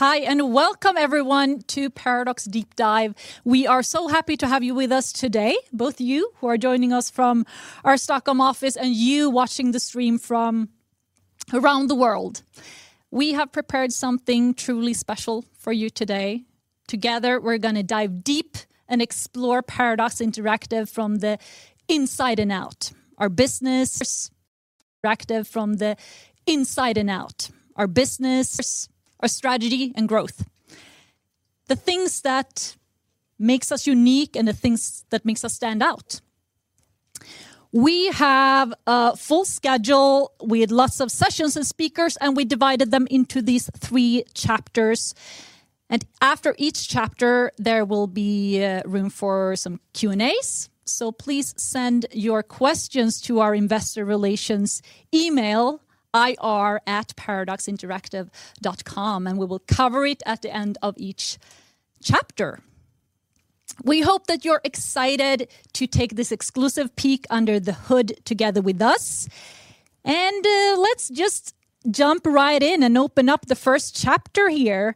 Hi, welcome everyone to Paradox Deep Dive. We are so happy to have you with us today, both you who are joining us from our Stockholm office and you watching the stream from around the world. We have prepared something truly special for you today. Together, we're gonna dive deep and explore Paradox Interactive from the inside and out. Our business, our strategy, and growth. The things that makes us unique and the things that makes us stand out. We have a full schedule with lots of sessions and speakers. We divided them into these three chapters. After each chapter, there will be room for some Q&As, so please send your questions to our investor relations email, ir@paradoxinteractive.com, and we will cover it at the end of each chapter. We hope that you're excited to take this exclusive peek under the hood together with us, let's just jump right in and open up the first chapter here.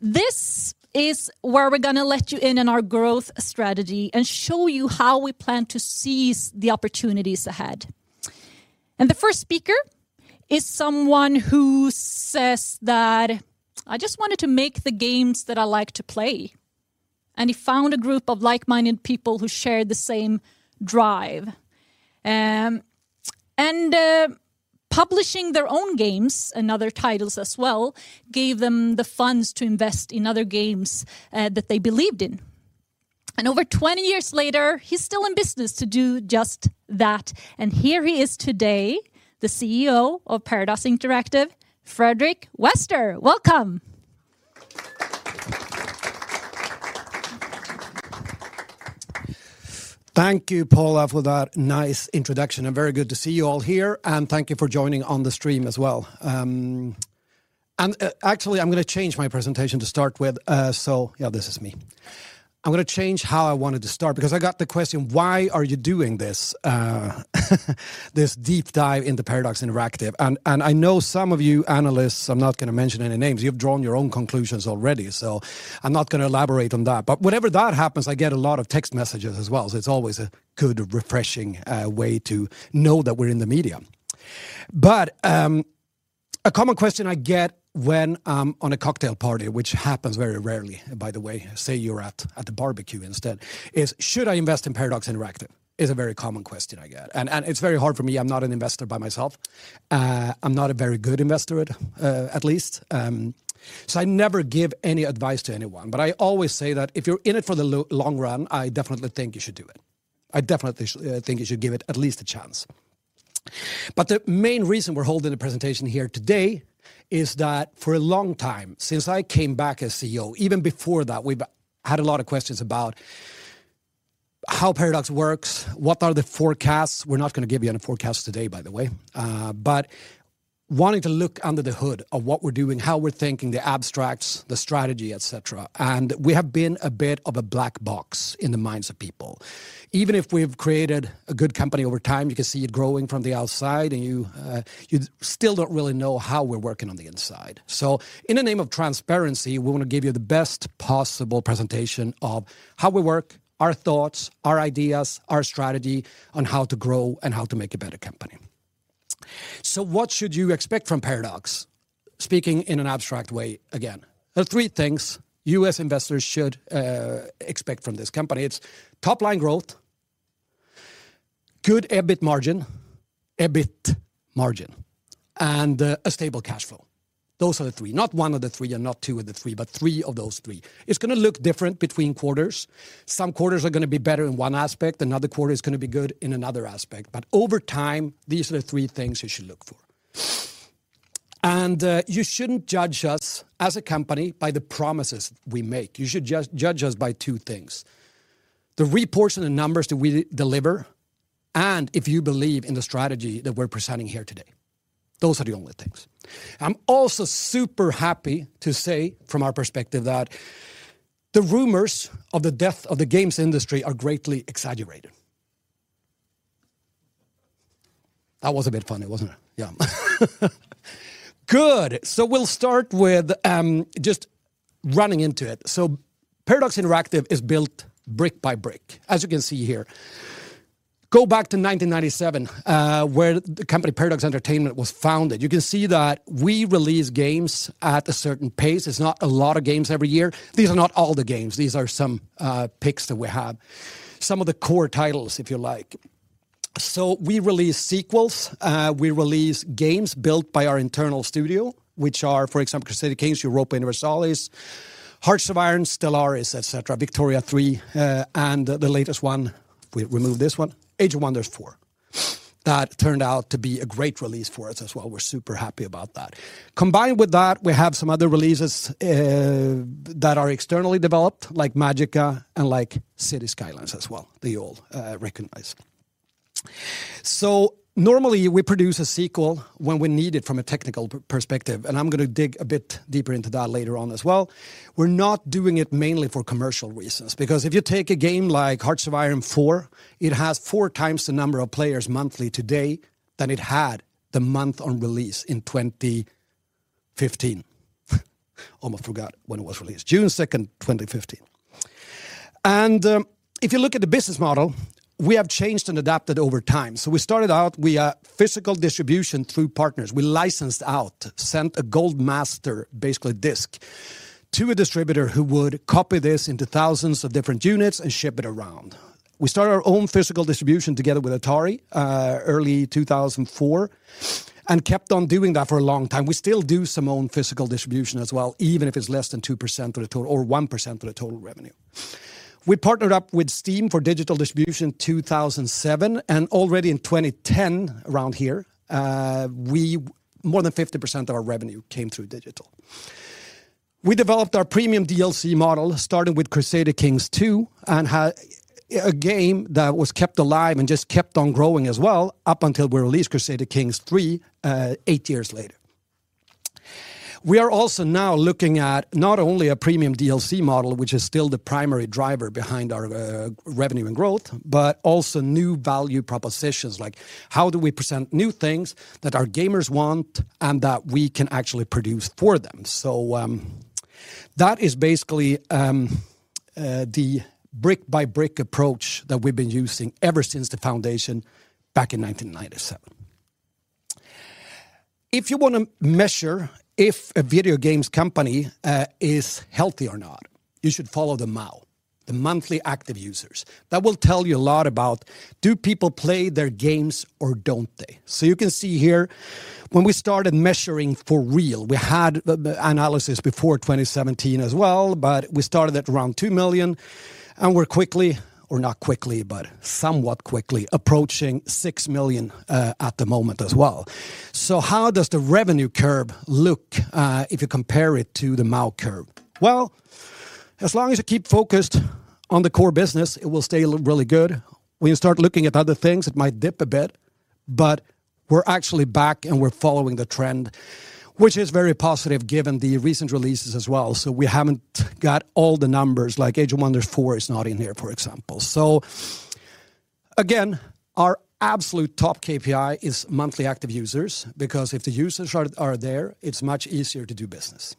This is where we're gonna let you in on our growth strategy and show you how we plan to seize the opportunities ahead. The first speaker is someone who says that, "I just wanted to make the games that I like to play." He found a group of like-minded people who shared the same drive. Publishing their own games and other titles as well gave them the funds to invest in other games that they believed in. Over 20 years later, he's still in business to do just that, and here he is today, the CEO of Paradox Interactive, Fredrik Wester. Welcome. Thank you, Paula, for that nice introduction. Very good to see you all here. Thank you for joining on the stream as well. Actually, I'm gonna change my presentation to start with. This is me. I'm gonna change how I wanted to start because I got the question, "Why are you doing this deep dive into Paradox Interactive?" I know some of you analysts, I'm not gonna mention any names, you've drawn your own conclusions already, so I'm not gonna elaborate on that. Whenever that happens, I get a lot of text messages as well, so it's always a good refreshing way to know that we're in the media. A common question I get when I'm on a cocktail party, which happens very rarely by the way, say you're at a barbecue instead, is, "Should I invest in Paradox Interactive?" Is a very common question I get. It's very hard for me. I'm not an investor by myself. I'm not a very good investor at least. I never give any advice to anyone. I always say that if you're in it for the long run, I definitely think you should do it. I definitely think you should give it at least a chance. The main reason we're holding a presentation here today is that for a long time, since I came back as CEO, even before that, we've had a lot of questions about how Paradox works, what are the forecasts. We're not gonna give you any forecasts today, by the way. Wanting to look under the hood of what we're doing, how we're thinking, the abstracts, the strategy, et cetera, and we have been a bit of a black box in the minds of people. Even if we've created a good company over time, you can see it growing from the outside and you still don't really know how we're working on the inside. In the name of transparency, we wanna give you the best possible presentation of how we work, our thoughts, our ideas, our strategy on how to grow and how to make a better company. What should you expect from Paradox? Speaking in an abstract way again. There are three things you as investors should expect from this company. It's top line growth, good EBIT margin, and a stable cash flow. Those are the three. Not one of the three, and not two of the three, but three of those three. It's gonna look different between quarters. Some quarters are gonna be better in one aspect. Another quarter is gonna be good in another aspect. Over time, these are the three things you should look for. You shouldn't judge us as a company by the promises we make. You should just judge us by two things, the reports and the numbers that we deliver, and if you believe in the strategy that we're presenting here today. Those are the only things. I'm also super happy to say from our perspective that the rumors of the death of the games industry are greatly exaggerated. That was a bit funny, wasn't it? Yeah. Good. We'll start with just running into it. Paradox Interactive is built brick by brick, as you can see here. Go back to 1997, where the company Paradox Entertainment was founded. You can see that we release games at a certain pace. It's not a lot of games every year. These are not all the games. These are some picks that we have. Some of the core titles, if you like. We release sequels. We release games built by our internal studio, which are, for example, Crusader Kings, Europa Universalis, Hearts of Iron, Stellaris, et cetera, Victoria 3, and the latest one, we move this one, Age of Wonders 4. That turned out to be a great release for us as well. We're super happy about that. Combined with that, we have some other releases that are externally developed, like Magicka and like Cities: Skylines as well, that you all recognize. Normally we produce a sequel when we need it from a technical perspective, and I'm gonna dig a bit deeper into that later on as well. We're not doing it mainly for commercial reasons because if you take a game like Hearts of Iron IV, it has 4x the number of players monthly today than it had the month on release in 2015. Almost forgot when it was released, June 2nd, 2015. If you look at the business model, we have changed and adapted over time. We started out, we are physical distribution through partners. We licensed out, sent a gold master, basically disc, to a distributor who would copy this into thousands of different units and ship it around. We started our own physical distribution together with Atari, early 2004, and kept on doing that for a long time. We still do some own physical distribution as well, even if it's less than 2% of the total-- or 1% of the total revenue. We partnered up with Steam for digital distribution in 2007, and already in 2010, around here, more than 50% of our revenue came through digital. We developed our premium DLC model starting with Crusader Kings II, and had a game that was kept alive and just kept on growing as well up until we released Crusader Kings III, eight years later. We are also now looking at not only a premium DLC model, which is still the primary driver behind our revenue and growth, but also new value propositions like how do we present new things that our gamers want and that we can actually produce for them? That is basically the brick-by-brick approach that we've been using ever since the foundation back in 1997. If you wanna measure if a video games company is healthy or not, you should follow the MAU, the monthly active users. That will tell you a lot about do people play their games or don't they? You can see here, when we started measuring for real, we had the analysis before 2017 as well, but we started at around 2 million, and we're quickly, or not quickly, but somewhat quickly approaching 6 million at the moment as well. How does the revenue curve look if you compare it to the MAU curve? Well, as long as you keep focused on the core business, it will stay really good. When you start looking at other things, it might dip a bit, but we're actually back, and we're following the trend, which is very positive given the recent releases as well. We haven't got all the numbers, like Age of Wonders 4 is not in here, for example. Again, our absolute top KPI is monthly active users because if the users are there, it's much easier to do business.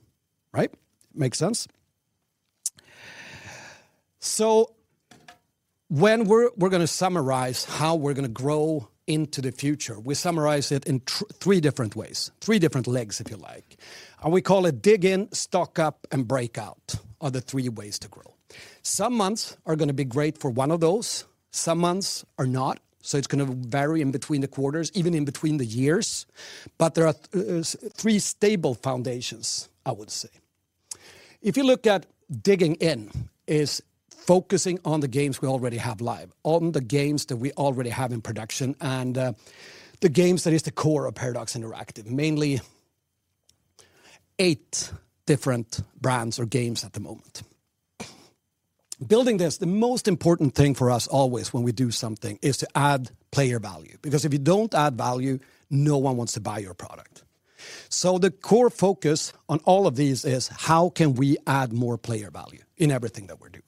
Right? Makes sense. When we're gonna summarize how we're gonna grow into the future, we summarize it in three different ways, three different legs, if you like. We call it dig in, stock up, and break out are the three ways to grow. Some months are gonna be great for one of those, some months are not, so it's gonna vary in between the quarters, even in between the years. There's three stable foundations, I would say. If you look at digging in is focusing on the games we already have live, on the games that we already have in production, and the games that is the core of Paradox Interactive, mainly eight different brands or games at the moment. Building this, the most important thing for us always when we do something is to add player value because if you don't add value, no one wants to buy your product. The core focus on all of these is how can we add more player value in everything that we're doing?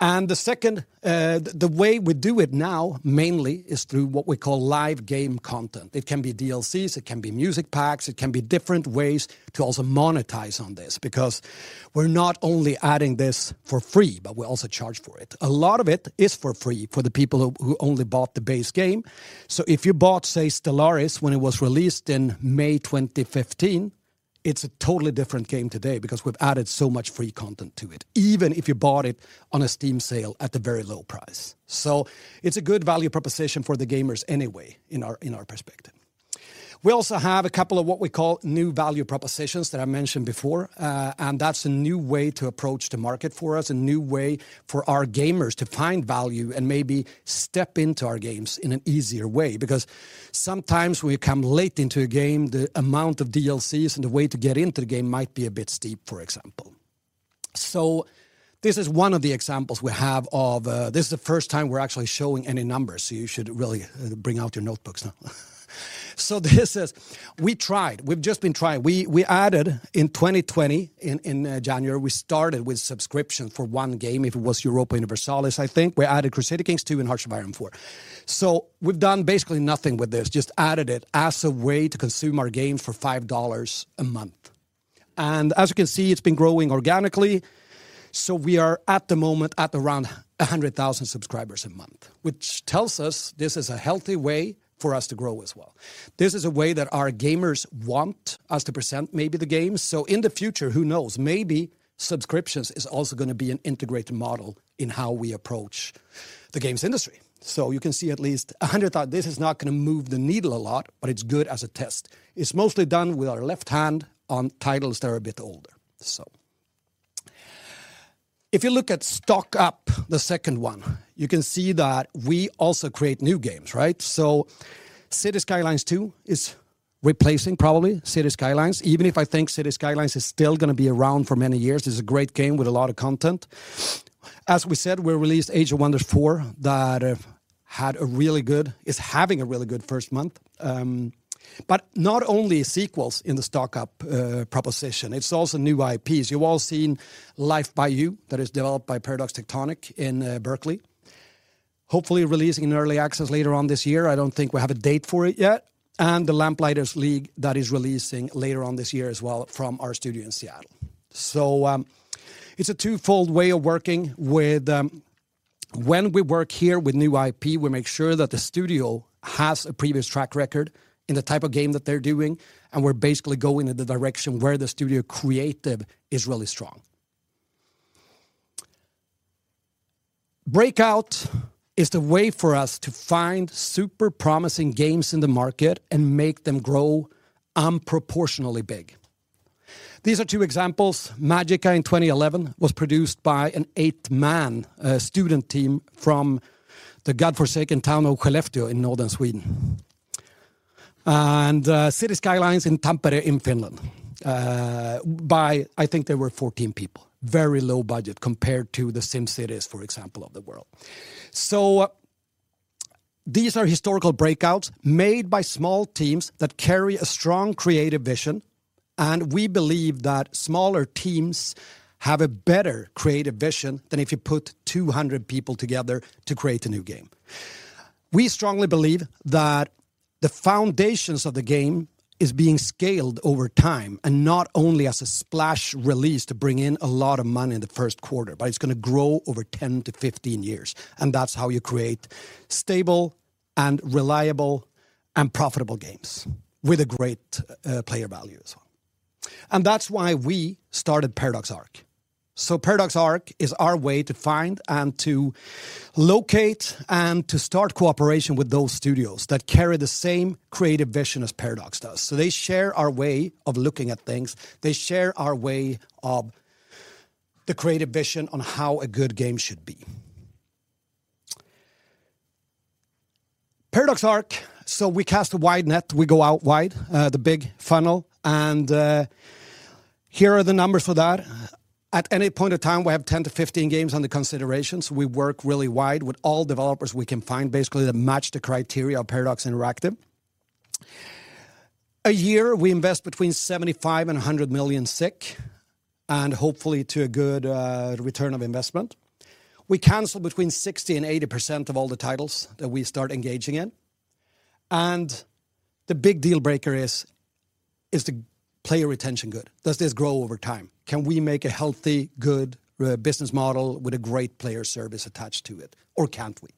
The second, the way we do it now mainly is through what we call live game content. It can be DLCs, it can be music packs, it can be different ways to also monetize on this because we're not only adding this for free, but we also charge for it. A lot of it is for free for the people who only bought the base game. If you bought, say, Stellaris when it was released in May 2015, it's a totally different game today because we've added so much free content to it, even if you bought it on a Steam sale at a very low price. It's a good value proposition for the gamers anyway in our perspective. We also have a couple of what we call new value propositions that I mentioned before. That's a new way to approach the market for us, a new way for our gamers to find value and maybe step into our games in an easier way because sometimes when you come late into a game, the amount of DLCs and the way to get into the game might be a bit steep, for example. This is one of the examples we have of, this is the first time we're actually showing any numbers, you should really bring out your notebooks now. We've just been trying. We added in 2020 in January, we started with subscription for one game. It was Europa Universalis, I think. We added Crusader Kings II and Hearts of Iron IV. We've done basically nothing with this, just added it as a way to consume our game for $5 a month. As you can see, it's been growing organically, we are at the moment at around 100,000 subscribers a month, which tells us this is a healthy way for us to grow as well. This is a way that our gamers want us to present maybe the games. In the future, who knows? Maybe subscriptions is also gonna be an integrated model in how we approach the games industry. You can see at least. This is not gonna move the needle a lot, but it's good as a test. It's mostly done with our left hand on titles that are a bit older. If you look at stock up, the second one, you can see that we also create new games, right? Cities: Skylines II is replacing probably Cities: Skylines, even if I think Cities: Skylines is still gonna be around for many years. It's a great game with a lot of content. As we said, we released Age of Wonders 4 that is having a really good first month. Not only sequels in the stock up proposition, it's also new IPs. You've all seen Life by You that is developed by Paradox Tectonic in Berkeley, hopefully releasing in early access later on this year. I don't think we have a date for it yet. The Lamplighters League that is releasing later on this year as well from our studio in Seattle. It's a twofold way of working with, when we work here with new IP, we make sure that the studio has a previous track record in the type of game that they're doing, and we're basically going in the direction where the studio creative is really strong. Breakout is the way for us to find super promising games in the market and make them grow unproportionally big. These are two examples. Magicka in 2011 was produced by an eight-man student team from the godforsaken town of Skellefteå in northern Sweden. Cities: Skylines in Tampere in Finland, by I think they were 14 people. Very low budget compared to the SimCity, for example, of the world. These are historical breakouts made by small teams that carry a strong creative vision, and we believe that smaller teams have a better creative vision than if you put 200 people together to create a new game. We strongly believe that the foundations of the game is being scaled over time, and not only as a splash release to bring in a lot of money in the first quarter, but it's gonna grow over 10-15 years, and that's how you create stable and reliable and profitable games with a great player value as well. That's why we started Paradox Arc. Paradox Arc is our way to find and to locate and to start cooperation with those studios that carry the same creative vision as Paradox does. They share our way of looking at things. They share our way of the creative vision on how a good game should be. Paradox Arc, we cast a wide net. We go out wide, the big funnel, here are the numbers for that. At any point of time, we have 10-15 games under considerations. We work really wide with all developers we can find basically that match the criteria of Paradox Interactive. A year, we invest between 75 million and 100 million SEK, hopefully to a good return of investment. We cancel between 60% and 80% of all the titles that we start engaging in. The big deal breaker is the player retention good? Does this grow over time? Can we make a healthy, good business model with a great player service attached to it, or can't we?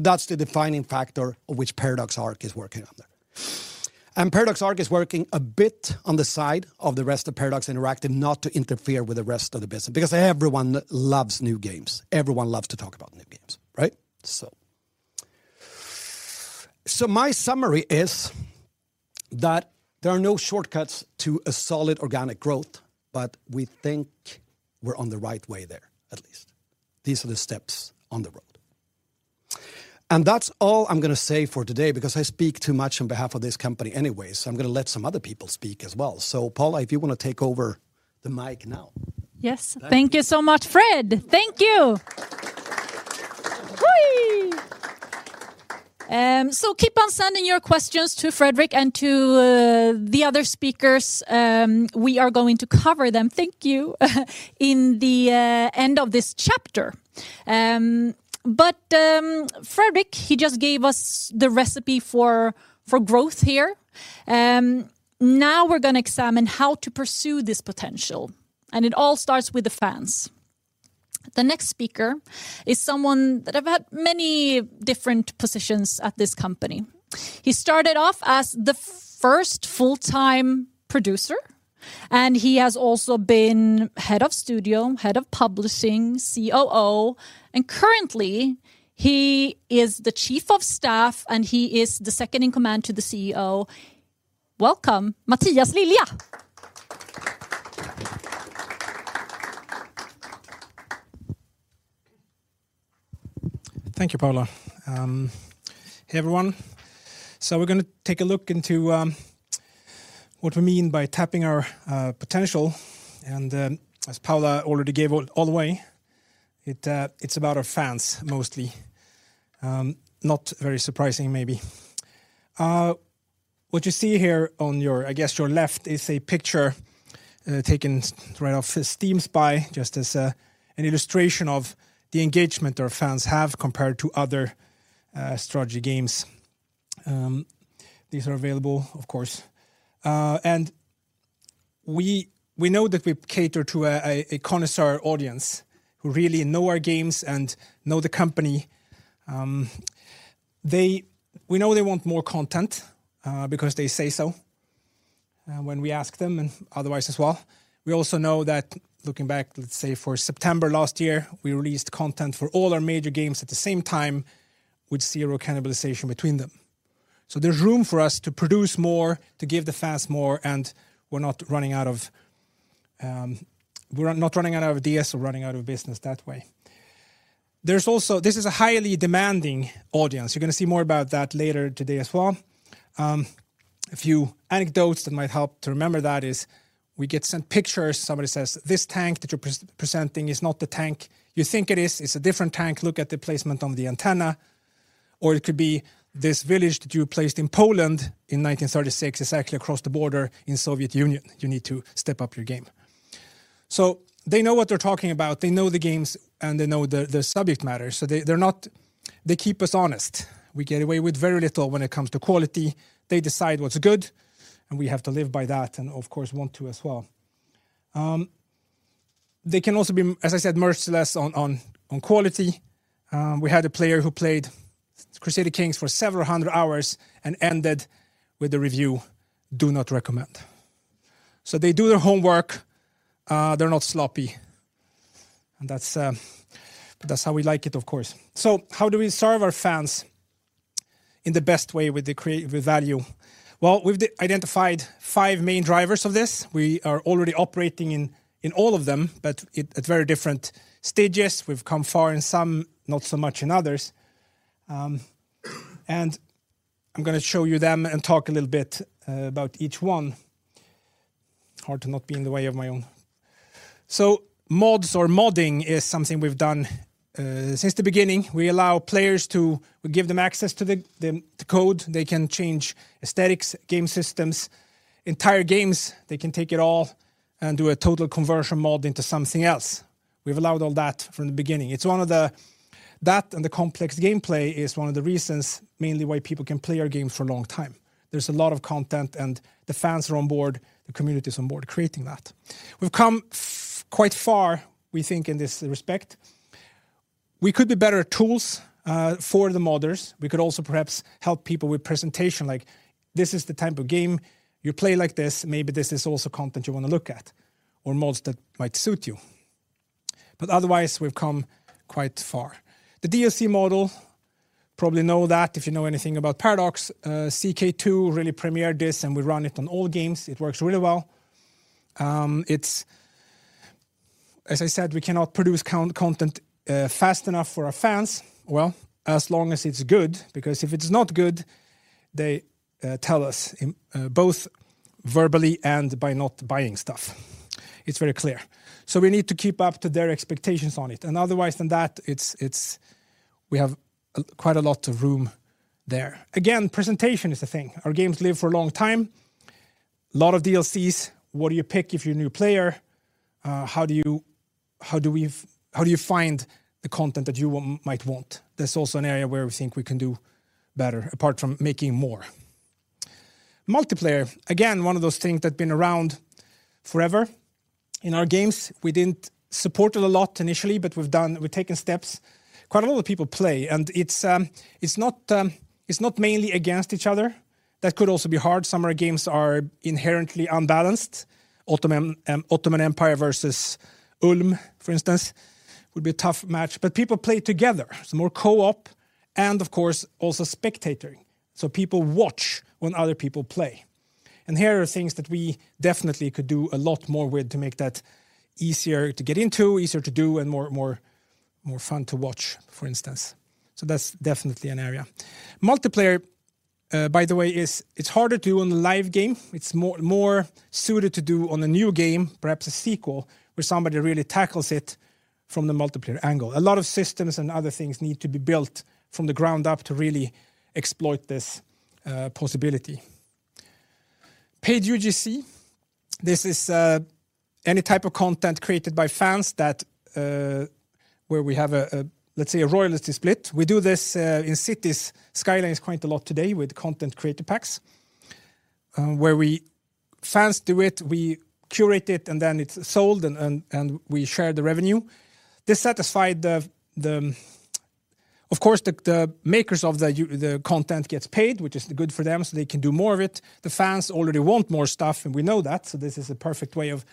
That's the defining factor of which Paradox Arc is working on that. Paradox Arc is working a bit on the side of the rest of Paradox Interactive not to interfere with the rest of the business because everyone loves new games. Everyone loves to talk about new games, right? My summary is that there are no shortcuts to a solid organic growth, but we think we're on the right way there, at least. These are the steps on the road. That's all I'm gonna say for today because I speak too much on behalf of this company anyway, so I'm gonna let some other people speak as well. Paula, if you wanna take over the mic now. Yes. Thank you so much, Fred. Thank you. Wee. Keep on sending your questions to Fredrik and to the other speakers. We are going to cover them, thank you, in the end of this chapter. Fredrik, he just gave us the recipe for growth here. Now we're gonna examine how to pursue this potential. It all starts with the fans. The next speaker is someone that have had many different positions at this company. He started off as the first full-time producer, and he has also been head of studio, head of publishing, COO, and currently he is the chief of staff, and he is the second in command to the CEO. Welcome, Mattias Lilja. Thank you, Paula. Hey, everyone. We're gonna take a look into what we mean by tapping our potential, and as Paula already gave it all away, it's about our fans mostly. Not very surprising maybe. What you see here on your, I guess, your left is a picture taken right off SteamSpy just as an illustration of the engagement our fans have compared to other strategy games. These are available of course. We know that we cater to a connoisseur audience who really know our games and know the company. We know they want more content because they say so when we ask them and otherwise as well. We also know that looking back, let's say, for September last year, we released content for all our major games at the same time with zero cannibalization between them. There's room for us to produce more, to give the fans more, and we're not running out of ideas or running out of business that way. There's also. This is a highly demanding audience. You're gonna see more about that later today as well. A few anecdotes that might help to remember that is. We get sent pictures. Somebody says, "This tank that you're presenting is not the tank you think it is. It's a different tank. Look at the placement on the antenna." It could be, "This village that you placed in Poland in 1936 is actually across the border in Soviet Union. You need to step up your game." They know what they're talking about. They know the games, and they know the subject matter, so they keep us honest. We get away with very little when it comes to quality. They decide what's good, and we have to live by that, and of course want to as well. They can also be, as I said, merciless on quality. We had a player who played Crusader Kings for several 100 hours and ended with a review, "Do not recommend." They do their homework. They're not sloppy, and that's, but that's how we like it, of course. How do we serve our fans in the best way with value? Well, we've identified five main drivers of this. We are already operating in all of them, but at very different stages. We've come far in some, not so much in others. I'm gonna show you them and talk a little bit about each one. Hard to not be in the way of my own. Mods or modding is something we've done since the beginning. We give them access to the code. They can change aesthetics, game systems, entire games. They can take it all and do a total conversion mod into something else. We've allowed all that from the beginning. That and the complex gameplay is one of the reasons mainly why people can play our game for a long time. There's a lot of content, the fans are on board, the community's on board creating that. We've come quite far, we think, in this respect. We could do better tools for the modders. We could also perhaps help people with presentation like, "This is the type of game. You play like this. Maybe this is also content you wanna look at or mods that might suit you." Otherwise, we've come quite far. The DLC model, probably know that if you know anything about Paradox. CK2 really premiered this, and we run it on all games. It works really well. As I said, we cannot produce content fast enough for our fans, well, as long as it's good because if it's not good, they tell us in both verbally and by not buying stuff. It's very clear. We need to keep up to their expectations on it, and otherwise than that, it's we have quite a lot of room there. Again, presentation is the thing. Our games live for a long time. Lot of DLCs. What do you pick if you're a new player? How do you find the content that you might want? That's also an area where we think we can do better, apart from making more. Multiplayer, again, one of those things that's been around forever in our games. We didn't support it a lot initially, but we've taken steps. Quite a lot of people play, and it's it's not mainly against each other. That could also be hard. Some of our games are inherently unbalanced. Ottoman Empire versus Ulm, for instance, would be a tough match. People play together, so more co-op and of course also spectating. People watch when other people play, Here are things that we definitely could do a lot more with to make that easier to get into, easier to do, and more fun to watch, for instance. That's definitely an area. Multiplayer, by the way, it's harder to do on a live game. It's more suited to do on a new game, perhaps a sequel, where somebody really tackles it from the multiplayer angle. A lot of systems and other things need to be built from the ground up to really exploit this possibility. Paid UGC, this is, any type of content created by fans that, where we have a, let's say, a royalty split. We do this in Cities: Skylines quite a lot today with Content Creator Packs, where fans do it, we curate it, and then it's sold, and we share the revenue. This satisfied the, of course, the makers of the content gets paid, which is good for them, so they can do more of it. The fans already want more stuff, we know that, so this is a perfect way of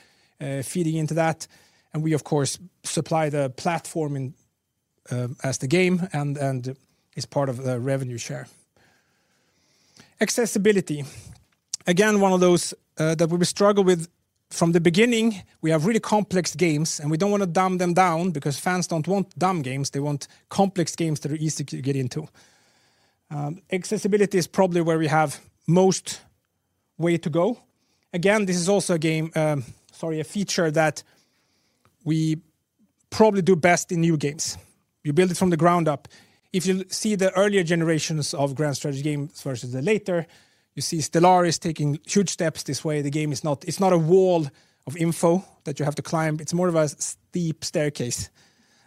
feeding into that. We, of course, supply the platform as the game and as part of the revenue share. Accessibility, again, one of those that we've struggled with from the beginning. We have really complex games, and we don't wanna dumb them down because fans don't want dumb games. They want complex games that are easy to get into. Accessibility is probably where we have most way to go. Again, this is also a game, sorry, a feature that we probably do best in new games. You build it from the ground up. If you see the earlier generations of grand strategy games versus the later, you see Stellaris taking huge steps this way. The game is not a wall of info that you have to climb. It's more of a steep staircase,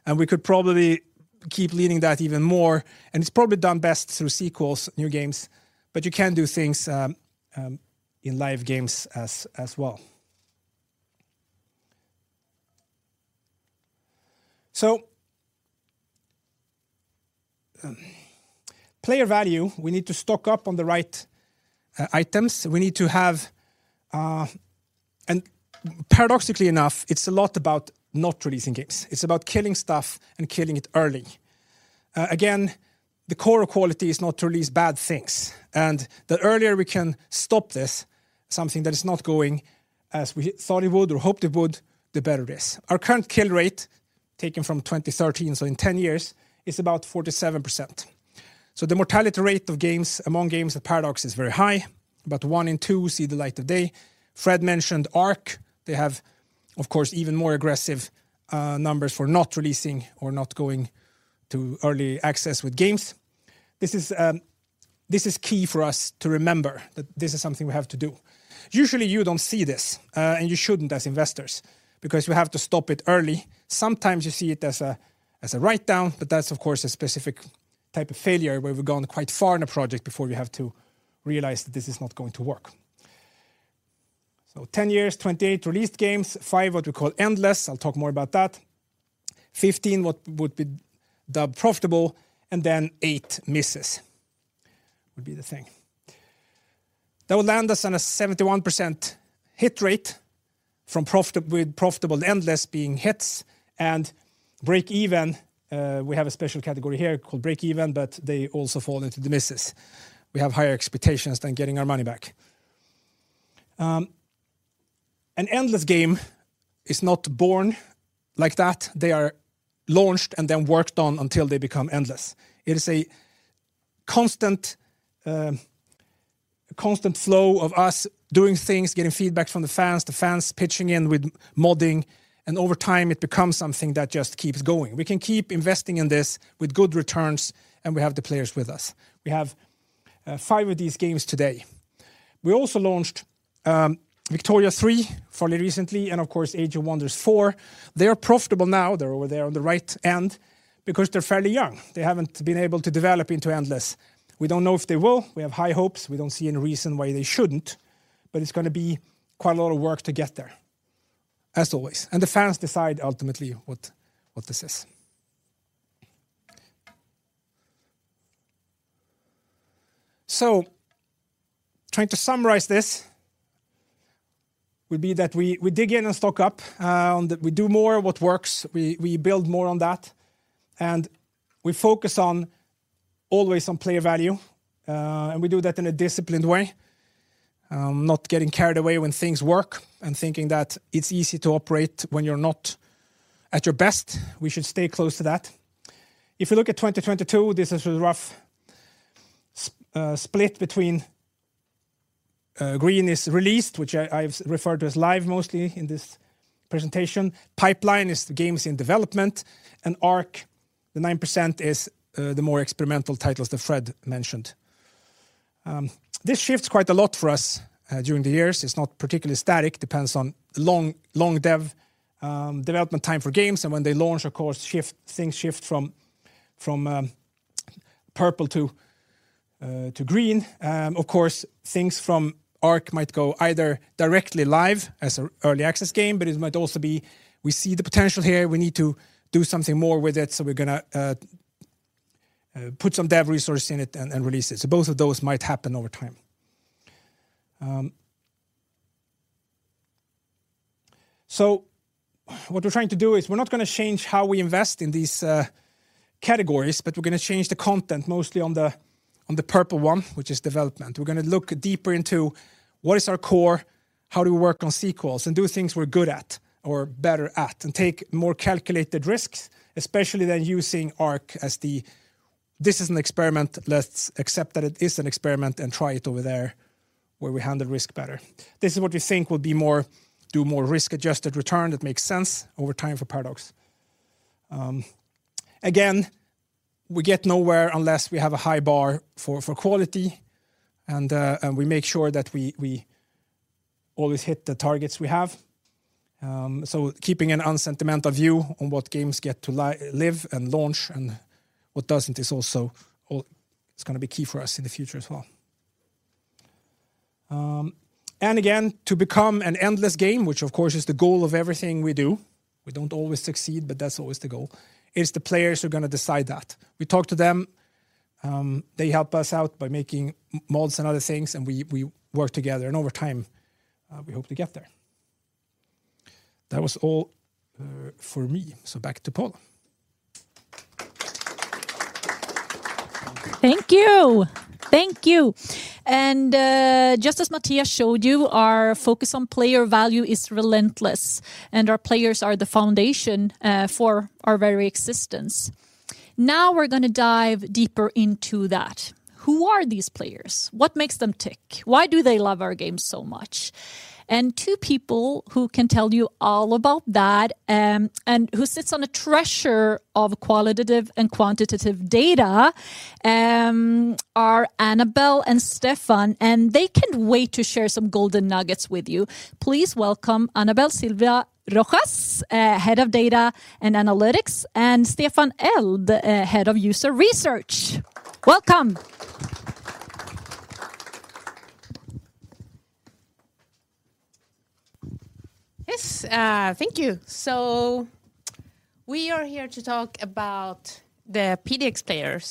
and we could probably keep leaning that even more. It's probably done best through sequels, new games, but you can do things in live games as well. Player value, we need to stock up on the right items. We need to have. Paradoxically enough, it's a lot about not releasing games. It's about killing stuff and killing it early. Again, the core quality is not to release bad things, and the earlier we can stop this, something that is not going as we thought it would or hoped it would, the better it is. Our current kill rate. Taken from 2013, so in 10 years, it's about 47%. The mortality rate of games among games at Paradox is very high, about one in two see the light of day. Fred mentioned Arc. They have, of course, even more aggressive numbers for not releasing or not going to early access with games. This is key for us to remember that this is something we have to do. Usually, you don't see this, and you shouldn't as investors because we have to stop it early. Sometimes you see it as a write-down, but that's of course a specific type of failure where we've gone quite far in a project before we have to realize that this is not going to work. 10 years, 28 released games, five what we call endless, I'll talk more about that. 15 what would be dubbed profitable, and then eight misses would be the thing. That would land us on a 71% hit rate from profit with profitable endless being hits and break even, we have a special category here called break even, but they also fall into the misses. We have higher expectations than getting our money back. An endless game is not born like that. They are launched and then worked on until they become endless. It is a constant constant flow of us doing things, getting feedback from the fans, the fans pitching in with modding. Over time it becomes something that just keeps going. We can keep investing in this with good returns. We have the players with us. We have five of these games today. We also launched Victoria III fairly recently, and of course, Age of Wonders 4. They are profitable now, they're over there on the right end, because they're fairly young. They haven't been able to develop into endless. We don't know if they will. We have high hopes. We don't see any reason why they shouldn't, but it's gonna be quite a lot of work to get there, as always. The fans decide ultimately what this is. Trying to summarize this would be that we dig in and stock up. We do more what works, we build more on that, and we focus on always on player value. We do that in a disciplined way, not getting carried away when things work and thinking that it's easy to operate when you're not at your best. We should stay close to that. If you look at 2022, this is a rough split between green is released, which I've referred to as live mostly in this presentation. Pipeline is the games in development. Arc, the 9% is the more experimental titles that Fred mentioned. This shifts quite a lot for us during the years. It's not particularly static. Depends on long dev, development time for games. When they launch, of course, shift, things shift from purple to green. Of course, things from Arc might go either directly live as an early access game, but it might also be we see the potential here, we need to do something more with it, so we're gonna put some dev resource in it and release it. Both of those might happen over time. What we're trying to do is we're not gonna change how we invest in these categories, but we're gonna change the content mostly on the purple one, which is development. We're gonna look deeper into what is our core, how do we work on sequels, and do things we're good at or better at, and take more calculated risks, especially than using Arc as the, "This is an experiment, let's accept that it is an experiment and try it over there where we handle risk better." This is what we think would be more, do more risk-adjusted return that makes sense over time for Paradox. Again, we get nowhere unless we have a high bar for quality and we make sure that we always hit the targets we have. Keeping an unsentimental view on what games get to live and launch and what doesn't is also it's gonna be key for us in the future as well. Again, to become an endless game, which of course is the goal of everything we do, we don't always succeed, but that's always the goal, is the players who are gonna decide that. We talk to them, they help us out by making mods and other things, and we work together, and over time, we hope to get there. That was all, for me. Back to Paula. Thank you. Thank you. Just as Mattias showed you, our focus on player value is relentless, and our players are the foundation for our very existence. Now we're gonna dive deeper into that. Who are these players? What makes them tick? Why do they love our games so much? Two people who can tell you all about that, and who sits on a treasure of qualitative and quantitative data, are Anabel and Stefan, and they can't wait to share some golden nuggets with you. Please welcome Anabel Silva Rojas, Head of Data and Analytics, and Stefan Eld, Head of User Research. Welcome. Yes, thank you. We are here to talk about the PDX players.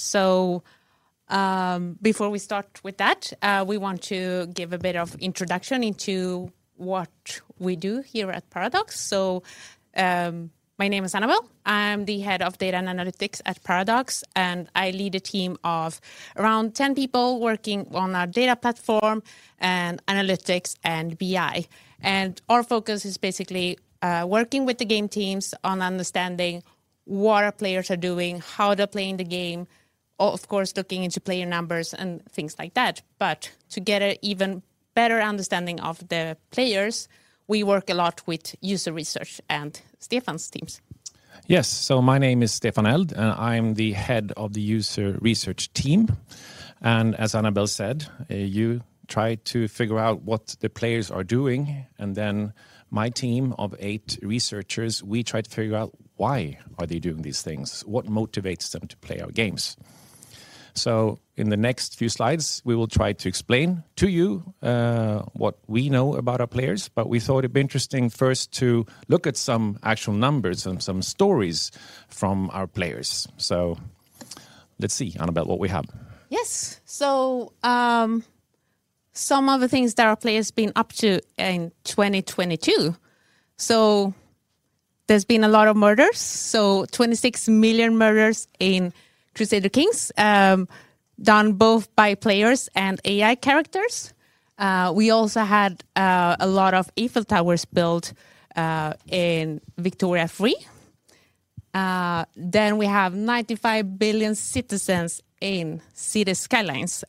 Before we start with that, we want to give a bit of introduction into what we do here at Paradox. My name is Anabel. I'm the Head of Data and Analytics at Paradox, and I lead a team of around 10 people working on our data platform and analytics and BI. Our focus is basically working with the game teams on understanding what our players are doing, how they're playing the game. Of course, looking into player numbers and things like that. To get an even better understanding of the players, we work a lot with User Research and Stefan's teams. Yes. My name is Stefan Eld, and I'm the Head of the User Research team. As Anabel said, you try to figure out what the players are doing, and then my team of eight researchers, we try to figure out why are they doing these things, what motivates them to play our games. In the next few slides, we will try to explain to you what we know about our players. We thought it'd be interesting first to look at some actual numbers and some stories from our players. Let's see, Anabel, what we have. Yes. Some of the things that our players been up to in 2022. There's been a lot of murders, so 26 million murders in Crusader Kings, done both by players and AI characters. We also had a lot of Eiffel Towers built in Victoria 3. Then we have 95 billion citizens in Cities: Skylines.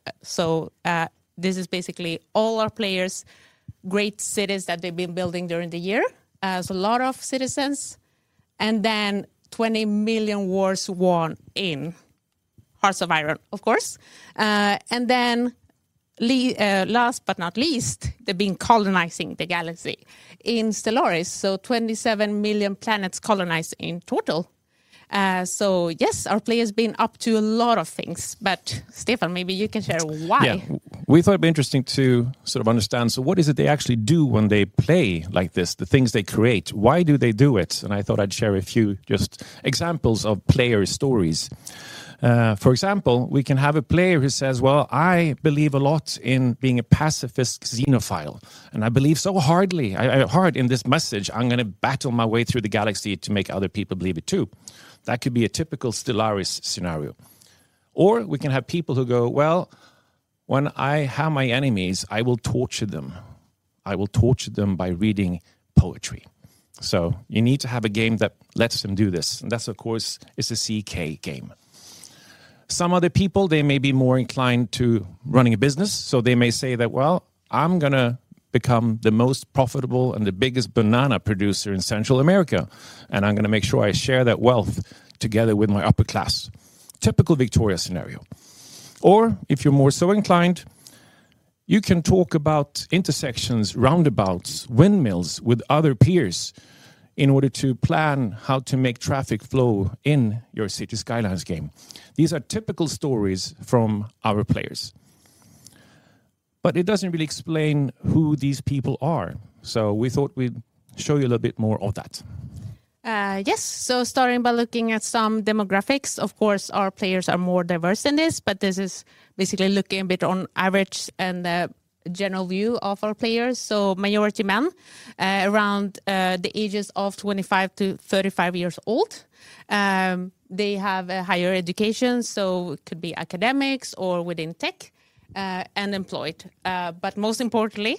This is basically all our players' great cities that they've been building during the year, has a lot of citizens. Then 20 million wars won in Hearts of Iron, of course. Then last but not least, they've been colonizing the galaxy in Stellaris, so 27 million planets colonized in total. Yes, our players been up to a lot of things. Stefan, maybe you can share why. Yeah. We thought it'd be interesting to sort of understand, so what is it they actually do when they play like this, the things they create? Why do they do it? I thought I'd share a few just examples of player stories. For example, we can have a player who says, "Well, I believe a lot in being a pacifist xenophile, and I believe so hard in this message. I'm gonna battle my way through the galaxy to make other people believe it too." That could be a typical Stellaris scenario. We can have people who go, "Well, when I have my enemies, I will torture them. I will torture them by reading poetry." You need to have a game that lets them do this, and that's of course is a CK game. Some other people, they may be more inclined to running a business, so they may say that, "Well, I'm gonna become the most profitable and the biggest banana producer in Central America, and I'm gonna make sure I share that wealth together with my upper class." Typical Victoria scenario. If you're more so inclined, you can talk about intersections, roundabouts, windmills with other peers in order to plan how to make traffic flow in your Cities: Skylines game. These are typical stories from our players. It doesn't really explain who these people are, so we thought we'd show you a little bit more of that. Yes. Starting by looking at some demographics, of course, our players are more diverse than this, but this is basically looking a bit on average and a general view of our players. Majority men, around the ages of 25-35 years old. They have a higher education, so it could be academics or within tech, and employed. Most importantly,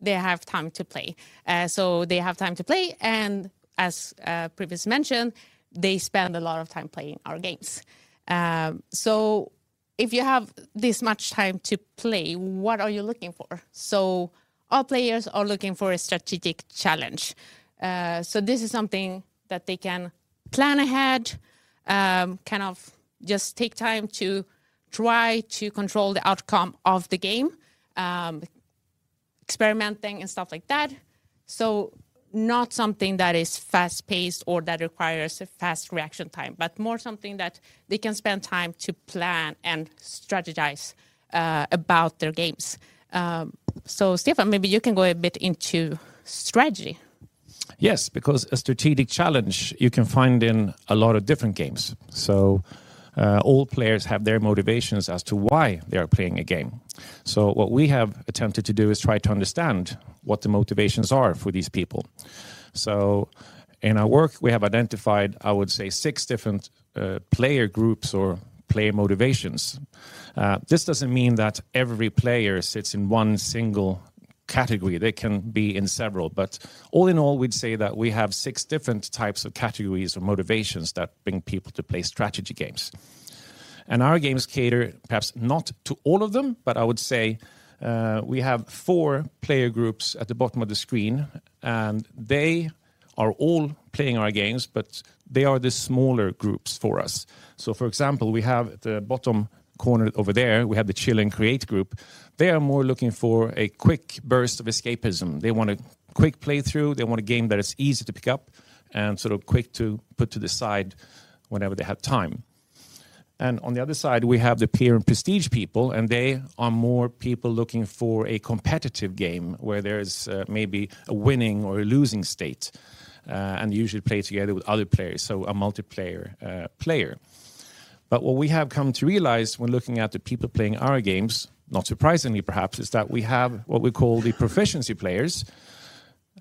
they have time to play. They have time to play, and as previously mentioned, they spend a lot of time playing our games. If you have this much time to play, what are you looking for? Our players are looking for a strategic challenge. This is something that they can plan ahead, kind of just take time to try to control the outcome of the game, experimenting and stuff like that. Not something that is fast-paced or that requires a fast reaction time, but more something that they can spend time to plan and strategize about their games. Stefan, maybe you can go a bit into strategy. Yes, because a strategic challenge you can find in a lot of different games. All players have their motivations as to why they are playing a game. What we have attempted to do is try to understand what the motivations are for these people. In our work, we have identified, I would say, six different player groups or player motivations. This doesn't mean that every player sits in one single category. They can be in several. All in all, we'd say that we have six different types of categories or motivations that bring people to play strategy games. Our games cater perhaps not to all of them, but I would say, we have four player groups at the bottom of the screen, and they are all playing our games, but they are the smaller groups for us. For example, we have the bottom corner over there, we have the Chill and Create group. They are more looking for a quick burst of escapism. They want a quick play through. They want a game that is easy to pick up and sort of quick to put to the side whenever they have time. On the other side, we have the Peer and Prestige people, and they are more people looking for a competitive game where there's maybe a winning or a losing state, and usually play together with other players, so a multiplayer player. What we have come to realize when looking at the people playing our games, not surprisingly perhaps, is that we have what we call the Proficiency players,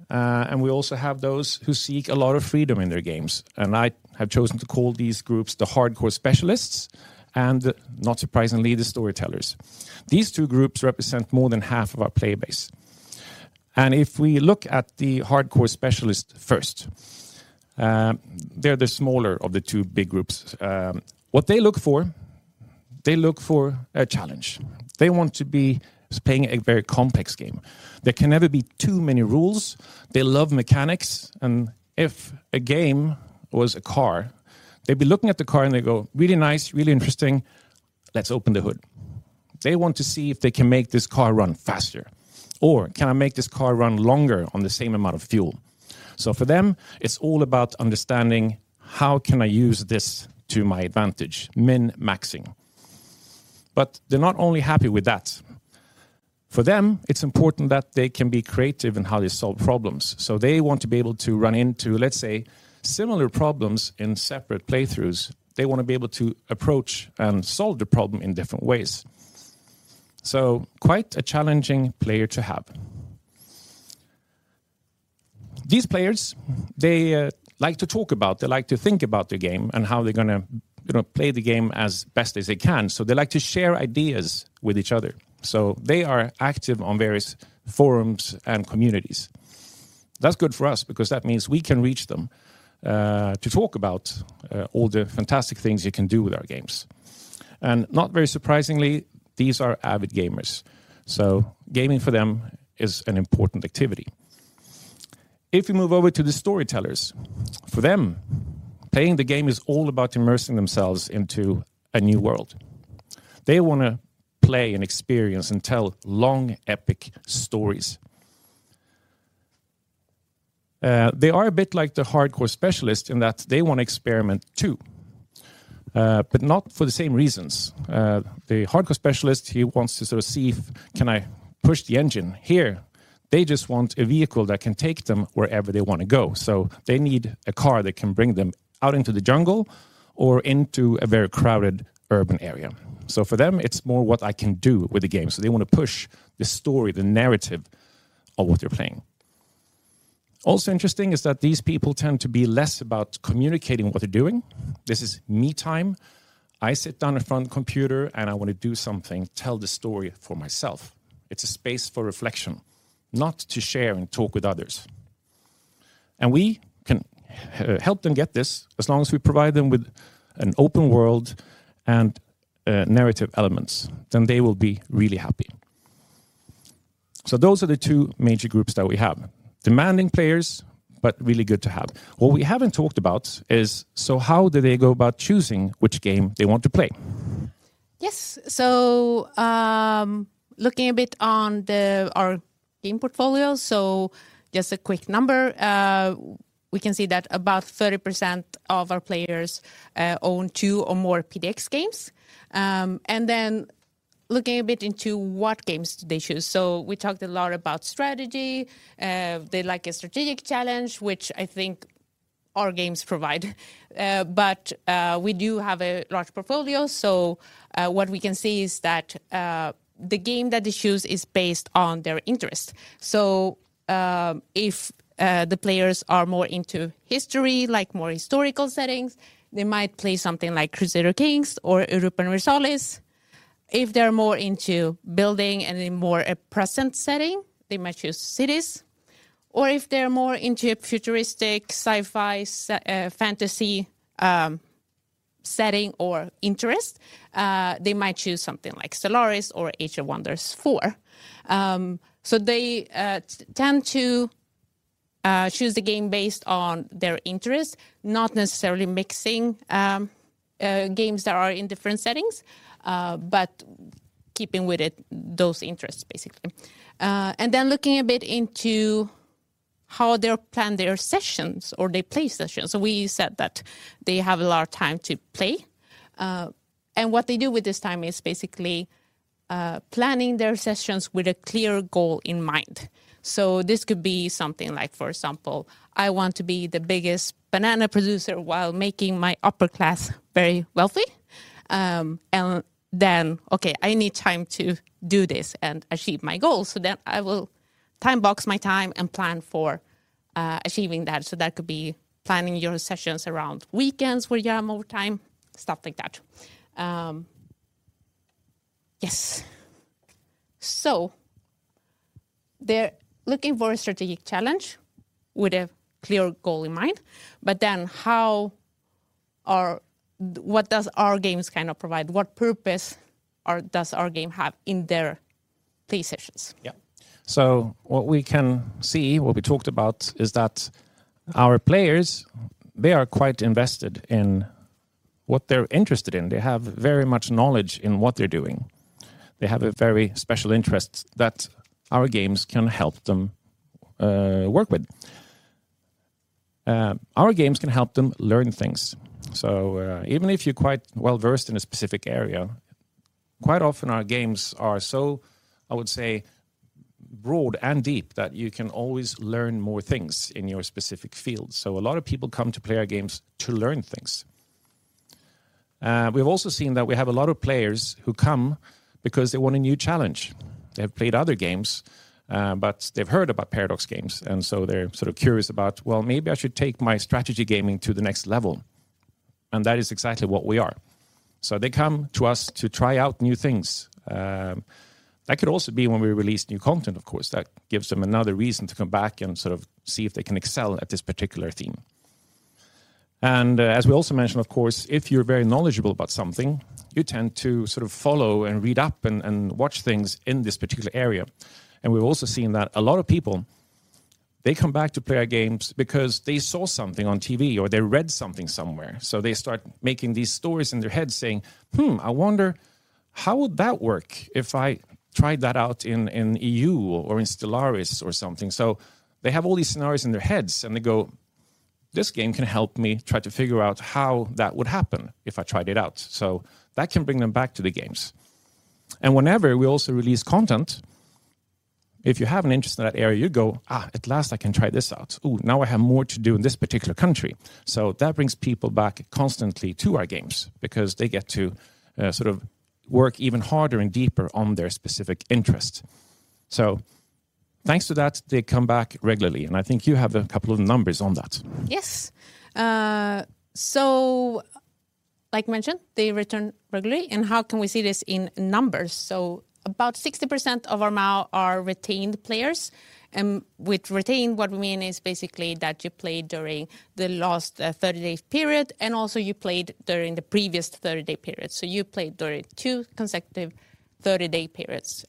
and we also have those who seek a lot of freedom in their games. I have chosen to call these groups the Hardcore Specialists and, not surprisingly, the Storytellers. These two groups represent more than half of our player base. If we look at the Hardcore Specialist first, they're the smaller of the two big groups. What they look for, they look for a challenge. They want to be just playing a very complex game. There can never be too many rules. They love mechanics. If a game was a car, they'd be looking at the car and they go, "Really nice, really interesting. Let's open the hood." They want to see if they can make this car run faster or can I make this car run longer on the same amount of fuel. For them, it's all about understanding, how can I use this to my advantage? Min-maxing. They're not only happy with that. For them, it's important that they can be creative in how they solve problems. They want to be able to run into, let's say, similar problems in separate playthroughs. They wanna be able to approach and solve the problem in different ways. Quite a challenging player to have. These players, they like to talk about, they like to think about the game and how they're gonna, you know, play the game as best as they can. They like to share ideas with each other, so they are active on various forums and communities. That's good for us because that means we can reach them to talk about all the fantastic things you can do with our games. Not very surprisingly, these are avid gamers, so gaming for them is an important activity. You move over to the storytellers, for them, playing the game is all about immersing themselves into a new world. They wanna play and experience and tell long, epic stories. They are a bit like the Hardcore Specialist in that they want to experiment too, but not for the same reasons. The Hardcore Specialist, he wants to sort of see if can I push the engine here. They just want a vehicle that can take them wherever they want to go, so they need a car that can bring them out into the jungle or into a very crowded urban area. For them, it's more what I can do with the game. They want to push the story, the narrative of what they're playing. Also interesting is that these people tend to be less about communicating what they're doing. This is me time. I sit down in front of the computer, I want to do something, tell the story for myself. It's a space for reflection, not to share and talk with others. We can help them get this as long as we provide them with an open world and narrative elements, they will be really happy. Those are the two major groups that we have. Demanding players, really good to have. What we haven't talked about is, how do they go about choosing which game they want to play? Yes. Looking a bit on our game portfolio. Just a quick number, we can see that about 30% of our players own two or more PDX games. Looking a bit into what games they choose. We talked a lot about strategy. They like a strategic challenge, which I think our games provide. We do have a large portfolio, what we can see is that the game that they choose is based on their interest. If the players are more into history, like more historical settings, they might play something like Crusader Kings or Europa Universalis. If they're more into building and in more a present setting, they might choose Cities. Or if they're more into a futuristic, sci-fi fantasy setting or interest, they might choose something like Stellaris or Age of Wonders 4. They tend to choose the game based on their interest, not necessarily mixing games that are in different settings, but keeping with it those interests, basically. Looking a bit into how they plan their sessions or they play sessions. We said that they have a lot of time to play, and what they do with this time is basically planning their sessions with a clear goal in mind. This could be something like, for example, I want to be the biggest banana producer while making my upper class very wealthy. Okay, I need time to do this and achieve my goals, I will time box my time and plan for achieving that. That could be planning your sessions around weekends where you have more time, stuff like that. Yes. They're looking for a strategic challenge with a clear goal in mind. What does our games kind of provide? What purpose does our game have in their play sessions? Yeah. What we can see, what we talked about is that our players, they are quite invested in what they're interested in. They have very much knowledge in what they're doing. They have a very special interest that our games can help them work with. Our games can help them learn things. Even if you're quite well-versed in a specific area, quite often our games are so, I would say, broad and deep that you can always learn more things in your specific field. A lot of people come to play our games to learn things. We've also seen that we have a lot of players who come because they want a new challenge. They've played other games, but they've heard about Paradox games. They're sort of curious about, "Well, maybe I should take my strategy gaming to the next level." That is exactly what we are. They come to us to try out new things. That could also be when we release new content, of course. That gives them another reason to come back and sort of see if they can excel at this particular theme. As we also mentioned, of course, if you're very knowledgeable about something, you tend to sort of follow and read up and watch things in this particular area. We've also seen that a lot of people, they come back to play our games because they saw something on TV or they read something somewhere. They start making these stories in their head saying, "I wonder how would that work if I tried that out in EU or in Stellaris or something?" They have all these scenarios in their heads and they go, "This game can help me try to figure out how that would happen if I tried it out." That can bring them back to the games. Whenever we also release content, if you have an interest in that area, you go, "At last, I can try this out. Ooh, now I have more to do in this particular country." That brings people back constantly to our games because they get to, sort of work even harder and deeper on their specific interest. Thanks to that, they come back regularly, and I think you have a couple of numbers on that. Yes. Like mentioned, they return regularly. How can we see this in numbers? About 60% of our MAU are retained players. With retained what we mean is basically that you played during the last 30-day period, and also you played during the previous 30-day period. You played during two consecutive 30-day periods.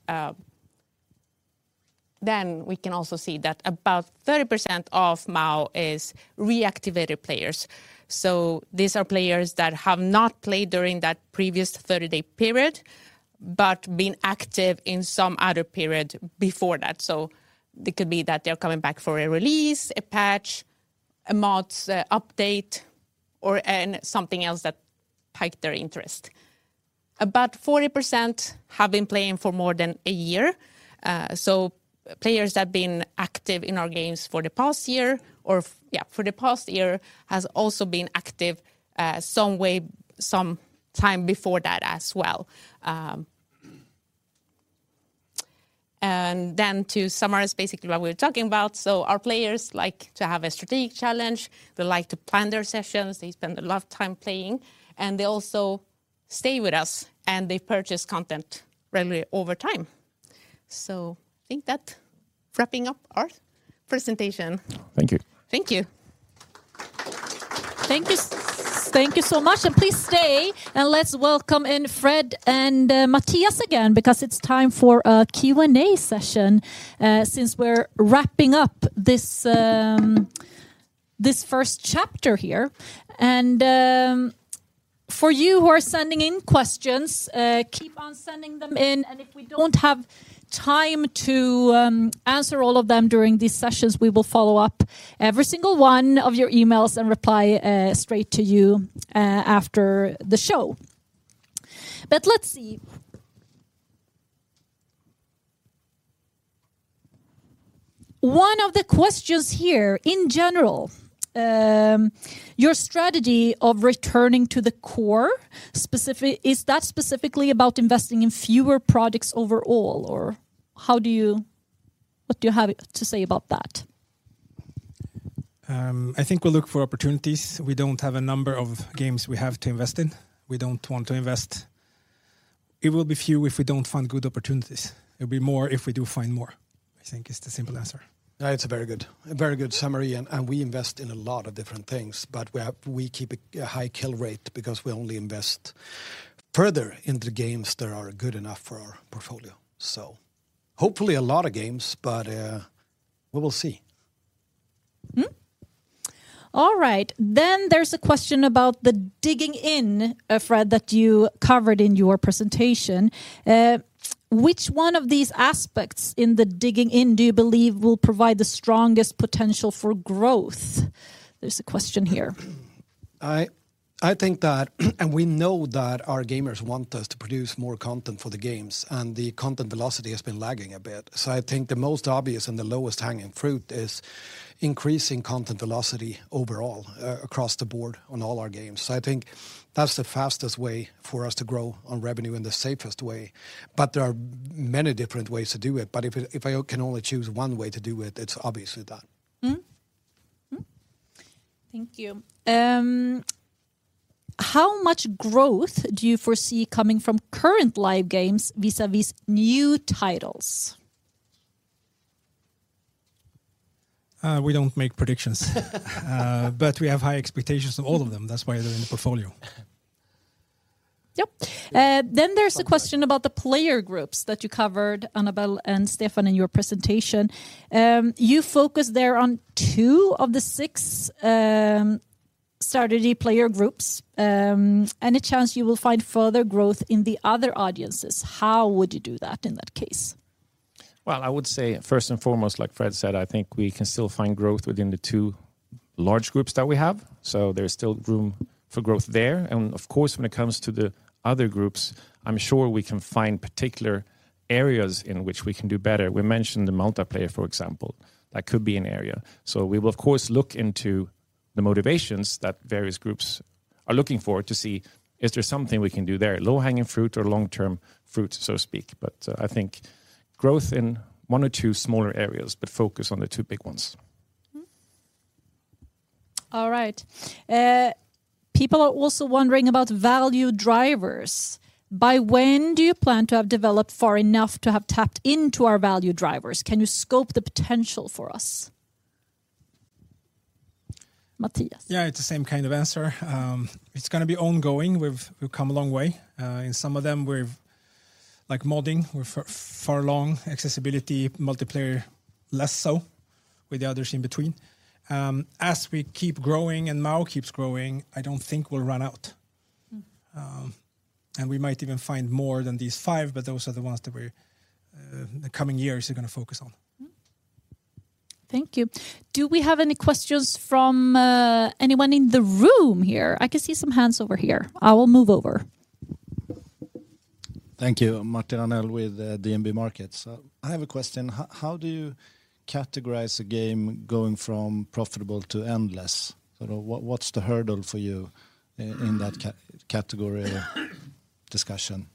We can also see that about 30% of MAU is reactivated players. These are players that have not played during that previous 30-day period, but been active in some other period before that. It could be that they're coming back for a release, a patch, a mod, update or something else that piqued their interest. About 40% have been playing for more than a year. Players that have been active in our games for the past year or yeah, for the past year, has also been active, some way, some time before that as well. To summarize basically what we're talking about, our players like to have a strategic challenge. They like to plan their sessions. They spend a lot of time playing, and they also stay with us, and they purchase content regularly over time. I think that wrapping up our presentation. Thank you. Thank you. Thank you, thank you so much. Please stay, and let's welcome in Fred and Mattias again because it's time for a Q&A session since we're wrapping up this first chapter here. For you who are sending in questions, keep on sending them in, and if we don't have time to answer all of them during these sessions, we will follow up every single one of your emails and reply straight to you after the show. Let's see. One of the questions here, in general, your strategy of returning to the core specifically about investing in fewer products overall, or what do you have to say about that? I think we'll look for opportunities. We don't have a number of games we have to invest in. We don't want to invest. It will be few if we don't find good opportunities. It'll be more if we do find more, I think is the simple answer. Yeah, it's a very good summary and we invest in a lot of different things. We keep a high kill rate because we only invest further in the games that are good enough for our portfolio. Hopefully a lot of games, but we will see. All right. There's a question about the digging in, Fred, that you covered in your presentation. Which one of these aspects in the digging in do you believe will provide the strongest potential for growth? There's a question here. I think that. We know that our gamers want us to produce more content for the games, and the content velocity has been lagging a bit. I think the most obvious and the lowest hanging fruit is increasing content velocity overall, across the board on all our games. I think that's the fastest way for us to grow on revenue and the safest way. There are many different ways to do it. If I can only choose one way to do it's obviously that. Thank you. How much growth do you foresee coming from current live games vis-a-vis new titles? We don't make predictions. We have high expectations of all of them. That's why they're in the portfolio. Yep. There's a question about the player groups that you covered, Anabel and Stefan Eld, in your presentation. You focus there on two of the six strategy player groups. Any chance you will find further growth in the other audiences? How would you do that in that case? Well, I would say first and foremost, like Fred said, I think we can still find growth within the two large groups that we have, so there's still room for growth there. Of course, when it comes to the other groups, I'm sure we can find particular areas in which we can do better. We mentioned the multiplayer, for example. That could be an area. We will of course look into the motivations that various groups are looking for to see is there something we can do there, low-hanging fruit or long-term fruit, so to speak. I think. Growth in one or two smaller areas, but focus on the two big ones. All right. People are also wondering about value drivers. By when do you plan to have developed far enough to have tapped into our value drivers? Can you scope the potential for us? Mattias. Yeah, it's the same kind of answer. It's gonna be ongoing. We've come a long way. In some of them. Like modding, we're far along. Accessibility, multiplayer, less so, with the others in between. As we keep growing and MAU keeps growing, I don't think we'll run out. We might even find more than these five, but those are the ones that we're in the coming years are gonna focus on. Thank you. Do we have any questions from anyone in the room here? I can see some hands over here. I will move over. Thank you. Martin Arnell with DNB Markets. I have a question. How do you categorize a game going from profitable to endless? Sort of what's the hurdle for you in that category discussion?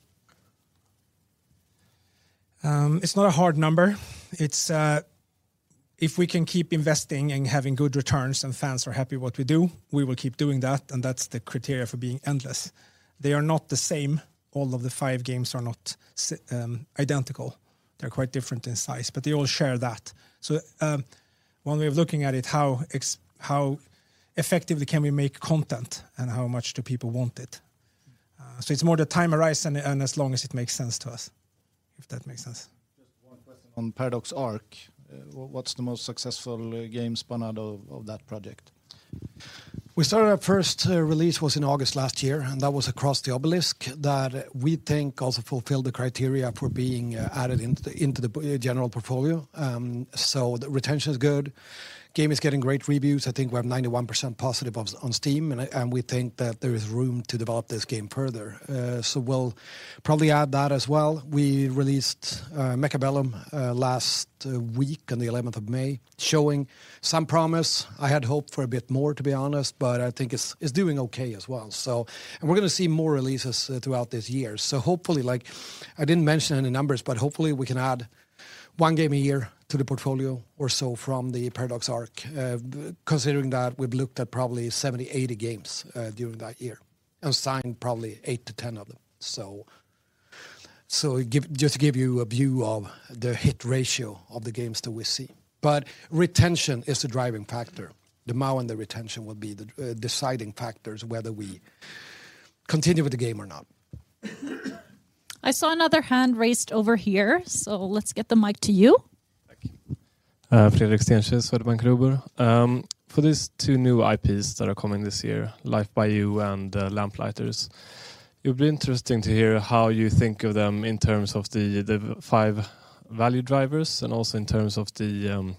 It's not a hard number. It's if we can keep investing and having good returns and fans are happy what we do, we will keep doing that. That's the criteria for being endless. They are not the same. All of the five games are not identical. They're quite different in size, but they all share that. One way of looking at it, how effectively can we make content and how much do people want it? It's more the time horizon and as long as it makes sense to us, if that makes sense. Just one question on Paradox Arc. What's the most successful game spun out of that project? We started our first release was in August last year. That was Across the Obelisk that we think also fulfilled the criteria for being added into the general portfolio. The retention is good. Game is getting great reviews. I think we have 91% positive on Steam, and we think that there is room to develop this game further. We'll probably add that as well. We released Mechabellum last week on the 11th of May, showing some promise. I had hoped for a bit more, to be honest, but I think it's doing okay as well. We're gonna see more releases throughout this year. Hopefully, like I didn't mention any numbers, but hopefully we can add one game a year to the portfolio or so from the Paradox Arc. Considering that we've looked at probably 70, 80 games during that year and signed probably eight to 10 of them. Just to give you a view of the hit ratio of the games that we see. Retention is the driving factor. The MAU and the retention will be the deciding factors whether we continue with the game or not. I saw another hand raised over here, so let's get the mic to you. Thank you. Fredrik Stenkil, Swedbank Robur. For these two new IPs that are coming this year, Life by You and Lamplighters, it would be interesting to hear how you think of them in terms of the five value drivers and also in terms of the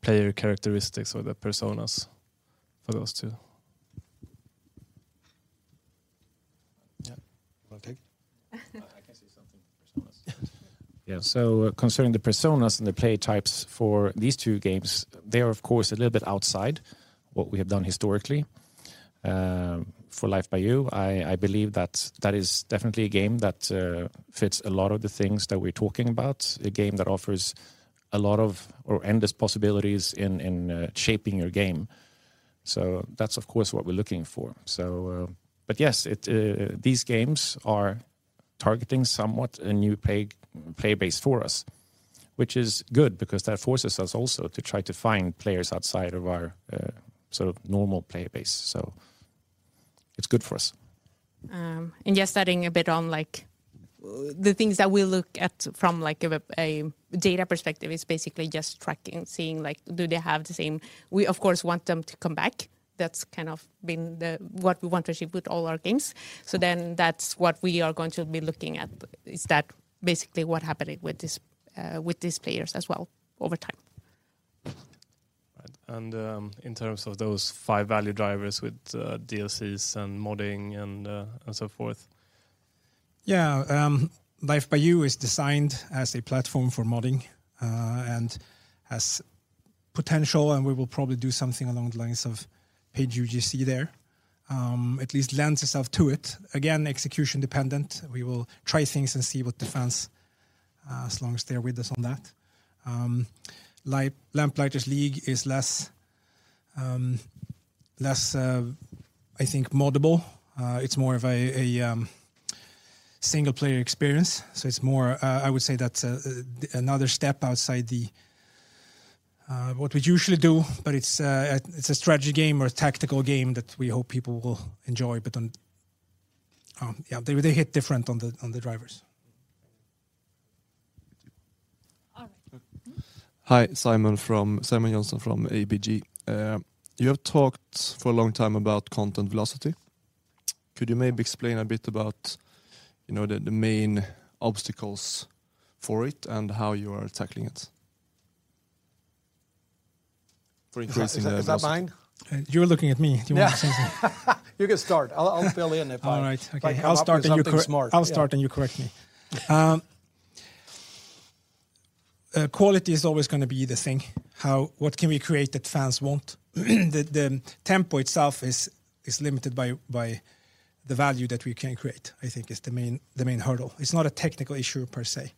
player characteristics or the personas for those two. Yeah. You wanna take it? I can say something for personas. Yeah. Concerning the personas and the play types for these two games, they are of course a little bit outside what we have done historically. For Life by You, I believe that that is definitely a game that fits a lot of the things that we're talking about, a game that offers a lot of or endless possibilities in shaping your game. That's of course what we're looking for. Yes, these games are targeting somewhat a new play base for us, which is good because that forces us also to try to find players outside of our sort of normal player base. It's good for us. Just adding a bit on like the things that we look at from like a data perspective is basically just tracking. We of course want them to come back. That's kind of been what we want to achieve with all our games. That's what we are going to be looking at, is that basically what happening with these players as well over time. Right. In terms of those five value drivers with DLCs and modding and so forth? Yeah. Life by You is designed as a platform for modding, and has potential, and we will probably do something along the lines of paid UGC there. At least lends itself to it. Again, execution dependent. We will try things and see what the fans, as long as they're with us on that. Lamplighters League is less, less, I think moddable. It's more of a single player experience. So it's more, I would say that's another step outside the what we usually do, but it's a, it's a strategy game or a tactical game that we hope people will enjoy. On, yeah, they hit different on the, on the drivers. All right. Hi. Simon Jönsson from ABG. You have talked for a long time about content velocity. Could you maybe explain a bit about, you know, the main obstacles for it and how you are tackling it? For increasing the velocity. Is that mine? You're looking at me. Do you want to say something? You can start. I'll fill in. All right. Okay. I'll start and you correct- If I come up with something smart. Yeah. I'll start and you correct me. Quality is always gonna be the thing. What can we create that fans want? The tempo itself is limited by The value that we can create, I think is the main, the main hurdle. It's not a technical issue per se.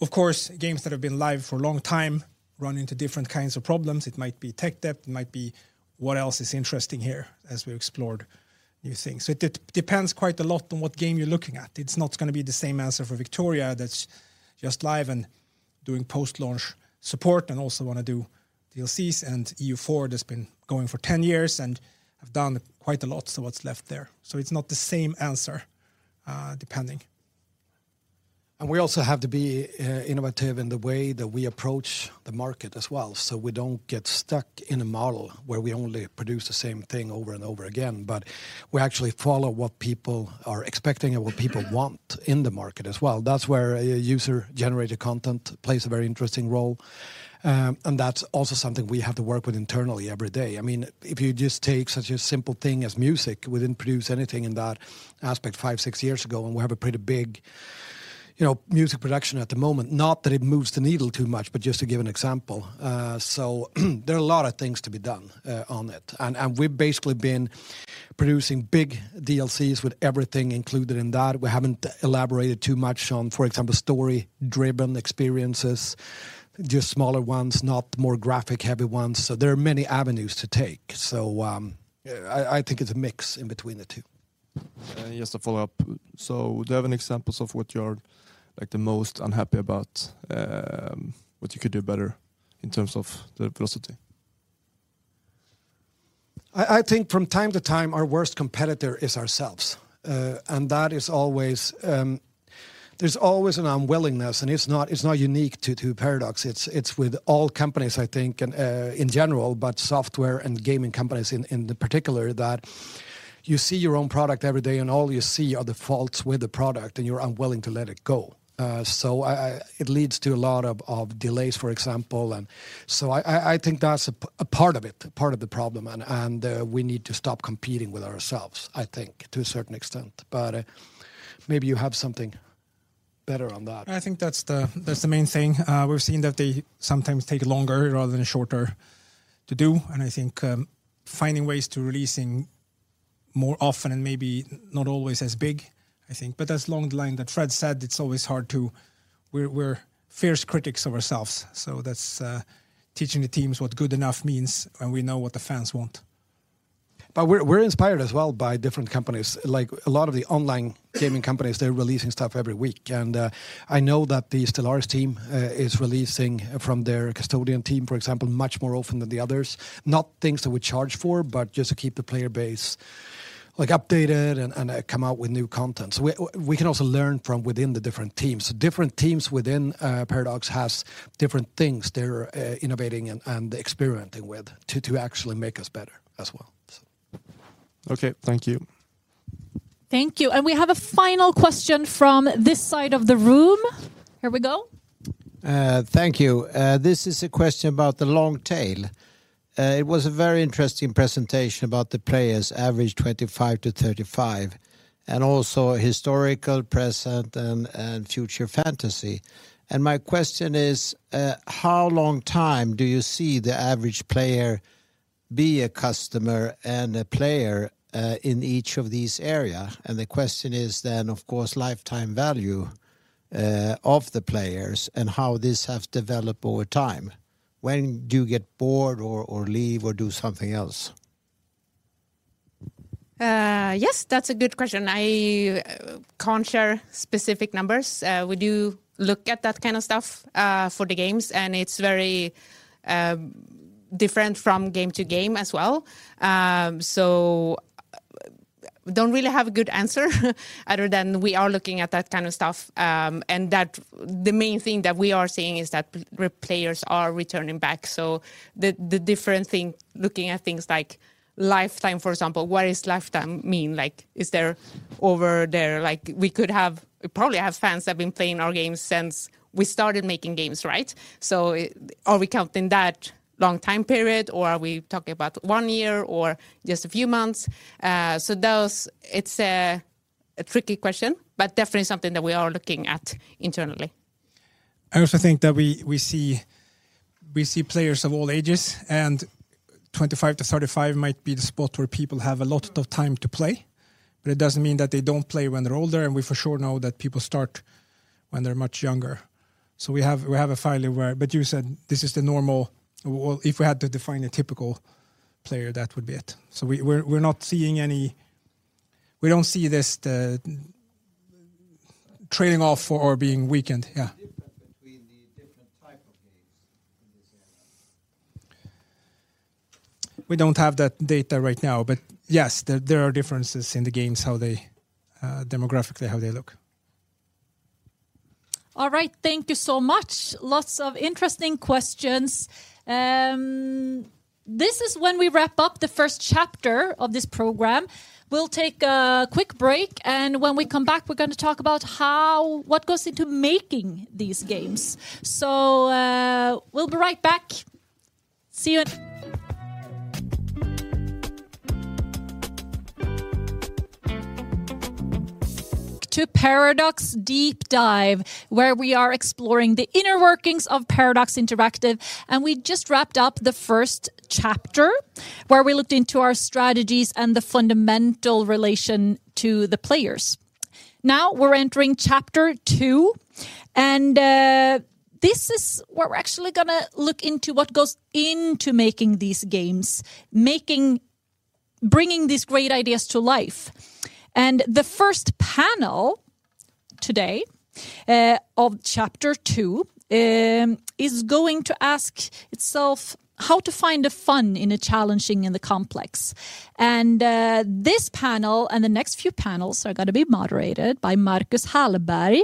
Of course, games that have been live for a long time run into different kinds of problems. It might be tech debt, it might be what else is interesting here as we explored new things. It depends quite a lot on what game you're looking at. It's not gonna be the same answer for Victoria that's just live and doing post-launch support and also wanna do DLCs, and EU4 that's been going for 10 years and have done quite a lot, what's left there. It's not the same answer, depending. We also have to be innovative in the way that we approach the market as well, so we don't get stuck in a model where we only produce the same thing over and over again. We actually follow what people are expecting and what people want in the market as well. That's where user generated content plays a very interesting role. That's also something we have to work with internally every day. I mean, if you just take such a simple thing as music, we didn't produce anything in that aspect five, six years ago, and we have a pretty big, you know, music production at the moment. Not that it moves the needle too much, but just to give an example. There are a lot of things to be done on it. We've basically been producing big DLCs with everything included in that. We haven't elaborated too much on, for example, story-driven experiences, just smaller ones, not more graphic heavy ones. There are many avenues to take. I think it's a mix in between the two. Just a follow-up. Do you have any examples of what you're, like, the most unhappy about, what you could do better in terms of the velocity? I think from time to time our worst competitor is ourselves. That is always, there's always an unwillingness, and it's not, it's not unique to Paradox. It's with all companies I think and in general, but software and gaming companies in particular, that you see your own product every day and all you see are the faults with the product, and you're unwilling to let it go. It leads to a lot of delays, for example. I think that's a part of it, part of the problem, and, we need to stop competing with ourselves, I think, to a certain extent. Maybe you have something better on that. I think that's the main thing. We've seen that they sometimes take longer rather than shorter to do, and I think, finding ways to releasing more often and maybe not always as big, I think. As along the line that Fred said, it's always hard to. We're fierce critics of ourselves, so that's teaching the teams what good enough means when we know what the fans want. We're inspired as well by different companies. Like a lot of the online gaming companies, they're releasing stuff every week. I know that the Stellaris team is releasing from their Custodian team, for example, much more often than the others. Not things that we charge for, but just to keep the player base, like, updated and come out with new content. We can also learn from within the different teams. Different teams within Paradox has different things they're innovating and experimenting with to actually make us better as well. Okay, thank you. Thank you. We have a final question from this side of the room. Here we go. Thank you. This is a question about the long tail. It was a very interesting presentation about the players average 25-35, and also historical, present, and future fantasy. My question is, how long time do you see the average player be a customer and a player in each of these area? The question is then, of course, lifetime value of the players and how this have developed over time. When do you get bored or leave or do something else? Yes, that's a good question. I can't share specific numbers. We do look at that kind of stuff for the games, and it's very different from game to game as well. Don't really have a good answer other than we are looking at that kind of stuff, and that the main thing that we are seeing is that players are returning back. The different thing, looking at things like lifetime, for example. What does lifetime mean? Like, we could have, probably have fans that have been playing our games since we started making games, right? Are we counting that long time period, or are we talking about one year or just a few months? Those, it's a tricky question, but definitely something that we are looking at internally. I also think that we see players of all ages. 25-35 might be the spot where people have a lot of time to play. It doesn't mean that they don't play when they're older, and we for sure know that people start when they're much younger. We have a fairly wide. You said this is the normal. Well, if we had to define a typical player, that would be it. We're not seeing any. We don't see this, the trading off or being weakened. Yeah. The difference between the different type of games in this area. We don't have that data right now, but yes, there are differences in the games, how they demographically, how they look. All right. Thank you so much. Lots of interesting questions. This is when we wrap up the first chapter of this program. We'll take a quick break, and when we come back, we're gonna talk about how what goes into making these games. We'll be right back. See you in Welcome to Paradox Deep Dive, where we are exploring the inner workings of Paradox Interactive. We just wrapped up the first chapter, where we looked into our strategies and the fundamental relation to the players. Now, we're entering chapter two, and this is where we're actually gonna look into what goes into making these games, bringing these great ideas to life. The first panel today of chapter two is going to ask itself how to find the fun in the challenging and the complex. This panel and the next few panels are gonna be moderated by Marcus Hallberg,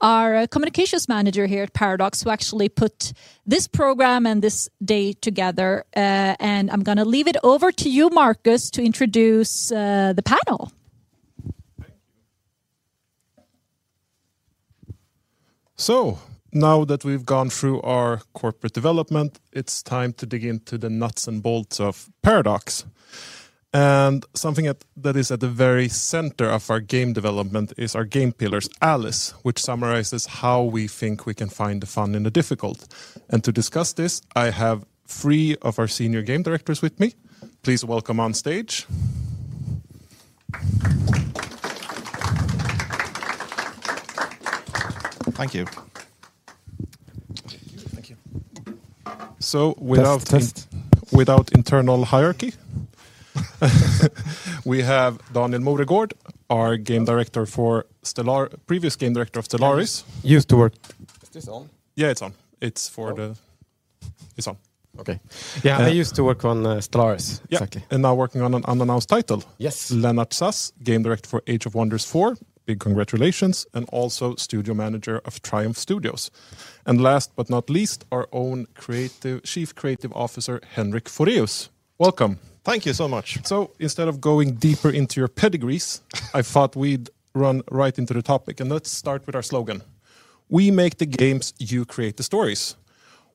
our communications manager here at Paradox, who actually put this program and this day together, and I'm gonna leave it over to you, Marcus, to introduce the panel. Thank you. Now that we've gone through our corporate development, it's time to dig into the nuts and bolts of Paradox. Something that is at the very center of our game development is our game pillars, ALICE, which summarizes how we think we can find the fun and the difficult. To discuss this, I have three of our senior game directors with me. Please welcome on stage. Thank you. Thank you. So without- Test, test. Without internal hierarchy, we have Daniel Moregård, Previous Game Director of Stellaris. Used to work. Is this on? Yeah, it's on. It's for. It's on. Okay. And- Yeah, I used to work on, Stellaris. Yeah. Exactly. Now working on an unannounced title. Yes. Lennart Sas, Game Director for Age of Wonders 4. Big congratulations. Also studio manager of Triumph Studios. Last but not least, our own creative, Chief Creative Officer, Henrik Fåhraeus. Welcome. Thank you so much. Instead of going deeper into your pedigrees, I thought we'd run right into the topic, and let's start with our slogan. We make the games, you create the stories.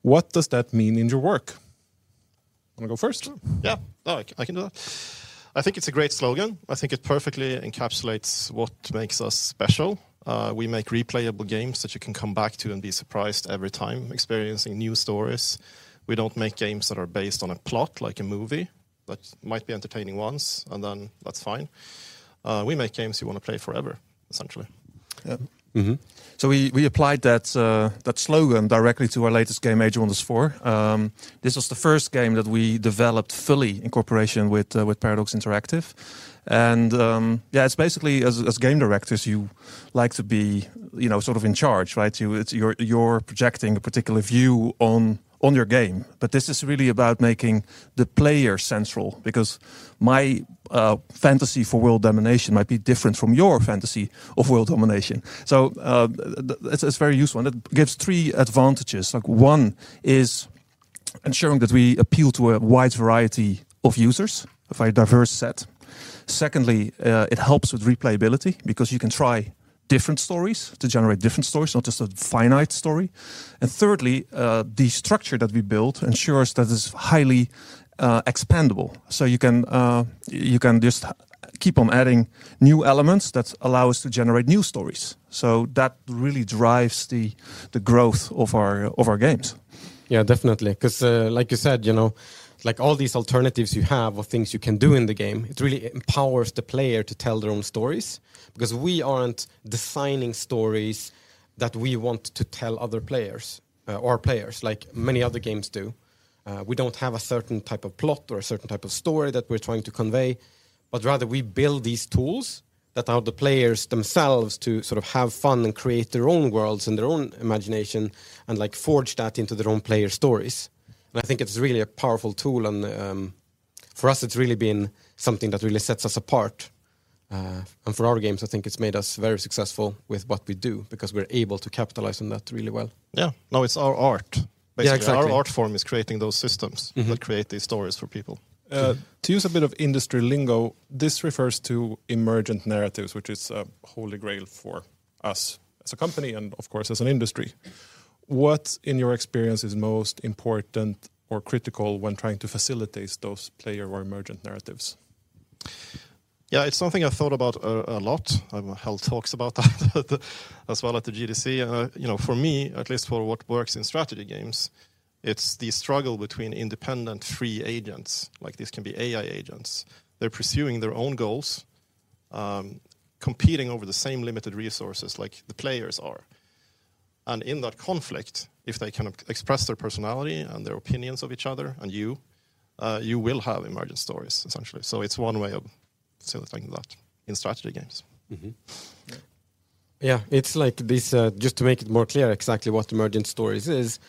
What does that mean in your work? Wanna go first? Sure. Yeah. No, I can do that. I think it's a great slogan. I think it perfectly encapsulates what makes us special. We make replayable games that you can come back to and be surprised every time, experiencing new stories. We don't make games that are based on a plot like a movie that might be entertaining once, that's fine. We make games you wanna play forever, essentially. Yeah. We applied that slogan directly to our latest game, Age of Wonders 4. This was the first game that we developed fully in cooperation with Paradox Interactive. Yeah, it's basically as game directors, you like to be, you know, sort of in charge, right? You, it's your, you're projecting a particular view on your game. This is really about making the player central, because my fantasy for world domination might be different from your fantasy of world domination. It's very useful, and it gives three advantages. Like, one is ensuring that we appeal to a wide variety of users, a very diverse set. Secondly, it helps with replayability because you can try different stories to generate different stories, not just a finite story. Thirdly, the structure that we built ensures that it's highly expandable. You can just keep on adding new elements that allow us to generate new stories. That really drives the growth of our games. Yeah, definitely. 'Cause, like you said, you know, like all these alternatives you have of things you can do in the game, it really empowers the player to tell their own stories. We aren't designing stories that we want to tell other players, or players, like many other games do. We don't have a certain type of plot or a certain type of story that we're trying to convey, but rather we build these tools that allow the players themselves to sort of have fun and create their own worlds and their own imagination, and like forge that into their own player stories. I think it's really a powerful tool and, for us it's really been something that really sets us apart. For our games, I think it's made us very successful with what we do because we're able to capitalize on that really well. Yeah. No, it's our art, basically. Yeah, exactly. Our art form is creating those systems that create these stories for people. True. To use a bit of industry lingo, this refers to emergent narratives, which is a holy grail for us as a company and, of course, as an industry. What, in your experience, is most important or critical when trying to facilitate those player or emergent narratives? Yeah. It's something I've thought about a lot. I've held talks about that as well at the GDC. You know, for me, at least for what works in strategy games, it's the struggle between independent free agents. Like, this can be AI agents. They're pursuing their own goals, competing over the same limited resources like the players are. In that conflict, if they can express their personality and their opinions of each other and you will have emergent stories essentially. It's one way of facilitating that in strategy games. Yeah. It's like this, just to make it more clear exactly what emergent stories is.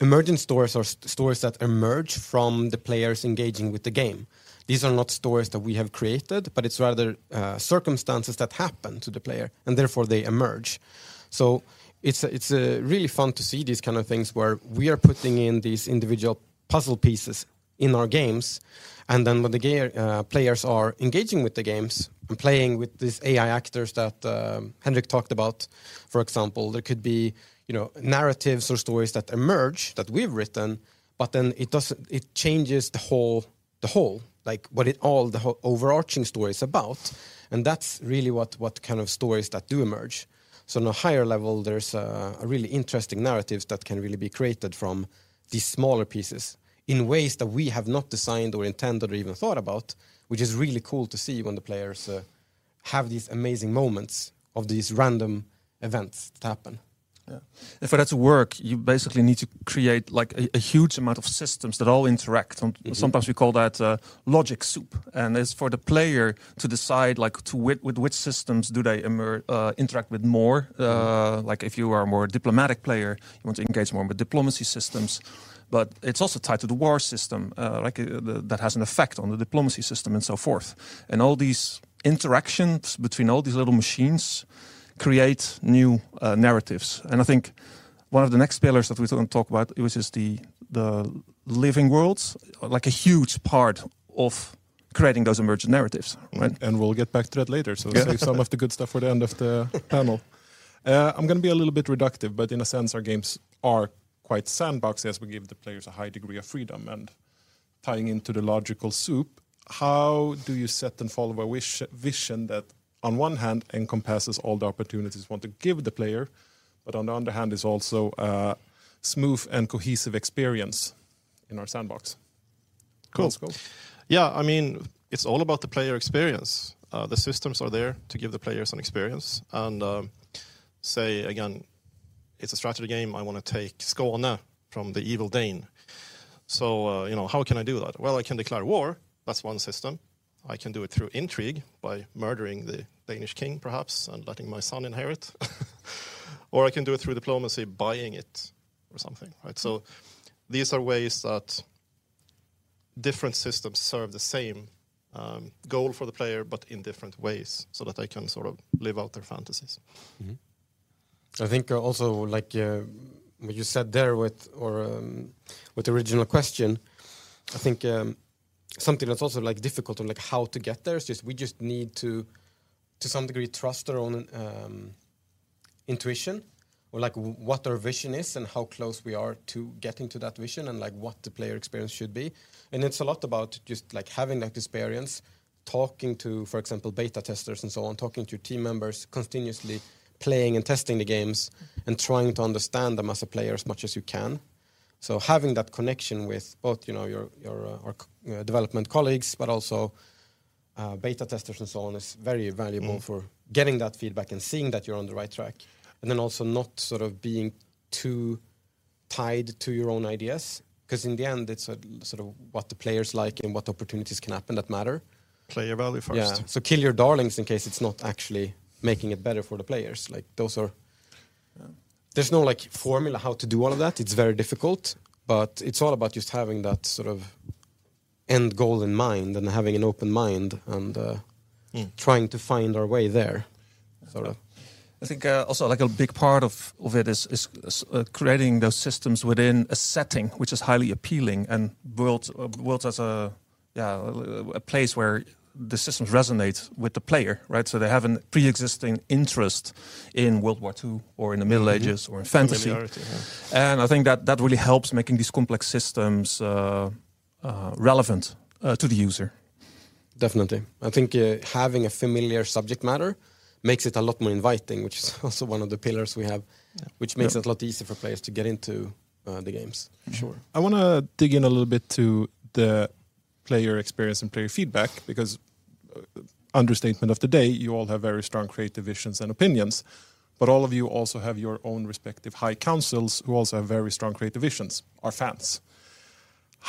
Emergent stories are stories that emerge from the players engaging with the game. These are not stories that we have created, but it's rather, circumstances that happen to the player, and therefore they emerge. It's, it's really fun to see these kind of things where we are putting in these individual puzzle pieces in our games, and then when the players are engaging with the games and playing with these AI actors that Henrik talked about, for example, there could be, you know, narratives or stories that emerge that we've written, but then it changes the whole, the whole, like, what it all, the overarching story is about, and that's really what kind of stories that do emerge. On a higher level, there's a really interesting narratives that can really be created from these smaller pieces in ways that we have not designed or intended or even thought about, which is really cool to see when the players have these amazing moments of these random events that happen. Yeah. For that to work, you basically need to create, like, a huge amount of systems that all interact. Sometimes we call that a logic soup, and it's for the player to decide, like, with which systems do they interact with more. Like if you are a more diplomatic player, you want to engage more with diplomacy systems. It's also tied to the war system, like, that has an effect on the diplomacy system and so forth. All these interactions between all these little machines create new narratives. I think one of the next pillars that we're gonna talk about, which is the living worlds, like a huge part of creating those emergent narratives, right? We'll get back to that later. Yeah. Save some of the good stuff for the end of the panel. I'm gonna be a little bit reductive, but in a sense, our games are quite sandbox as we give the players a high degree of freedom and tying into the logic soup, how do you set and follow a wish-vision that on one hand encompasses all the opportunities you want to give the player, but on the other hand is also a smooth and cohesive experience in our sandbox? Cool. Let's go. Yeah. I mean, it's all about the player experience. The systems are there to give the players an experience and, say again, it's a strategy game. I wanna take Skåne from the evil Dane. You know, how can I do that? Well, I can declare war. That's one system. I can do it through intrigue by murdering the Danish king perhaps, and letting my son inherit. I can do it through diplomacy, buying it or something, right? These are ways that different systems serve the same goal for the player, but in different ways so that they can sort of live out their fantasies. I think also, like, what you said there with or, with the original question, I think, something that's also, like, difficult on, like, how to get there is just we just need to some degree trust our own intuition or, like, what our vision is and how close we are to getting to that vision and, like, what the player experience should be. It's a lot about just, like, having that experience, talking to, for example, beta testers and so on, talking to team members, continuously playing and testing the games, and trying to understand them as a player as much as you can. Having that connection with both, you know, your, or development colleagues, but also, beta testers and so on is very valuable for getting that feedback and seeing that you're on the right track. Also not sort of being too tied to your own ideas, 'cause in the end, it's a sort of what the players like and what opportunities can happen that matter. Player value first. Yeah. Kill your darlings in case it's not actually making it better for the players. Like, those are. Yeah. There's no, like, formula how to do all of that. It's very difficult, but it's all about just having that sort of end goal in mind and having an open mind and trying to find our way there, sort of. Yeah. I think, also, like, a big part of it is creating those systems within a setting which is highly appealing and worlds as a place where the systems resonate with the player, right? They have an preexisting interest in World War II or in the Middle Ages or in fantasy. Familiarity, yeah. I think that really helps making these complex systems relevant to the user. Definitely. I think having a familiar subject matter makes it a lot more inviting, which is also one of the pillars we have. Yeah. Which makes it a lot easier for players to get into, the games. Sure. I wanna dig in a little bit to the player experience and player feedback because understatement of the day, you all have very strong creative visions and opinions, but all of you also have your own respective high councils who also have very strong creative visions, our fans.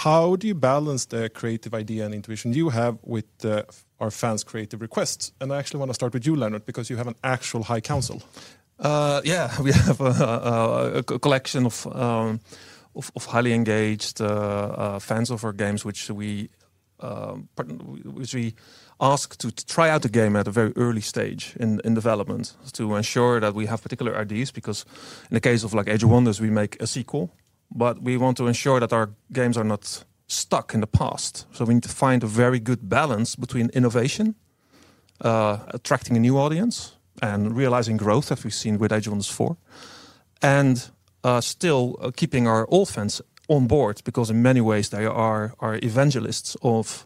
How do you balance the creative idea and intuition you have with our fans' creative requests? I actually wanna start with you, Lennart, because you have an actual high council. Yeah. We have a collection of highly engaged fans of our games, which we, pardon, which we ask to try out the game at a very early stage in development to ensure that we have particular ideas because in the case of, like, Age of Wonders, we make a sequel, but we want to ensure that our games are not stuck in the past. We need to find a very good balance between innovation, attracting a new audience, and realizing growth as we've seen with Age of Wonders four, and still keeping our old fans on board because in many ways they are evangelists of,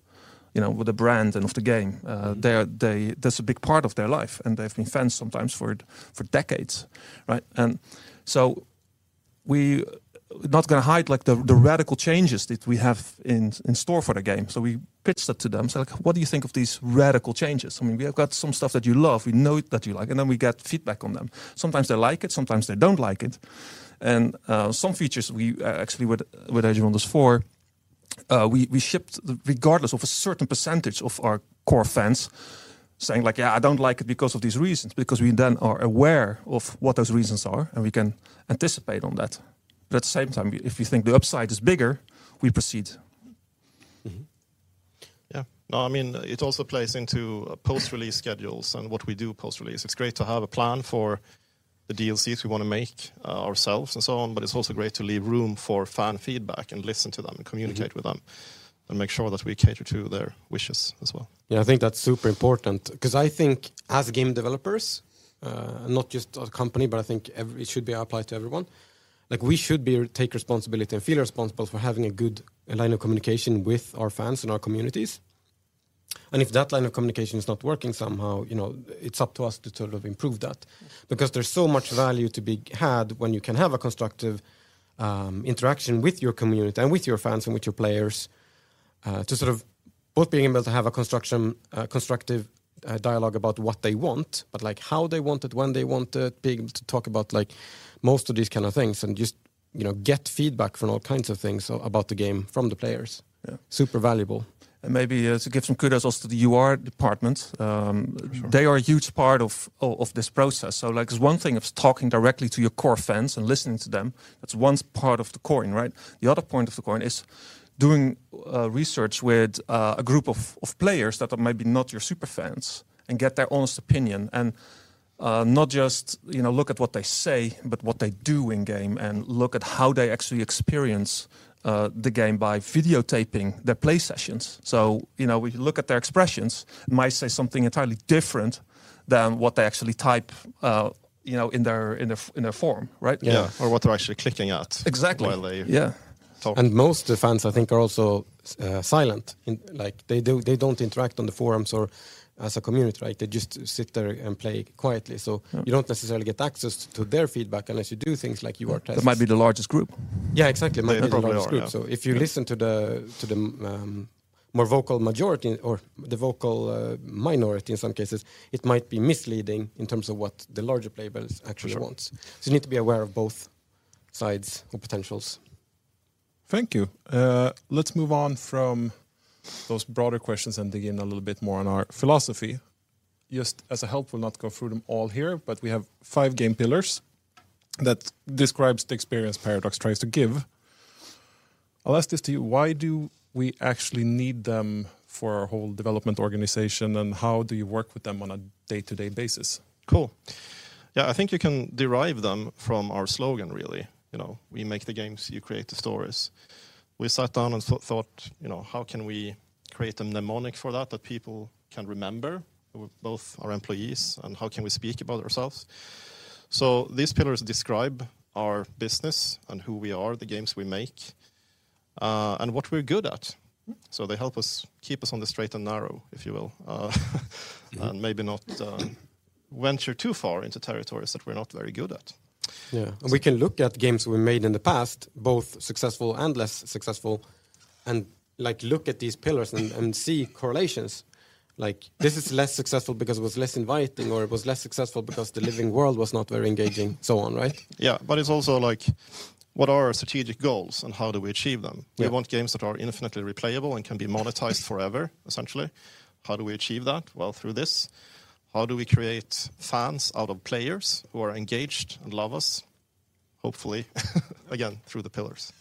you know, with the brand and of the game. They are, that's a big part of their life and they've been fans sometimes for decades, right? We not gonna hide, like, the radical changes that we have in store for the game, so we pitched that to them, said like, "What do you think of these radical changes? I mean, we have got some stuff that you love, we know it that you like." We get feedback on them. Sometimes they like it, sometimes they don't like it. Some features we actually with Age of Wonders 4, we shipped regardless of a certain percentage of our core fans saying like, "Yeah, I don't like it because of these reasons," because we then are aware of what those reasons are, and we can anticipate on that. At the same time, if you think the upside is bigger, we proceed. Yeah. No, I mean, it also plays into post-release schedules and what we do post-release. It's great to have a plan for the DLCs we wanna make, ourselves and so on, but it's also great to leave room for fan feedback and listen to them and communicate with them and make sure that we cater to their wishes as well. Yeah, I think that's super important, 'cause I think as game developers, not just our company, but I think it should be applied to everyone, like, we should take responsibility and feel responsible for having a good line of communication with our fans and our communities. If that line of communication is not working somehow, you know, it's up to us to sort of improve that. There's so much value to be had when you can have a constructive interaction with your community and with your fans and with your players, to sort of both being able to have a constructive dialogue about what they want, but, like, how they want it, when they want it, being able to talk about, like, most of these kind of things and just, you know, get feedback from all kinds of things about the game from the players. Yeah. Super valuable. Maybe to give some kudos also to the UR departments. Sure. they are a huge part of this process. Like, it's one thing if it's talking directly to your core fans and listening to them, that's one part of the coin, right? The other point of the coin is doing research with a group of players that are maybe not your super fans and get their honest opinion and not just, you know, look at what they say, but what they do in game and look at how they actually experience the game by videotaping their play sessions. You know, we look at their expressions, might say something entirely different than what they actually type, you know, in their, in a, in a form, right? Yeah. What they're actually clicking at. Exactly. While. Yeah. Most of the fans, I think, are also silent. Like, they don't interact on the forums or as a community, right? They just sit there and play quietly you don't necessarily get access to their feedback unless you do things like UR tests. That might be the largest group. Yeah, exactly. They probably are, yeah. It might be the largest group. If you listen to the more vocal majority or the vocal minority in some cases, it might be misleading in terms of what the larger player base actually wants. For sure. You need to be aware of both sides or potentials. Thank you. Let's move on from those broader questions and dig in a little bit more on our philosophy. Just as a help, we'll not go through them all here, but we have five game pillars that describes the experience Paradox tries to give. I'll ask this to you. Why do we actually need them for our whole development organization, and how do you work with them on a day-to-day basis? Cool. Yeah, I think you can derive them from our slogan, really. You know, we make the games, you create the stories. We sat down and thought, you know, how can we create a mnemonic for that people can remember, both our employees, and how can we speak about ourselves? These pillars describe our business and who we are, the games we make, and what we're good at. They help us keep us on the straight and narrow, if you will, and maybe not, venture too far into territories that we're not very good at. Yeah. We can look at games we made in the past, both successful and less successful, and, like, look at these pillars and see correlations. Like, this is less successful because it was less inviting, or it was less successful because the living world was not very engaging, so on, right? Yeah. It's also, like, what are our strategic goals and how do we achieve them? Yeah. We want games that are infinitely replayable and can be monetized forever, essentially. How do we achieve that? Well, through this. How do we create fans out of players who are engaged and love us? Hopefully, again, through the pillars.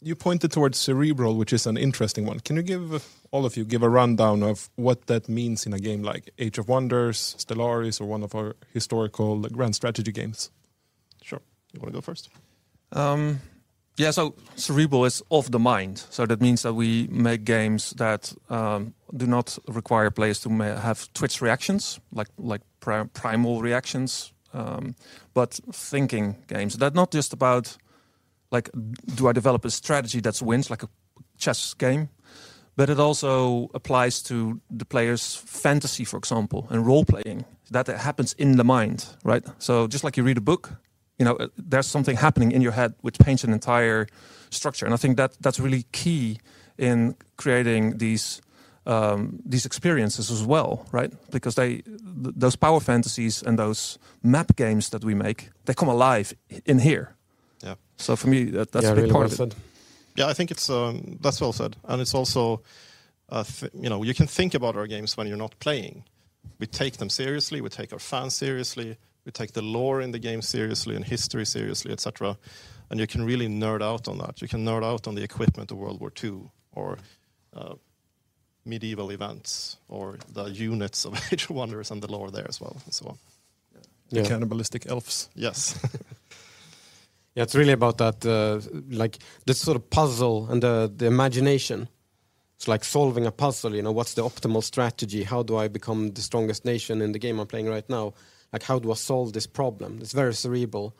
You pointed towards cerebral, which is an interesting one. Can you give, all of you, give a rundown of what that means in a game like Age of Wonders, Stellaris, or one of our historical grand strategy games? Sure. You wanna go first? Yeah, cerebral is of the mind. That means that we make games that do not require players to have twitch reactions, like primal reactions, but thinking games. That not just about, like, do I develop a strategy that wins, like a chess game, but it also applies to the player's fantasy, for example, and role-playing, that it happens in the mind, right? Just like you read a book, you know, there's something happening in your head which paints an entire structure, and I think that's really key in creating these experiences as well, right? Those power fantasies and those map games that we make, they come alive in here for me, that's a big part of it. Really well said. I think it's, that's well said, you know, you can think about our games when you're not playing. We take them seriously. We take our fans seriously. We take the lore in the game seriously and history seriously, et cetera, you can really nerd out on that. You can nerd out on the equipment of World War II or medieval events or the units of Age of Wonders and the lore there as well and so on. Yeah. The cannibalistic elves. Yes. Yeah, it's really about that, like, the sort of puzzle and the imagination. It's like solving a puzzle, you know? What's the optimal strategy? How do I become the strongest nation in the game I'm playing right now? Like, how do I solve this problem? It's very cerebral,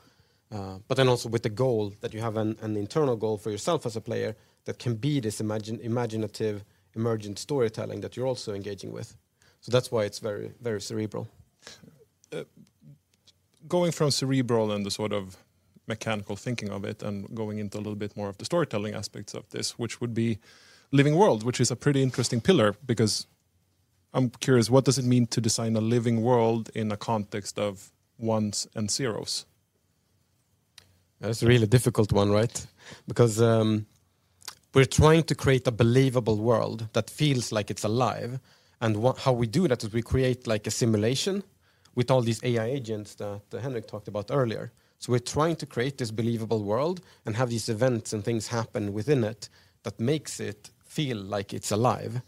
but then also with the goal that you have an internal goal for yourself as a player that can be this imaginative emergent storytelling that you're also engaging with. That's why it's very, very cerebral. Going from cerebral and the sort of mechanical thinking of it and going into a little bit more of the storytelling aspects of this, which would be living world, which is a pretty interesting pillar because I'm curious, what does it mean to design a living world in the context of ones and zeros? That's a really difficult one, right? Because we're trying to create a believable world that feels like it's alive, and how we do that is we create, like, a simulation with all these AI agents that Henrik talked earlier. We're trying to create this believable world and have these events and things happen within it that makes it feel like it's alive,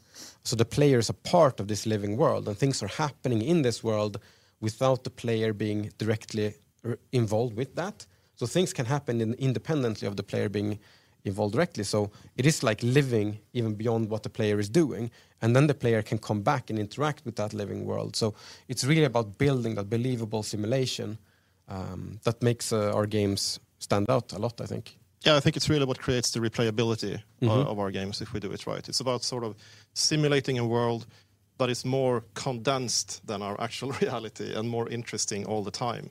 so the player's a part of this living world and things are happening in this world without the player being directly involved with that. Things can happen independently of the player being involved directly. It is like living even beyond what the player is doing, the player can come back and interact with that living world. It's really about building a believable simulation that makes our games stand out a lot, I think. Yeah, I think it's really what creates the replayability of our games if we do it right. It's about sort of simulating a world that is more condensed than our actual reality and more interesting all the time.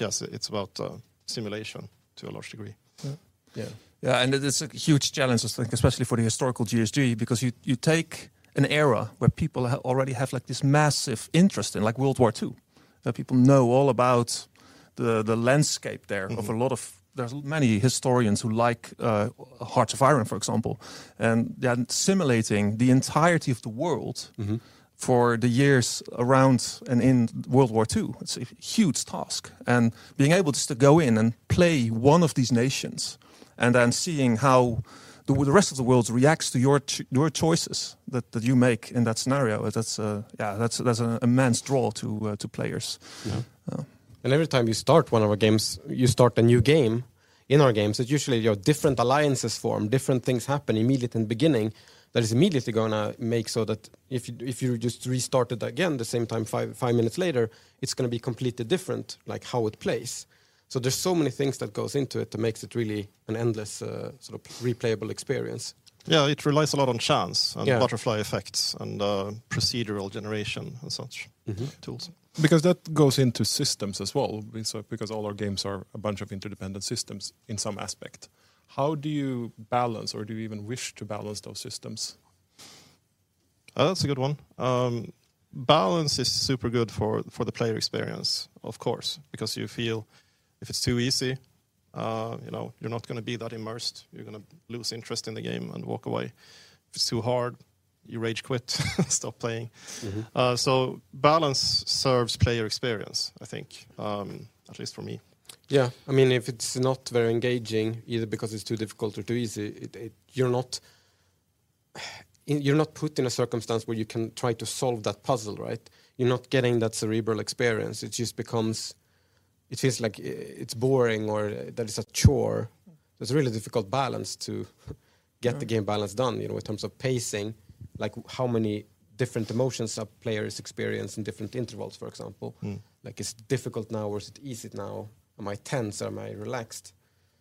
Yes, it's about simulation to a large degree. Yeah. Yeah. Yeah, it is a huge challenge, especially for the historical GSG, because you take an era where people already have, like, this massive interest in, like World War II, that people know all about the landscape there. There are many historians who like Hearts of Iron, for example, and they're simulating the entirety of the world for the years around and in World War II. It's a huge task. Being able just to go in and play one of these nations and then seeing how the rest of the world reacts to your choices that you make in that scenario, that's, yeah, that's an immense draw to players. Yeah. Every time you start one of our games, you start a new game in our games, it's usually your different alliances form, different things happen immediate in the beginning that is immediately gonna make so that if you just restart it again the same time five minutes later, it's gonna be completely different, like how it plays. There's so many things that goes into it that makes it really an endless sort of replayable experience. Yeah, it relies a lot on chance and butterfly effects and procedural generation tools. That goes into systems as well, and so because all our games are a bunch of interdependent systems in some aspect. How do you balance or do you even wish to balance those systems? That's a good one. Balance is super good for the player experience, of course, because you feel if it's too easy, you know, you're not gonna be that immersed. You're gonna lose interest in the game and walk away. If it's too hard, you rage quit, stop playing. Balance serves player experience, I think, at least for me. Yeah. I mean, if it's not very engaging, either because it's too difficult or too easy, it, you're not put in a circumstance where you can try to solve that puzzle, right? You're not getting that cerebral experience. It feels like it's boring or that it's a chore. There's a really difficult balance to get the game balance done, you know, in terms of pacing, like how many different emotions a player is experiencing, different intervals, for example. Like, it's difficult now or is it easy now? Am I tense? Am I relaxed?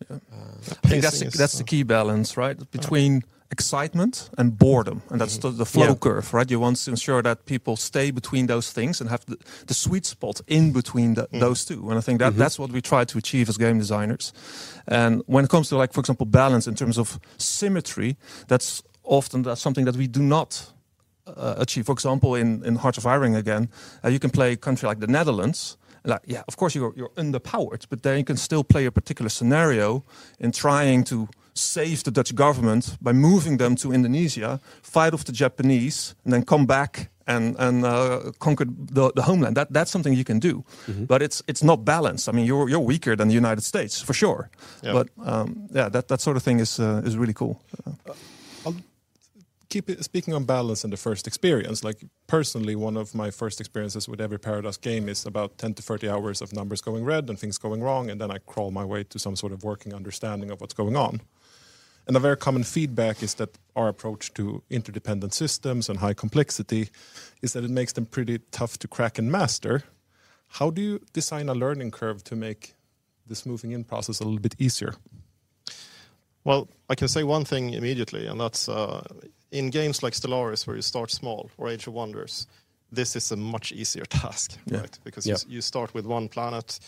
Yeah. Pacing, so. I think that's the key balance, right? Between excitement and boredom, and that's the flow curve, right? You want to ensure that people stay between those things and have the sweet spot in between those two. I think that's what we try to achieve as game designers. When it comes to like, for example, balance in terms of symmetry, that's often something that we do not achieve. For example, in Hearts of Iron again, you can play a country like the Netherlands. Like, yeah, of course, you're underpowered, but then you can still play a particular scenario in trying to save the Dutch government by moving them to Indonesia, fight off the Japanese, and then come back and conquer the homeland. That's something you can do. it's not balanced. I mean, you're weaker than the United States, for sure. Yeah. Yeah, that sort of thing is really cool. Speaking on balance and the first experience, like personally, one of my first experiences with every Paradox game is about 10-30 hours of numbers going red and things going wrong, and then I crawl my way to some sort of working understanding of what's going on. A very common feedback is that our approach to interdependent systems and high complexity is that it makes them pretty tough to crack and master. How do you design a learning curve to make this moving in process a little bit easier? Well, I can say one thing immediately, and that's, in games like Stellaris where you start small or Age of Wonders, this is a much easier task, right? Yeah. Because you start with one planet,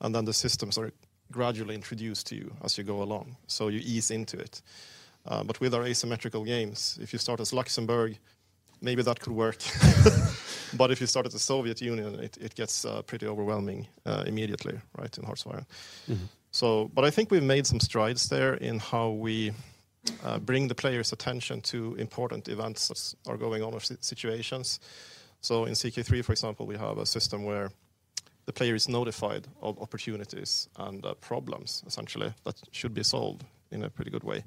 and then the systems are gradually introduced to you as you go along, so you ease into it. With our asymmetrical games, if you start as Luxembourg, maybe that could work. If you start as the Soviet Union, it gets pretty overwhelming immediately, right, in Hearts of Iron. I think we've made some strides there in how we bring the player's attention to important events as are going on or situations. In CK3, for example, we have a system where the player is notified of opportunities and problems essentially that should be solved in a pretty good way.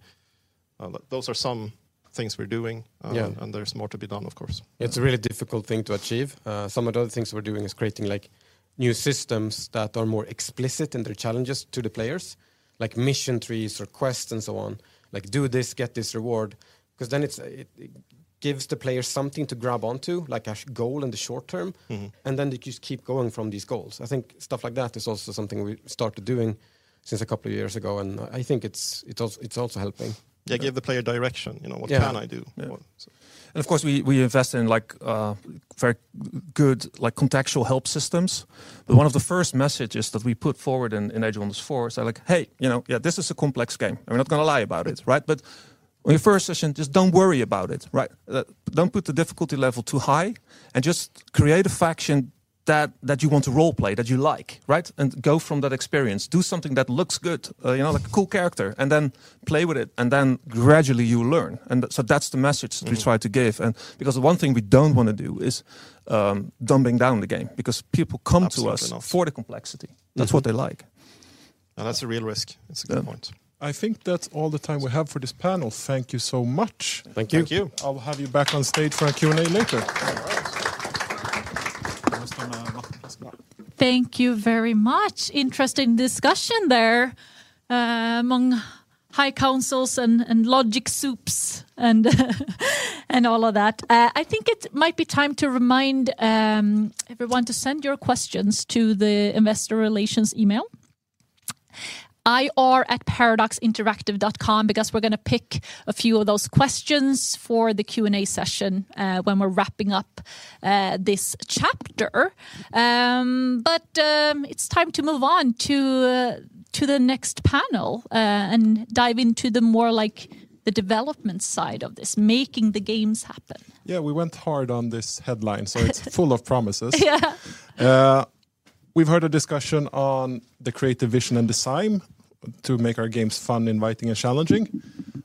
Those are some things we're doing. Yeah. There's more to be done, of course. It's a really difficult thing to achieve. Some of the other things we're doing is creating like new systems that are more explicit in their challenges to the players, like mission trees or quests and so on. Like do this, get this reward, 'cause then it's, it gives the player something to grab onto, like a goal in the short term. They just keep going from these goals. I think stuff like that is also something we started doing since a couple of years ago, and I think it's also helping. Yeah, give the player direction, you know. Yeah. What can I do? Yeah. What. So. Of course, we invest in like, very good like contextual help systems. One of the first messages that we put forward in Age of Wonders 4 is like, "Hey, you know, yeah, this is a complex game. We're not gonna lie about it, right? On your first session, just don't worry about it, right? Don't put the difficulty level too high and just create a faction that you want to role play, that you like, right? Go from that experience. Do something that looks good, you know, like a cool character, and then play with it, and then gradually you learn." That's the message we try to give because one thing we don't wanna do is dumbing down the game because people come to us. Absolutely. For the complexity. That's what they like. That's a real risk. That's a good point. I think that's all the time we have for this panel. Thank you so much. Thank you. Thank you. I'll have you back on stage for a Q&A later. Thank you very much. Interesting discussion there, among high councils and logic soups and all of that. I think it might be time to remind everyone to send your questions to the investor relations email, ir@paradoxinteractive.com, because we're gonna pick a few of those questions for the Q&A session, when we're wrapping up this chapter. It's time to move on to the next panel and dive into the more like the development side of this, making the games happen. Yeah, we went hard on this headline. It's full of promises. Yeah. We've heard a discussion on the creative vision and design to make our games fun, inviting, and challenging.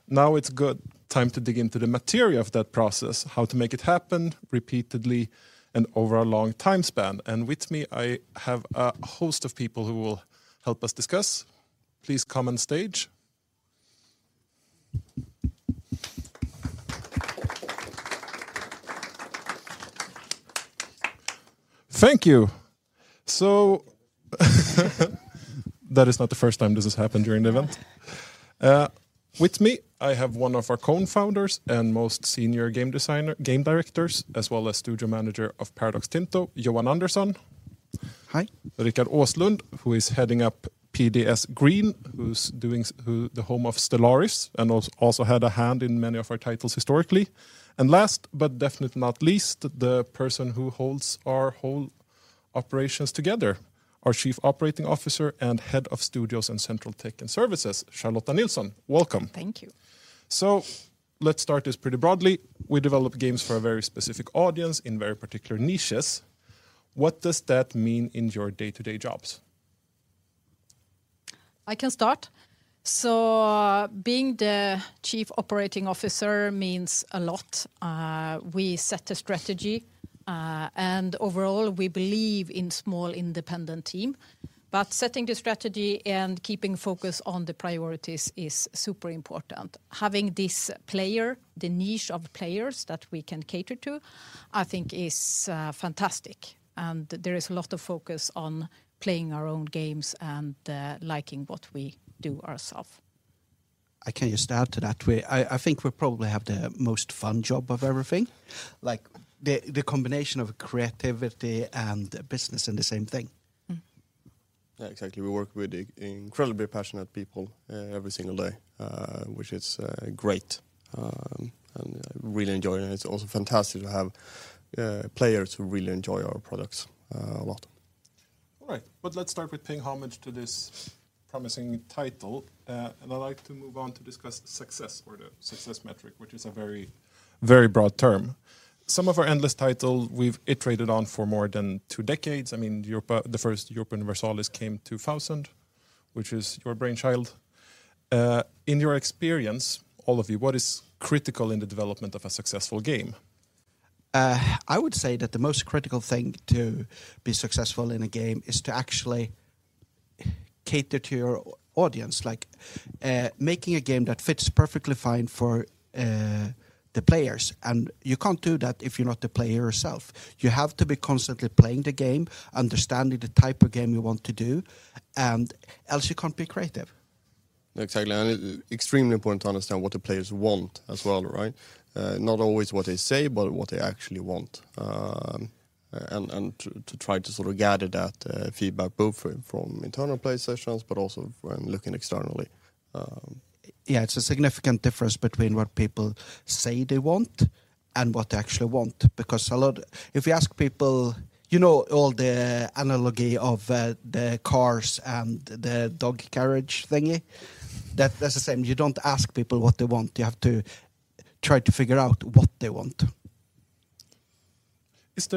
Now it's good time to dig into the material of that process, how to make it happen repeatedly and over a long time span. With me, I have a host of people who will help us discuss. Please come on stage. Thank you. That is not the first time this has happened during the event. With me, I have one of our co-founders and most senior game designer, game directors, as well as Studio Manager of Paradox Tinto, Johan Andersson. Hi. Rikard Åslund, who is heading up PDS Green, who's doing the home of Stellaris, and also had a hand in many of our titles historically. Last, but definitely not least, the person who holds our whole operations together, our Chief Operating Officer and head of studios and central tech and services, Charlotta Nilsson. Welcome. Thank you. Let's start this pretty broadly. We develop games for a very specific audience in very particular niches. What does that mean in your day-to-day jobs? I can start. Being the chief operating officer means a lot. We set a strategy, and overall, we believe in small independent team. Setting the strategy and keeping focus on the priorities is super important. Having this player, the niche of players that we can cater to, I think is fantastic, and there is a lot of focus on playing our own games and liking what we do ourself. I can just add to that. I think we probably have the most fun job of everything, like the combination of creativity and business in the same thing. Yeah, exactly. We work with incredibly passionate people every single day, which is great and really enjoy. It's also fantastic to have players who really enjoy our products a lot. All right. Let's start with paying homage to this promising title. I'd like to move on to discuss success or the success metric, which is a very, very broad term. Some of our endless title we've iterated on for more than two decades. I mean, the first Europa Universalis came 2000, which is your brainchild. In your experience, all of you, what is critical in the development of a successful game? I would say that the most critical thing to be successful in a game is to actually cater to your audience, like, making a game that fits perfectly fine for, the players. You can't do that if you're not the player yourself. You have to be constantly playing the game, understanding the type of game you want to do, and else you can't be creative. Exactly. It extremely important to understand what the players want as well, right? Not always what they say, but what they actually want, and to try to sort of gather that feedback both from internal play sessions, but also when looking externally. Yeah. It's a significant difference between what people say they want and what they actually want. If you ask people, you know all the analogy of the cars and the dog carriage thingy. That's the same. You don't ask people what they want. You have to try to figure out what they want. What's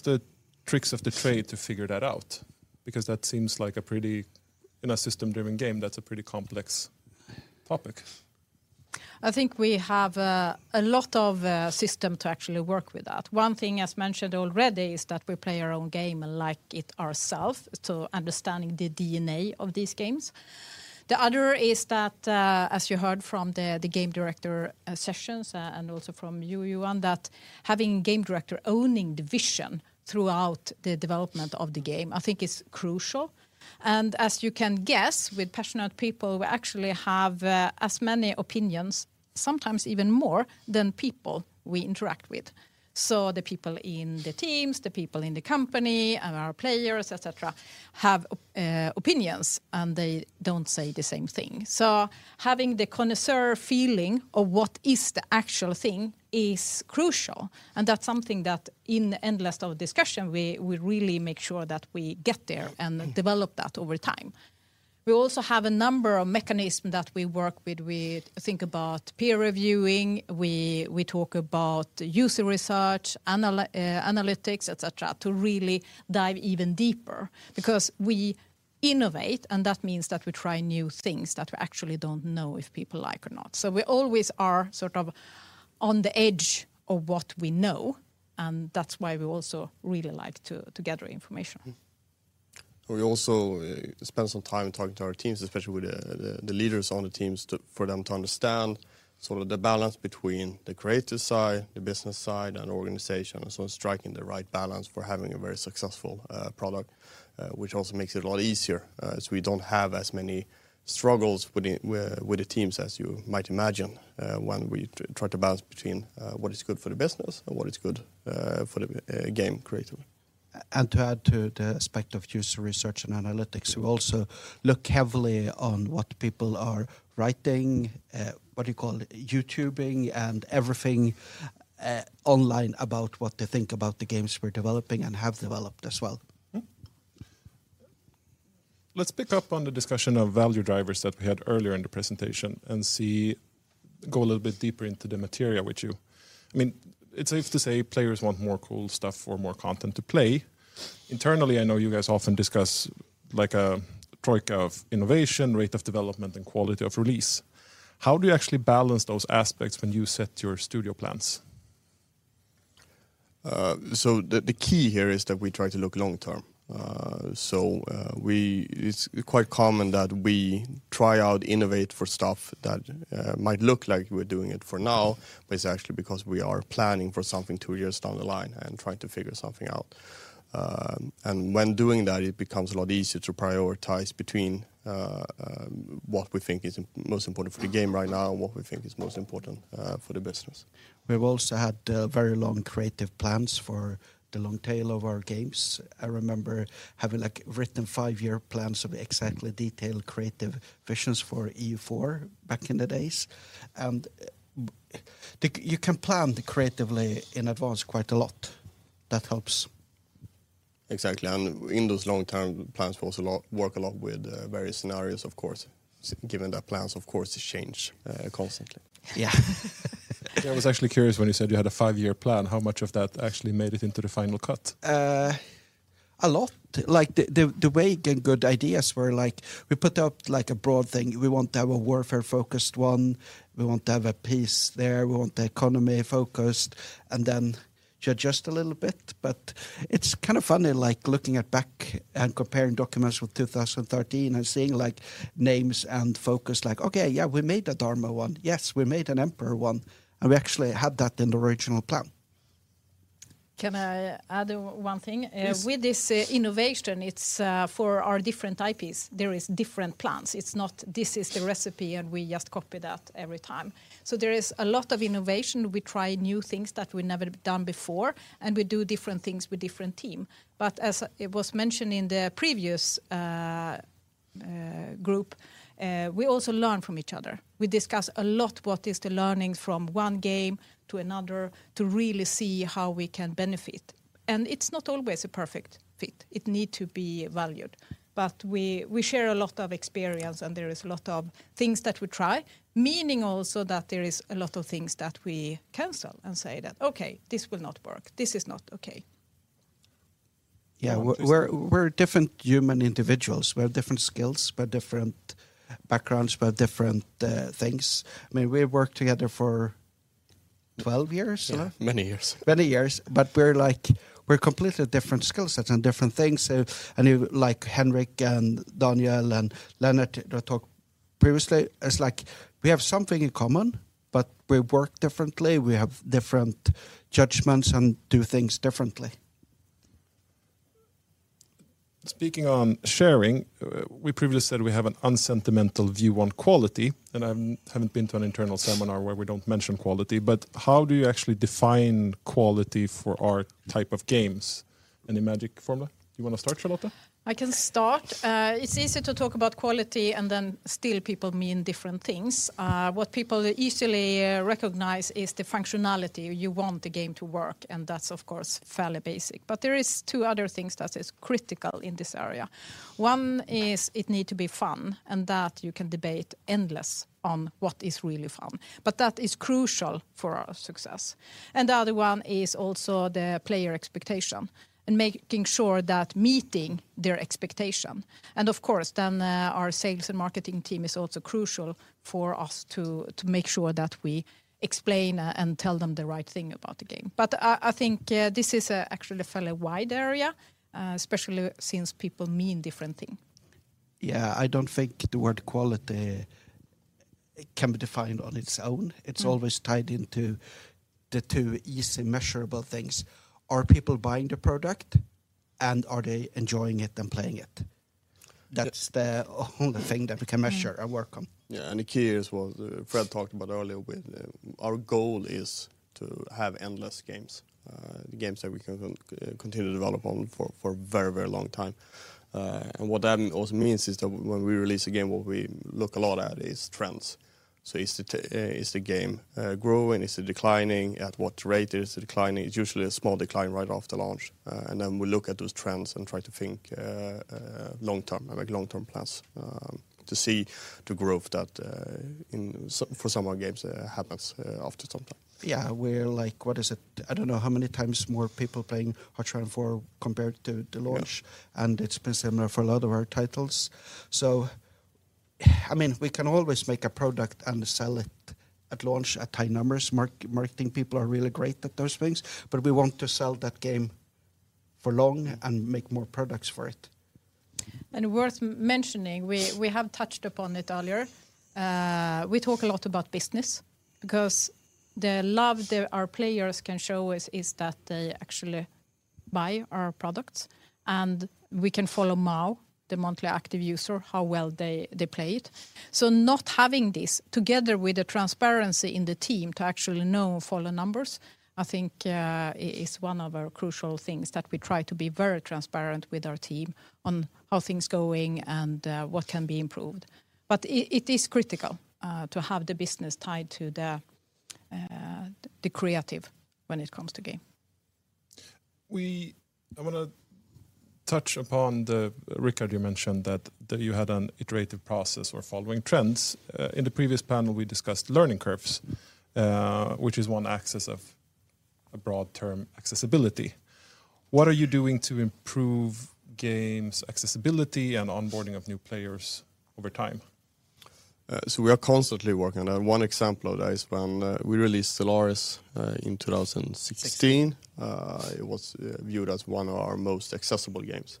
the tricks of the trade to figure that out? Because that seems like a pretty, in a system-driven game, that's a pretty complex topic. I think we have a lot of system to actually work with that. One thing, as mentioned already, is that we play our own game and like it ourself, so understanding the DNA of these games. The other is that, as you heard from the Game Director sessions, and also from you, Johan, that having game director owning the vision throughout the development of the game, I think is crucial. As you can guess, with passionate people, we actually have as many opinions, sometimes even more, than people we interact with. The people in the teams, the people in the company, and our players, et cetera, have opinions, and they don't say the same thing. Having the connoisseur feeling of what is the actual thing is crucial. That's something that in endless of discussion, we really make sure that we get there and develop that over time. We also have a number of mechanism that we work with. We think about peer reviewing. We talk about User Research, Analytics, et cetera, to really dive even deeper because we innovate, and that means that we try new things that we actually don't know if people like or not. We always are sort of on the edge of what we know. That's why we also really like to gather information. We also spend some time talking to our teams, especially with the leaders on the teams to, for them to understand sort of the balance between the creative side, the business side, and organization. Striking the right balance for having a very successful product, which also makes it a lot easier, so we don't have as many struggles with the teams as you might imagine, when we try to balance between, what is good for the business and what is good, for the game creatively. To add to the aspect of User Research and Analytics, we also look heavily on what people are writing, what do you call it, YouTubing and everything, online about what they think about the games we're developing and have developed as well. Let's pick up on the discussion of value drivers that we had earlier in the presentation and go a little bit deeper into the material with you. I mean, it's safe to say players want more cool stuff or more content to play. Internally, I know you guys often discuss like a troika of innovation, rate of development, and quality of release. How do you actually balance those aspects when you set your studio plans? The key here is that we try to look long term. It's quite common that we try out innovate for stuff that might look like we're doing it for now, but it's actually because we are planning for something two years down the line and trying to figure something out. When doing that, it becomes a lot easier to prioritize between what we think is most important for the game right now and what we think is most important for the business. We've also had very long creative plans for the long tail of our games. I remember having like written five-year plans of exactly detailed creative visions for EU4 back in the days. You can plan creatively in advance quite a lot. That helps. Exactly. In those long-term plans, we also work a lot with various scenarios, of course, given that plans, of course, change constantly. Yeah. Yeah. I was actually curious when you said you had a five-year plan. How much of that actually made it into the final cut? A lot. Like the way get good ideas were like we put out like a broad thing. We want to have a warfare focused one. We want to have a peace there. We want the economy focused and then you adjust a little bit. It's kind of funny like looking at back and comparing documents with 2013 and seeing like names and focus like, "Okay. Yeah, we made a Dharma one. Yes, we made an Emperor one, and we actually had that in the original plan. Can I add one thing? Yes. With this innovation, it's for our different IPs. There is different plans. It's not, "This is the recipe, and we just copy that every time." There is a lot of innovation. We try new things that we never done before, and we do different things with different team. As it was mentioned in the previous group, we also learn from each other. We discuss a lot what is the learnings from one game to another to really see how we can benefit, and it's not always a perfect fit. It need to be valued. We, we share a lot of experience, and there is a lot of things that we try, meaning also that there is a lot of things that we cancel and say that, "Okay, this will not work. This is not okay. Yeah. We're different human individuals. We have different skills. We have different backgrounds. We have different things. I mean, we worked together for 12 years. Yeah? Yeah. Many years. Many years. We're completely different skill sets and different things. Like Henrik Fåhraeus and Daniel Moregård and Lennart Sas talked previously, it's like we have something in common, but we work differently. We have different judgments and do things differently. Speaking on sharing, we previously said we have an unsentimental view on quality, and I haven't been to an internal seminar where we don't mention quality. How do you actually define quality for our type of games? Any magic formula? You wanna start, Charlotta? I can start. It's easy to talk about quality, still people mean different things. What people easily recognize is the functionality. You want the game to work, that's, of course, fairly basic. There is two other things that is critical in this area. One is it need to be fun, that you can debate endless on what is really fun. That is crucial for our success. The other one is also the player expectation and making sure that meeting their expectation. Of course, then, our sales and marketing team is also crucial for us to make sure that we explain and tell them the right thing about the game. I think, this is actually a fairly wide area, especially since people mean different thing. Yeah. I don't think the word quality can be defined on its own. It's always tied into the two easy measurable things. Are people buying the product, and are they enjoying it and playing it? That's the only thing that we can measure and work on. The key as well, Fred talked about earlier with, our goal is to have endless games that we can continue to develop on for a very long time. What that also means is that when we release a game, what we look a lot at is trends. Is the game growing? Is it declining? At what rate is it declining? It's usually a small decline right after launch. Then we look at those trends and try to think long term, like long-term plans, to see the growth that in for some of our games happens after some time. Yeah. We're like, what is it? I don't know how many times more people playing Hearts of Iron IV compared to the launch. Yeah. It's been similar for a lot of our titles. I mean, we can always make a product and sell it at launch at high numbers. Marketing people are really great at those things. We want to sell that game for long and make more products for it. worth mentioning, we have touched upon it earlier. We talk a lot about business because the love that our players can show us is that they actually buy our products, and we can follow MAU, the monthly active user, how well they play it. Not having this together with the transparency in the team to actually know and follow numbers, I think is one of our crucial things that we try to be very transparent with our team on how things going and what can be improved. It is critical to have the business tied to the creative when it comes to game. I wanna touch upon the, Rikard, you mentioned that you had an iterative process for following trends. In the previous panel, we discussed learning curves, which is one axis of a broad term accessibility. What are you doing to improve games accessibility and onboarding of new players over time? We are constantly working on that. One example of that is when we released Stellaris in 2016. 2016. It was viewed as one of our most accessible games.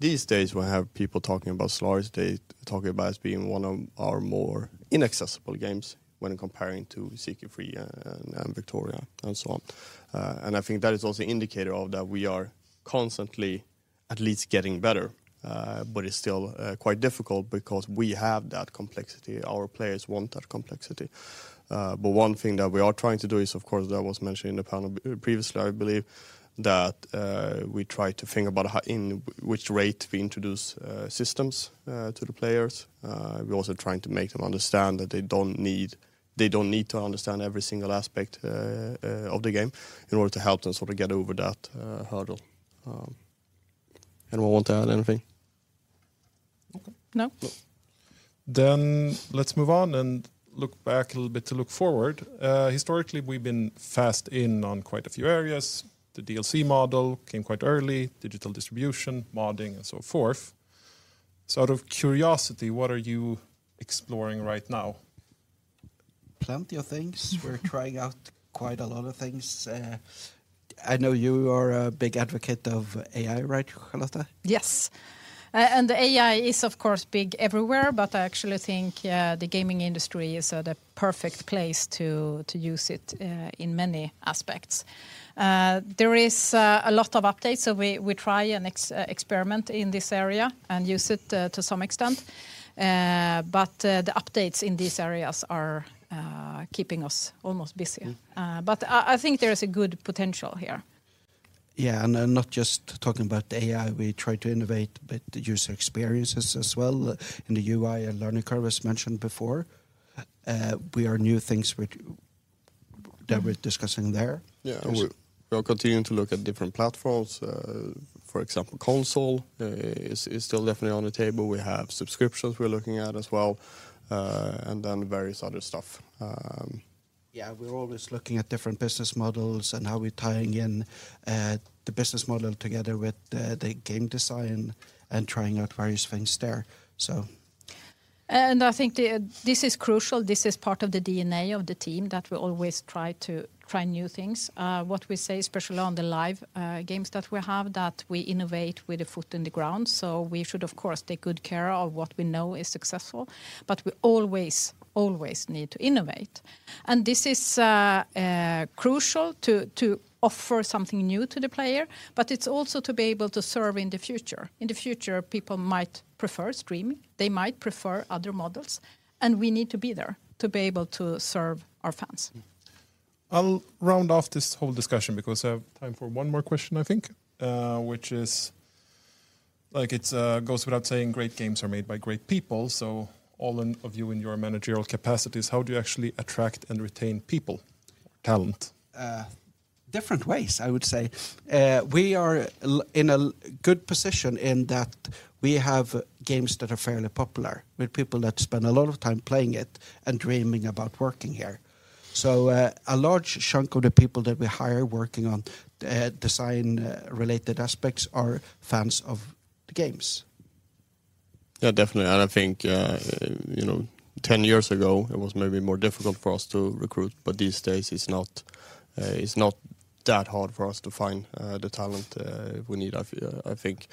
These days when I have people talking about Stellaris, they talk about it as being one of our more inaccessible games when comparing to CK3 and Victoria, and so on. I think that is also indicator of that we are constantly at least getting better. It's still quite difficult because we have that complexity. Our players want that complexity. One thing that we are trying to do is, of course, that was mentioned in the panel previously, I believe, that we try to think about in which rate we introduce systems to the players. We're also trying to make them understand that they don't need to understand every single aspect of the game in order to help them sort of get over that hurdle. Anyone want to add anything? No. No. Let's move on and look back a little bit to look forward. Historically, we've been fast in on quite a few areas. The DLC model came quite early, digital distribution, modding, and so forth. Out of curiosity, what are you exploring right now? Plenty of things. We're trying out quite a lot of things. I know you are a big advocate of AI, right, Charlotta? Yes. The AI is of course big everywhere, but I actually think, yeah, the gaming industry is at a perfect place to use it in many aspects. There is a lot of updates, so we try and experiment in this area and use it to some extent. The updates in these areas are keeping us almost busy. I think there is a good potential here. Yeah, not just talking about AI. We try to innovate, but the user experiences as well in the UI and learning curve, as mentioned before. We are new things that we're discussing there. Yeah. We are continuing to look at different platforms. For example, console is still definitely on the table. We have subscriptions we're looking at as well, and then various other stuff. Yeah, we're always looking at different business models and how we're tying in the business model together with the game design and trying out various things there. I think this is crucial. This is part of the DNA of the team that we always try new things. What we say, especially on the live games that we have, that we innovate with the foot in the ground. We should of course take good care of what we know is successful, but we always need to innovate. This is crucial to offer something new to the player, but it's also to be able to serve in the future. In the future, people might prefer streaming, they might prefer other models, and we need to be there to be able to serve our fans. I'll round off this whole discussion because I have time for one more question, I think, which is, like, it goes without saying great games are made by great people. All of you in your managerial capacities, how do you actually attract and retain people, talent? Different ways, I would say. We are in a good position in that we have games that are fairly popular with people that spend a lot of time playing it and dreaming about working here. A large chunk of the people that we hire working on design related aspects are fans of the games. Yeah, definitely. I think, you know, 10 years ago, it was maybe more difficult for us to recruit, but these days it's not, it's not that hard for us to find, the talent, we need, I think.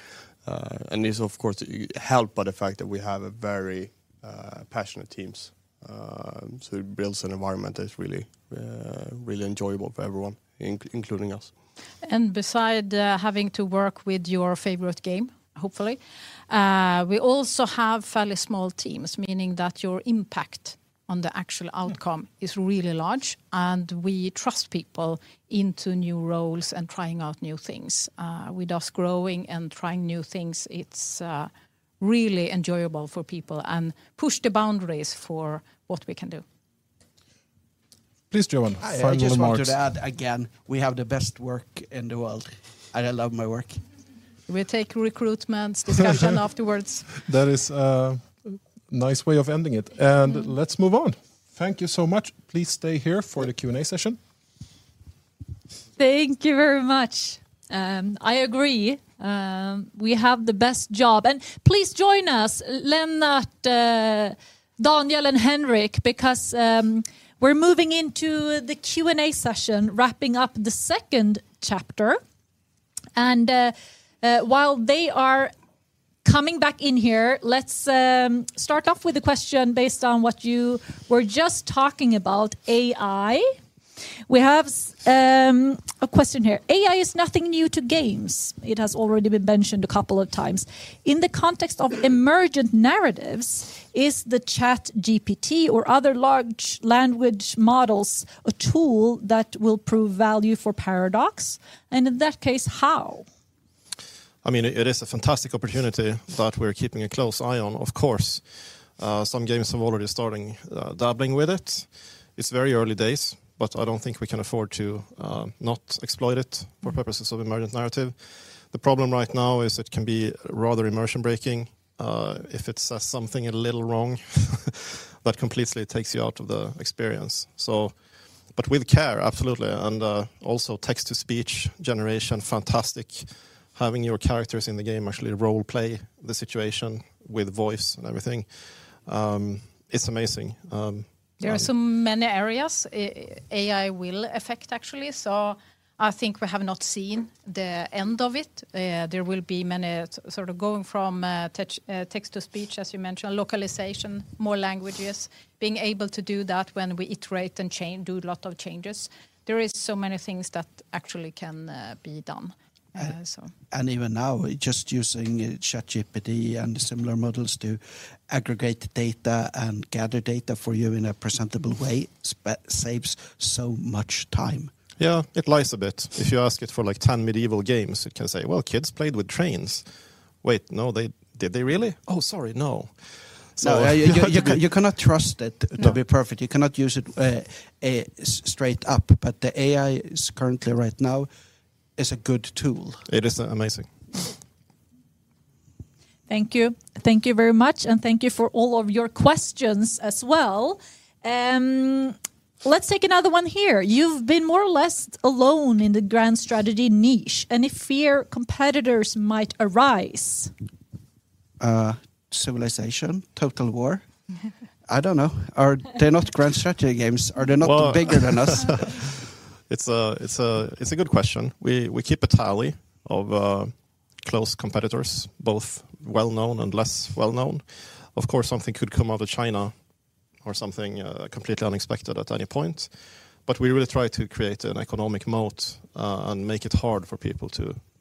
This of course helped by the fact that we have a very, passionate teams. It builds an environment that's really, really enjoyable for everyone, including us. Beside, having to work with your favorite game, hopefully, we also have fairly small teams, meaning that your impact on the actual outcome is really large, and we trust people into new roles and trying out new things. With us growing and trying new things, it's, really enjoyable for people and push the boundaries for what we can do. Please, Johan, final remarks. I just wanted to add again, we have the best work in the world, and I love my work. We take recruitment discussion afterwards. That is a nice way of ending it. Let's move on. Thank you so much. Please stay here for the Q&A session. Thank you very much. I agree, we have the best job. Please join us Lennart, Daniel, and Henrik because we're moving into the Q&A session, wrapping up the second chapter. While they are coming back in here, let's start off with a question based on what you were just talking about, AI. We have a question here. AI is nothing new to games. It has already been mentioned a couple of times. In the context of emergent narratives, is the ChatGPT or other large language models a tool that will prove value for Paradox? In that case, how? I mean, it is a fantastic opportunity that we're keeping a close eye on, of course. Some games have already starting dabbling with it. It's very early days. I don't think we can afford to not exploit it for purposes of emergent narrative. The problem right now is it can be rather immersion breaking if it says something a little wrong that completely takes you out of the experience. With care, absolutely, and also text to speech generation, fantastic. Having your characters in the game actually role-play the situation with voice and everything, it's amazing. There are so many areas AI will affect, actually. I think we have not seen the end of it. There will be many sort of going from text to speech, as you mentioned, localization, more languages, being able to do that when we iterate and change, do a lot of changes. There is so many things that actually can be done. Even now, just using ChatGPT and similar models to aggregate data and gather data for you in a presentable way saves so much time. Yeah. It lies a bit. If you ask it for, like, 10 medieval games, it can say, "Well, kids played with trains." Wait, no, did they really? Oh, sorry, no. No, you cannot trust it to be perfect. You cannot use it straight up. The AI is currently right now is a good tool. It is amazing. Thank you. Thank you very much. Thank you for all of your questions as well. Let's take another one here. You've been more or less alone in the grand strategy niche. Any fear competitors might arise? Civilization, Total War. I don't know. Are they not grand strategy games? Are they not bigger than us? It's a good question. We keep a tally of close competitors, both well-known and less well-known. Of course, something could come out of China or something completely unexpected at any point. We really try to create an economic moat and make it hard for people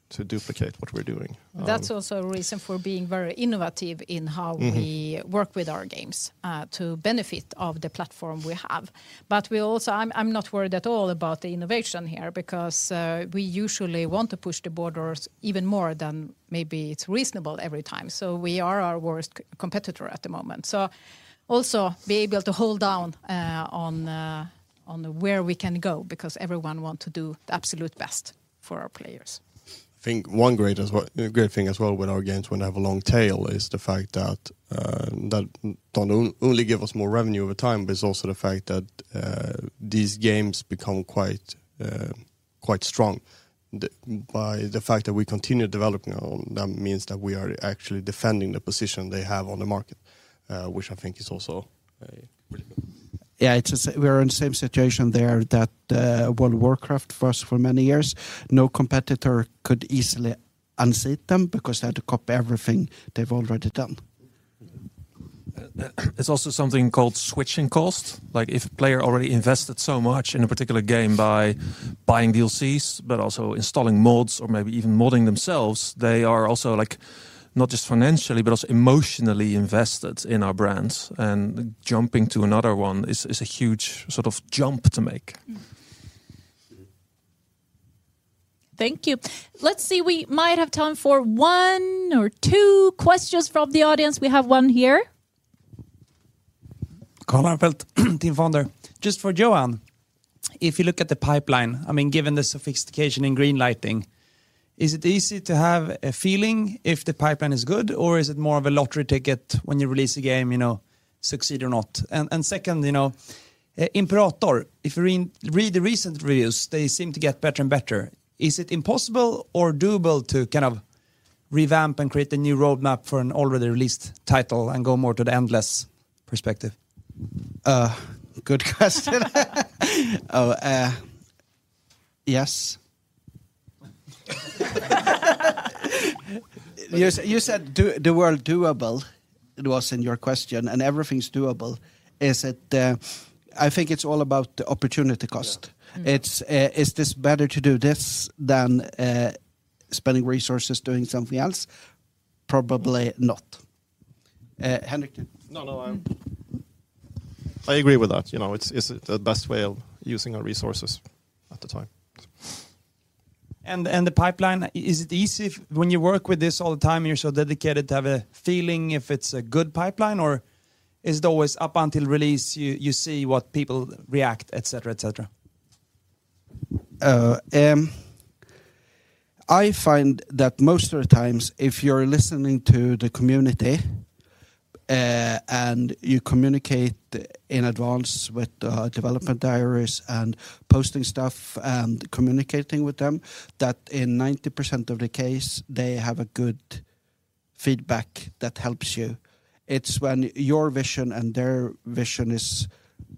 to duplicate what we're doing. That's also a reason for being very innovative in how we work with our games to benefit of the platform we have. I'm not worried at all about the innovation here because we usually want to push the borders even more than maybe it's reasonable every time. We are our worst competitor at the moment. Also be able to hold down on where we can go because everyone want to do the absolute best for our players. I think one great thing as well with our games when they have a long tail is the fact that don't only give us more revenue over time, but it's also the fact that these games become quite strong. By the fact that we continue developing on them means that we are actually defending the position they have on the market, which I think is also really good. It's just we're in the same situation there that World of Warcraft was for many years. No competitor could easily unseat them because they had to copy everything they've already done. There's also something called switching cost. If a player already invested so much in a particular game by buying DLCs but also installing mods or maybe even modding themselves, they are also, like, not just financially, but also emotionally invested in our brands, and jumping to another one is a huge sort of jump to make. Thank you. Let's see. We might have time for one or two questions from the audience. We have one here. Carl Armfelt, TIN Fonder. Just for Johan, if you look at the pipeline, I mean, given the sophistication in green lighting, is it easy to have a feeling if the pipeline is good, or is it more of a lottery ticket when you release a game, you know, succeed or not? Second, you know, Imperator, if you read the recent reviews, they seem to get better and better. Is it impossible or doable to kind of revamp and create a new roadmap for an already released title and go more to the endless perspective? Good question. Yes. You said the word doable was in your question, everything's doable. Is it, I think it's all about the opportunity cost. Yeah. It's, is this better to do this than, spending resources doing something else? Probably not. Henrik? No, no, I agree with that. You know, it's the best way of using our resources at the time. The pipeline, is it easy when you work with this all the time and you're so dedicated to have a feeling if it's a good pipeline, or is it always up until release you see what people react, et cetera, et cetera? I find that most of the times if you're listening to the community, and you communicate in advance with, development diaries and posting stuff and communicating with them, that in 90% of the case, they have a good feedback that helps you. It's when your vision and their vision is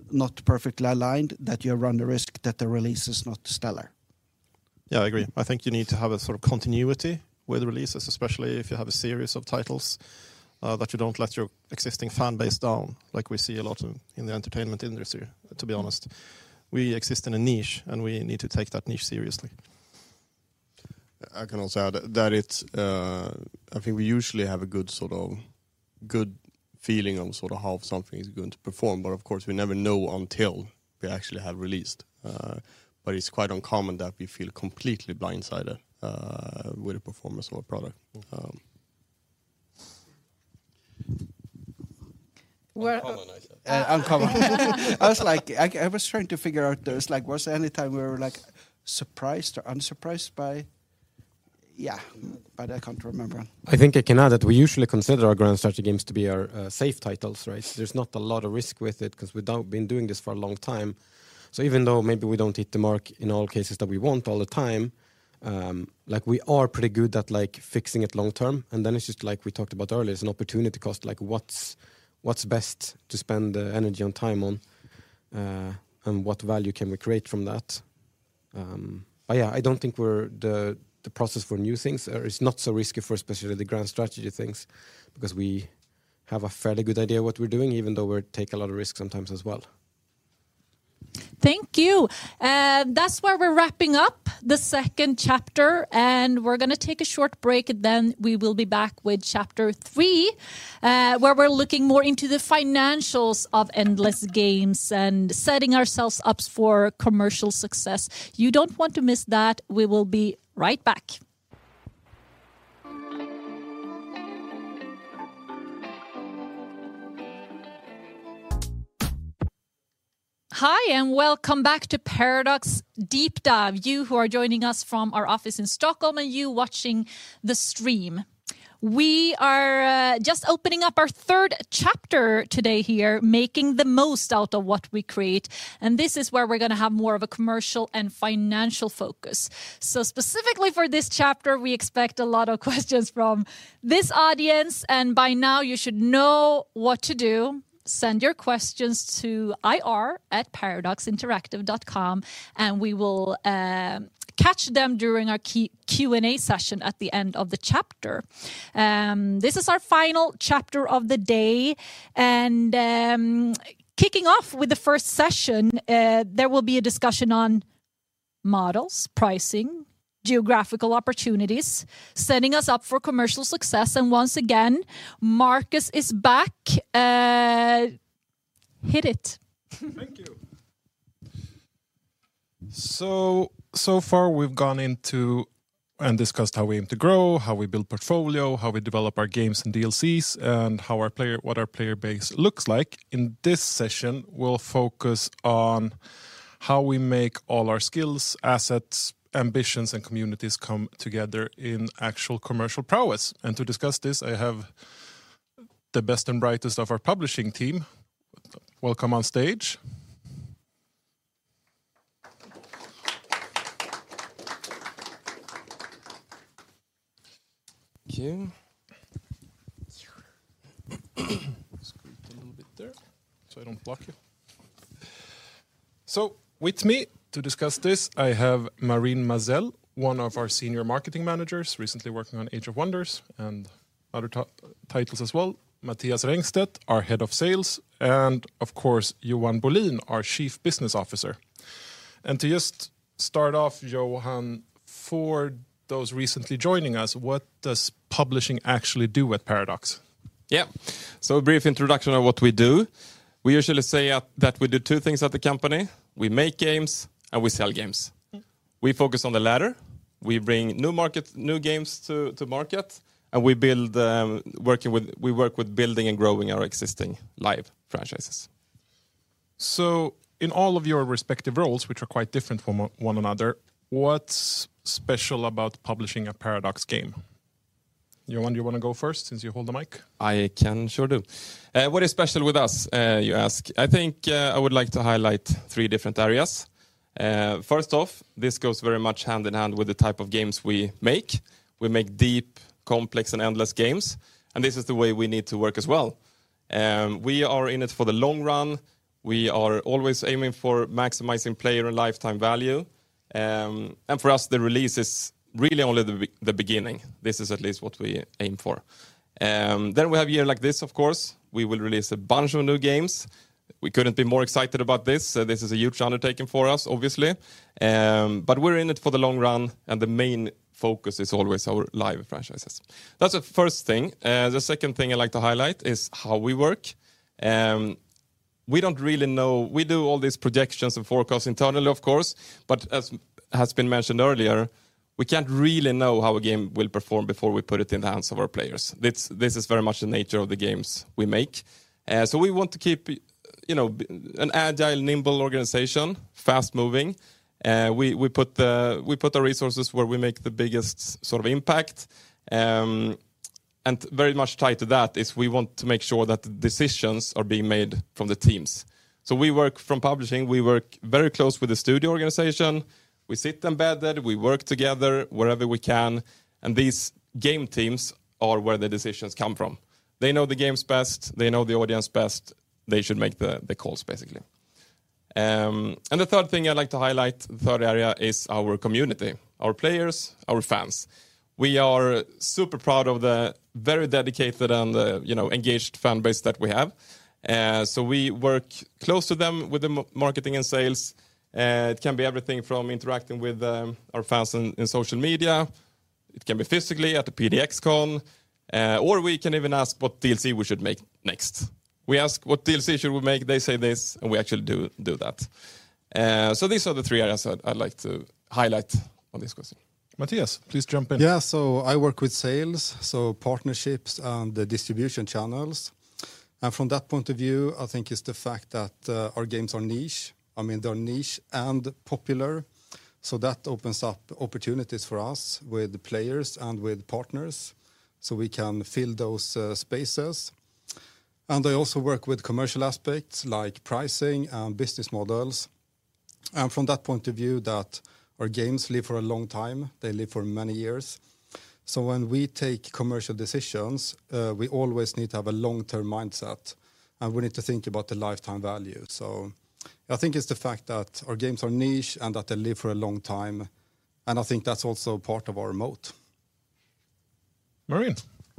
not perfectly aligned that you run the risk that the release is not stellar. Yeah, I agree. I think you need to have a sort of continuity with releases, especially if you have a series of titles, that you don't let your existing fan base down, like we see a lot of in the entertainment industry, to be honest. We exist in a niche, and we need to take that niche seriously. I can also add that it's I think we usually have a good sort of good feeling on sort of how something is going to perform, but of course, we never know until we actually have released. It's quite uncommon that we feel completely blindsided with the performance of a product. Well- Uncommon, I said. Uncommon. I was like, I was trying to figure out there's like was there any time we were, like, surprised or unsurprised by. Yeah, but I can't remember. I think I can add that we usually consider our grand strategy games to be our safe titles, right? There's not a lot of risk with it because we've now been doing this for a long time. Even though maybe we don't hit the mark in all cases that we want all the time, like, we are pretty good at, like, fixing it long term, and then it's just like we talked about earlier. It's an opportunity cost, like what's best to spend energy and time on, and what value can we create from that. Yeah, I don't think we're the process for new things, is not so risky for especially the grand strategy things because we have a fairly good idea what we're doing, even though we take a lot of risks sometimes as well. Thank you. That's where we're wrapping up the second chapter. We're gonna take a short break. Then we will be back with chapter three, where we're looking more into the financials of endless games and setting ourselves up for commercial success. You don't want to miss that. We will be right back. Hi, and welcome back to Paradox Deep Dive, you who are joining us from our office in Stockholm and you watching the stream. We are just opening up our third chapter today here, making the most out of what we create. This is where we're gonna have more of a commercial and financial focus. Specifically for this chapter, we expect a lot of questions from this audience. By now you should know what to do. Send your questions to ir@paradoxinteractive.com, and we will catch them during our Q&A session at the end of the chapter. This is our final chapter of the day, kicking off with the first session, there will be a discussion on models, pricing, geographical opportunities, setting us up for commercial success. Once again, Marcus is back. Hit it. So far we've gone into and discussed how we aim to grow, how we build portfolio, how we develop our games and DLCs, and what our player base looks like. In this session, we'll focus on how we make all our skills, assets, ambitions, and communities come together in actual commercial prowess. To discuss this, I have the best and brightest of our publishing team. Welcome on stage. Thank you. Scoot in a little bit there, so I don't block you. With me to discuss this, I have Marine Mazel, one of our senior marketing managers, recently working on Age of Wonders and other titles as well. Mattias Rengstedt, our head of sales, and of course, Johan Bolin, our chief business officer. To just start off, Johan, for those recently joining us, what does publishing actually do at Paradox? Yeah. A brief introduction of what we do. We usually say that we do two things at the company. We make games, and we sell games. We focus on the latter. We bring new games to market, and we build, we work with building and growing our existing live franchises. In all of your respective roles, which are quite different from one another, what's special about publishing a Paradox game? Johan, do you wanna go first since you hold the mic? I can sure do. What is special with us, you ask? I think, I would like to highlight three different areas. First off, this goes very much hand in hand with the type of games we make. We make deep, complex, and endless games, and this is the way we need to work as well. We are in it for the long run. We are always aiming for maximizing player lifetime value. For us, the release is really only the beginning. This is at least what we aim for. We have a year like this, of course. We will release a bunch of new games. We couldn't be more excited about this. This is a huge undertaking for us, obviously. We're in it for the long run, and the main focus is always our live franchises. That's the first thing. The second thing I'd like to highlight is how we work. We do all these projections and forecasts internally, of course, as has been mentioned earlier, we can't really know how a game will perform before we put it in the hands of our players. This is very much the nature of the games we make. We want to keep you know, an agile, nimble organization, fast-moving. We put the resources where we make the biggest sort of impact, very much tied to that is we want to make sure that decisions are being made from the teams. We work from publishing, we work very close with the studio organization. We sit embedded, we work together wherever we can, these game teams are where the decisions come from. They know the games best, they know the audience best, they should make the calls, basically. The third thing I'd like to highlight, the third area is our community, our players, our fans. We are super proud of the very dedicated and, you know, engaged fan base that we have. We work close to them with marketing and sales. It can be everything from interacting with our fans in social media. It can be physically at the PDXCon, or we can even ask what DLC we should make next. We ask what DLC should we make, they say this, and we actually do that. These are the three areas I'd like to highlight on this question. Mattias, please jump in. Yeah. I work with sales, so partnerships and the distribution channels. From that point of view, I think it's the fact that our games are niche. I mean, they're niche and popular, so that opens up opportunities for us with players and with partners, so we can fill those spaces. I also work with commercial aspects like pricing and business models, and from that point of view that our games live for a long time. They live for many years. When we take commercial decisions, we always need to have a long-term mindset, and we need to think about the lifetime value. I think it's the fact that our games are niche and that they live for a long time, and I think that's also part of our moat. Marine,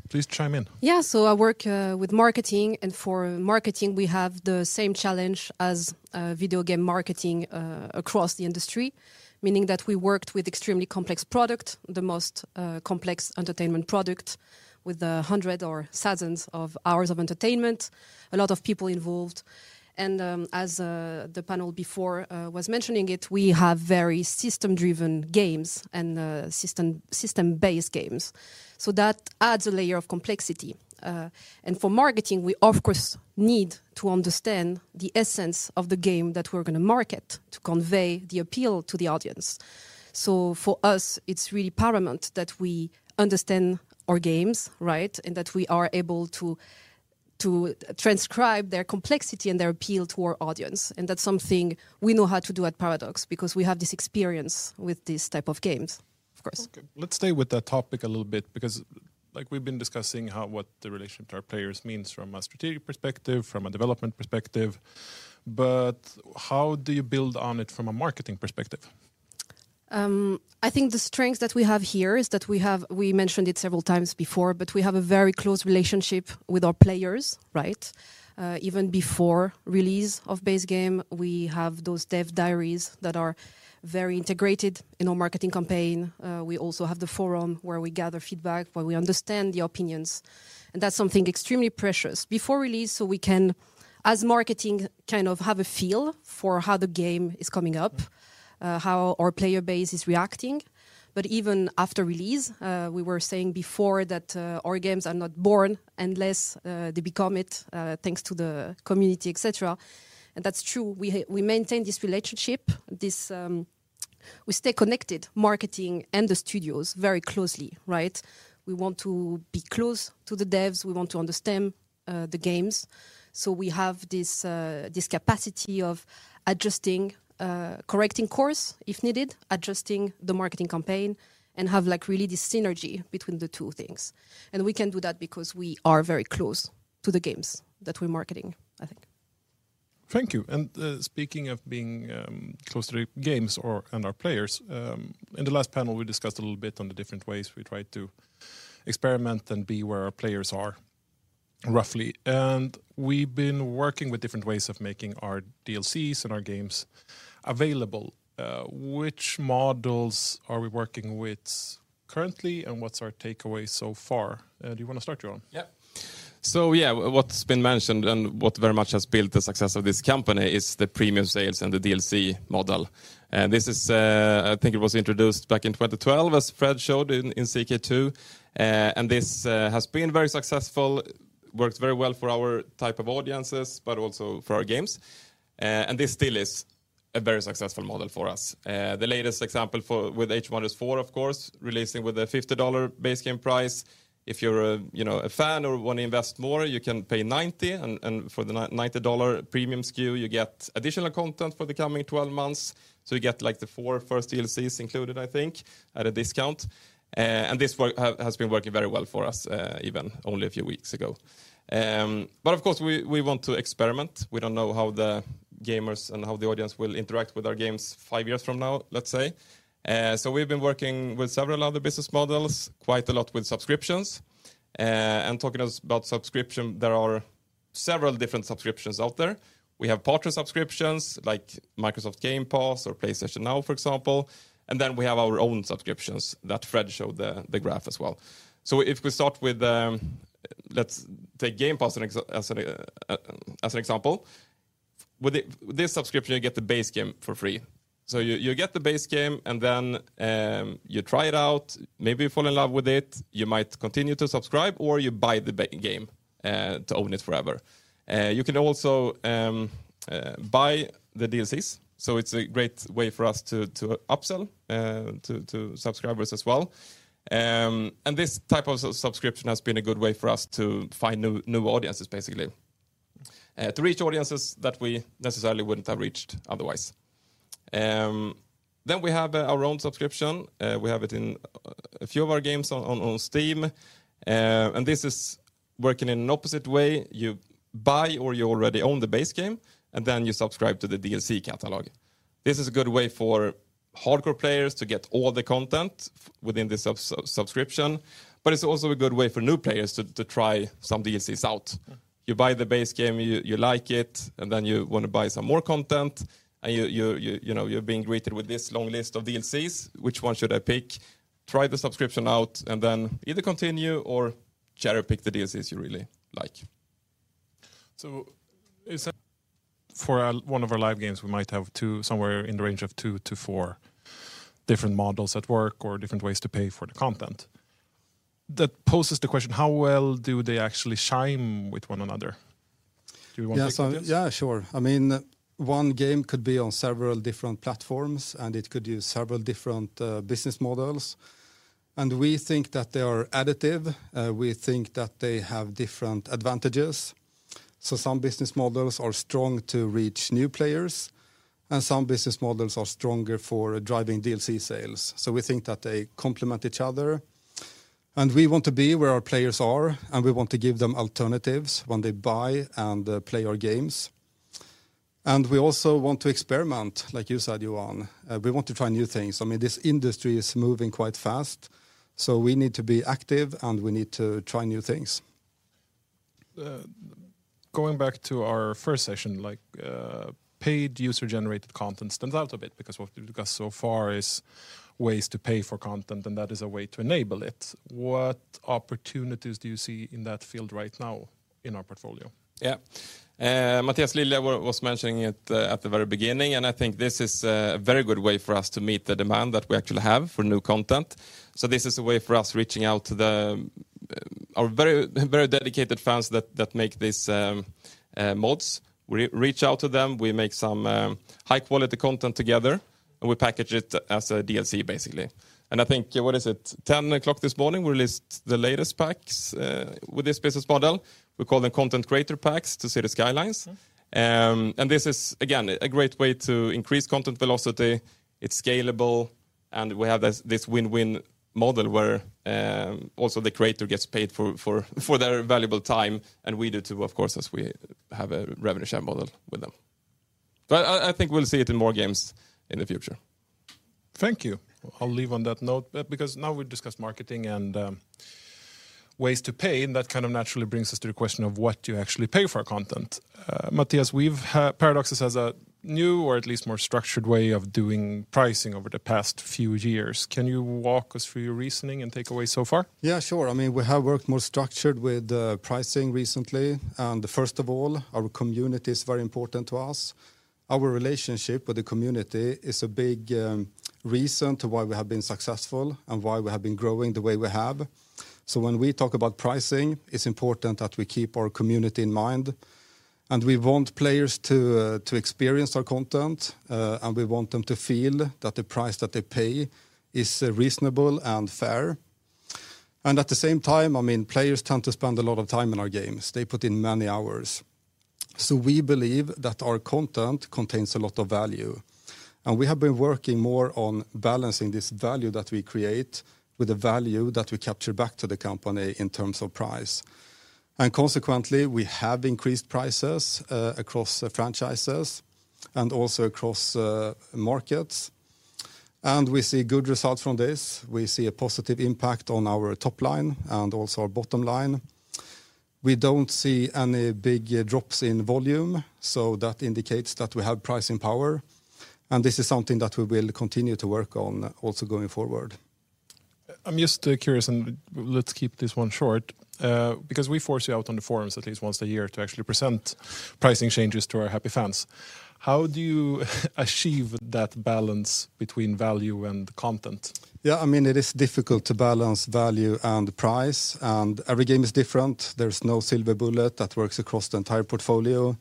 please chime in. Yeah. I work with marketing, for marketing, we have the same challenge as video game marketing across the industry, meaning that we worked with extremely complex product, the most complex entertainment product with 100 or thousands of hours of entertainment, a lot of people involved. as the panel before was mentioning it, we have very system-driven games and system-based games. That adds a layer of complexity. for marketing, we of course need to understand the essence of the game that we're gonna market to convey the appeal to the audience. For us, it's really paramount that we understand our games, right? That we are able to transcribe their complexity and their appeal to our audience. That's something we know how to do at Paradox because we have this experience with these type of games, of course. Okay. Let's stay with that topic a little bit because like we've been discussing what the relationship to our players means from a strategic perspective, from a development perspective. How do you build on it from a marketing perspective? I think the strength that we have here is that we mentioned it several times before, but we have a very close relationship with our players, right? Even before release of base game, we have those dev diaries that are very integrated in our marketing campaign. We also have the forum where we gather feedback, where we understand the opinions, and that's something extremely precious. Before release, so we can, as marketing, kind of have a feel for how the game is coming up, how our player base is reacting. Even after release, we were saying before that our games are not born unless they become it, thanks to the community, et cetera. That's true. We maintain this relationship, we stay connected, marketing and the studios very closely, right? We want to be close to the devs, we want to understand the games, so we have this capacity of adjusting, correcting course if needed, adjusting the marketing campaign, and have like really this synergy between the two things. We can do that because we are very close to the games that we're marketing, I think. Thank you. Speaking of being close to the games or, and our players, in the last panel, we discussed a little bit on the different ways we try to experiment and be where our players are roughly. We've been working with different ways of making our DLCs and our games available. Which models are we working with currently, and what's our takeaway so far? Do you wanna start, Johan? Yeah. what's been mentioned and what very much has built the success of this company is the premium sales and the DLC model. This is, I think it was introduced back in 2012 as Fred showed in CK2, and this has been very successful, works very well for our type of audiences, but also for our games. This still is a very successful model for us. The latest example with Age of Wonders 4, of course, releasing with a $50 base game price. If you're a, you know, a fan or wanna invest more, you can pay 90 and for the $90 premium SKU, you get additional content for the coming 12 months. You get like the four first DLCs included, I think, at a discount. This has been working very well for us even only a few weeks ago. Of course we want to experiment. We don't know how the gamers and how the audience will interact with our games five years from now, let's say. We've been working with several other business models, quite a lot with subscriptions. Talking about subscription, there are several different subscriptions out there. We have partner subscriptions like Xbox Game Pass or PlayStation Now, for example, and then we have our own subscriptions that Fred showed the graph as well. If we start with, let's take Game Pass as an example. With this subscription, you get the base game for free. You get the base game and then you try it out, maybe fall in love with it. You might continue to subscribe or you buy the game to own it forever. You can also buy the DLCs, so it's a great way for us to upsell to subscribers as well. This type of subscription has been a good way for us to find new audiences, basically. To reach audiences that we necessarily wouldn't have reached otherwise. We have our own subscription. We have it in a few of our games on Steam. This is working in an opposite way. You buy or you already own the base game, and then you subscribe to the DLC catalog. This is a good way for hardcore players to get all the content within the sub-sub-subscription, but it's also a good way for new players to try some DLCs out. You buy the base game, you like it, and then you wanna buy some more content, and you know, you're being greeted with this long list of DLCs. Which one should I pick? Try the subscription out and then either continue or cherry-pick the DLCs you really like. Is that for one of our live games, we might have somewhere in the range of two to four different models at work or different ways to pay for the content. That poses the question, how well do they actually chime with one another? Do you want to take this? Yeah, sure. I mean, one game could be on several different platforms, and it could use several different business models, and we think that they are additive. We think that they have different advantages. Some business models are strong to reach new players, and some business models are stronger for driving DLC sales. We think that they complement each other, and we want to be where our players are, and we want to give them alternatives when they buy and play our games. We also want to experiment, like you said, Johan. We want to try new things. I mean, this industry is moving quite fast, so we need to be active and we need to try new things. Going back to our first session, paid user-generated content stands out a bit because what we've discussed so far is ways to pay for content, and that is a way to enable it. What opportunities do you see in that field right now in our portfolio? Yeah. Mattias Lilja was mentioning it at the very beginning. I think this is a very good way for us to meet the demand that we actually have for new content. This is a way for us reaching out to our very, very dedicated fans that make these mods. We reach out to them, we make some high-quality content together, and we package it as a DLC, basically. I think, what is it? 10:00 A.M. this morning, we released the latest packs with this business model. We call them Content Creator Packs to Cities: Skylines. This is again, a great way to increase content velocity. It's scalable. We have this win-win model where also the creator gets paid for their valuable time. We do too, of course, as we have a revenue share model with them. I think we'll see it in more games in the future. Thank you. I'll leave on that note because now we've discussed marketing and ways to pay, and that kind of naturally brings us to the question of what you actually pay for our content. Mattias, Paradox has a new or at least more structured way of doing pricing over the past few years. Can you walk us through your reasoning and takeaway so far? Yeah, sure. I mean, we have worked more structured with pricing recently. First of all, our community is very important to us. Our relationship with the community is a big reason to why we have been successful and why we have been growing the way we have. When we talk about pricing, it's important that we keep our community in mind, and we want players to experience our content, and we want them to feel that the price that they pay is reasonable and fair. At the same time, I mean, players tend to spend a lot of time in our games. They put in many hours. We believe that our content contains a lot of value, and we have been working more on balancing this value that we create with the value that we capture back to the company in terms of price. Consequently, we have increased prices across the franchises and also across markets, and we see good results from this. We see a positive impact on our top line and also our bottom line. We don't see any big drops in volume, so that indicates that we have pricing power, and this is something that we will continue to work on also going forward. I'm just curious, and let's keep this one short. Because we force you out on the forums at least once a year to actually present pricing changes to our happy fans. How do you achieve that balance between value and content? Yeah, I mean, it is difficult to balance value and price. Every game is different. There's no silver bullet that works across the entire portfolio.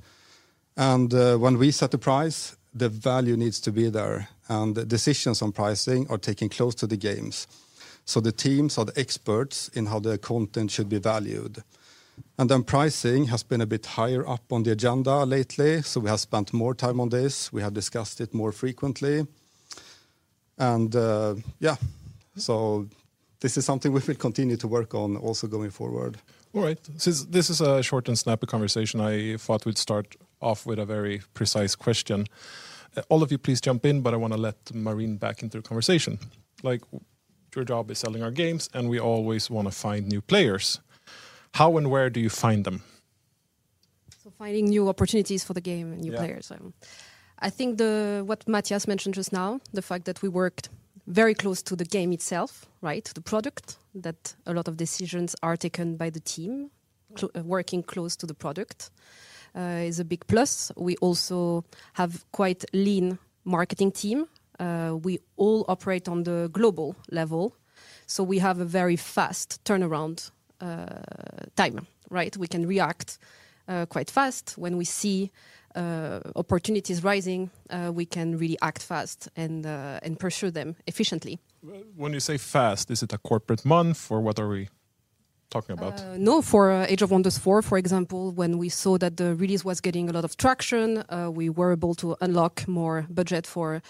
When we set the price, the value needs to be there. Decisions on pricing are taken close to the games. The teams are the experts in how the content should be valued. Pricing has been a bit higher up on the agenda lately. We have spent more time on this. We have discussed it more frequently. Yeah, this is something we will continue to work on also going forward. All right. Since this is a short and snappy conversation, I thought we'd start off with a very precise question. All of you please jump in, but I wanna let Marine back into the conversation. Like, your job is selling our games, and we always wanna find new players. How and where do you find them? Finding new opportunities for the game and new players. Yeah. I think what Mattias mentioned just now, the fact that we worked very close to the game itself, right? The product that a lot of decisions are taken by the teamWorking close to the product is a big plus. We also have quite lean marketing team. We all operate on the global level, so we have a very fast turnaround time, right? We can react quite fast. When we see opportunities rising, we can react fast and pursue them efficiently. When you say fast, is it a corporate month or what are we talking about? No, for Age of Wonders 4, for example, when we saw that the release was getting a lot of traction, we were able to unlock more budget for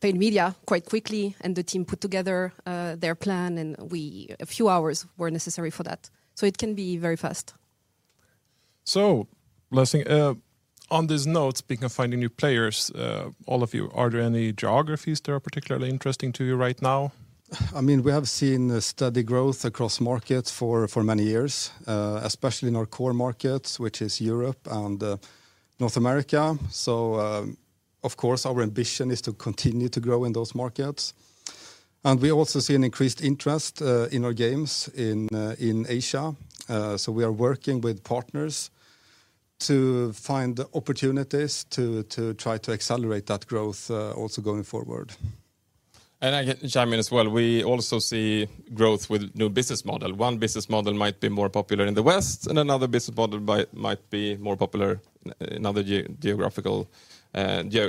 paid media quite quickly, and the team put together their plan and a few hours were necessary for that. It can be very fast. Last thing, on this note, speaking of finding new players, all of you, are there any geographies that are particularly interesting to you right now? I mean, we have seen a steady growth across markets for many years, especially in our core markets, which is Europe and North America. Of course, our ambition is to continue to grow in those markets. We also see an increased interest in our games in Asia. We are working with partners to find opportunities to try to accelerate that growth also going forward. I can chime in as well. We also see growth with new business model. One business model might be more popular in the West, and another business model might be more popular in other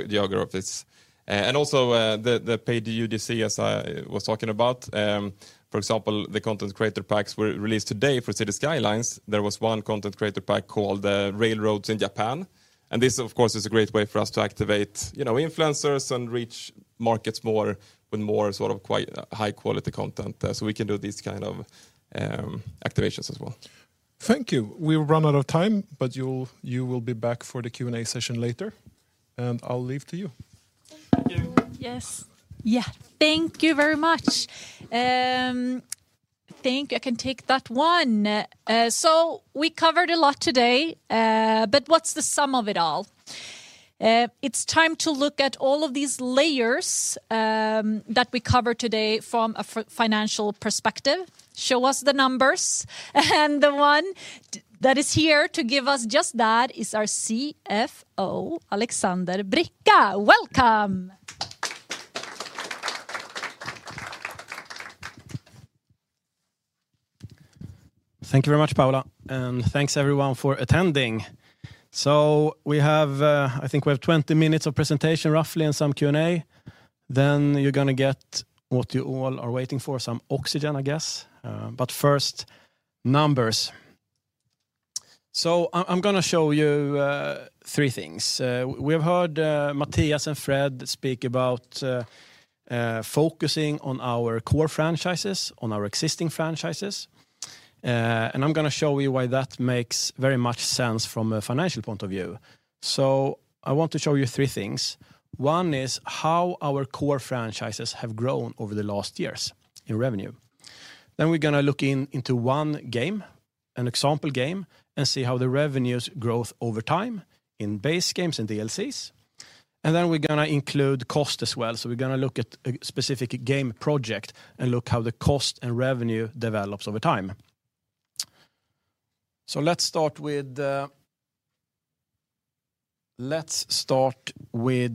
geographies. Also, the paid UGC, as I was talking about, for example, the Content Creator Packs were released today for Cities: Skylines. There was one Content Creator Packs called Railroads of Japan, and this of course is a great way for us to activate, you know, influencers and reach markets more with more sort of quite high quality content. We can do these kind of activations as well. Thank you. We've run out of time. You will be back for the Q&A session later. I'll leave to you. Thank you. Yes. Yeah. Thank you very much. I think I can take that one. We covered a lot today, but what's the sum of it all? It's time to look at all of these layers that we covered today from a financial perspective. Show us the numbers. The one that is here to give us just that is our CFO, Alexander Bricca. Welcome. Thank you very much, Paula, and thanks everyone for attending. We have, I think we have 20 minutes of presentation roughly and some Q&A. You're gonna get what you all are waiting for, some oxygen, I guess. First, numbers. I'm gonna show you three things. We have heard Mattias and Fred speak about focusing on our core franchises, on our existing franchises. I'm gonna show you why that makes very much sense from a financial point of view. I want to show you three things. One is how our core franchises have grown over the last years in revenue. We're gonna look into one game, an example game, and see how the revenues growth over time in base games and DLCs. We're gonna include cost as well. We're gonna look at a specific game project and look how the cost and revenue develops over time. Let's start with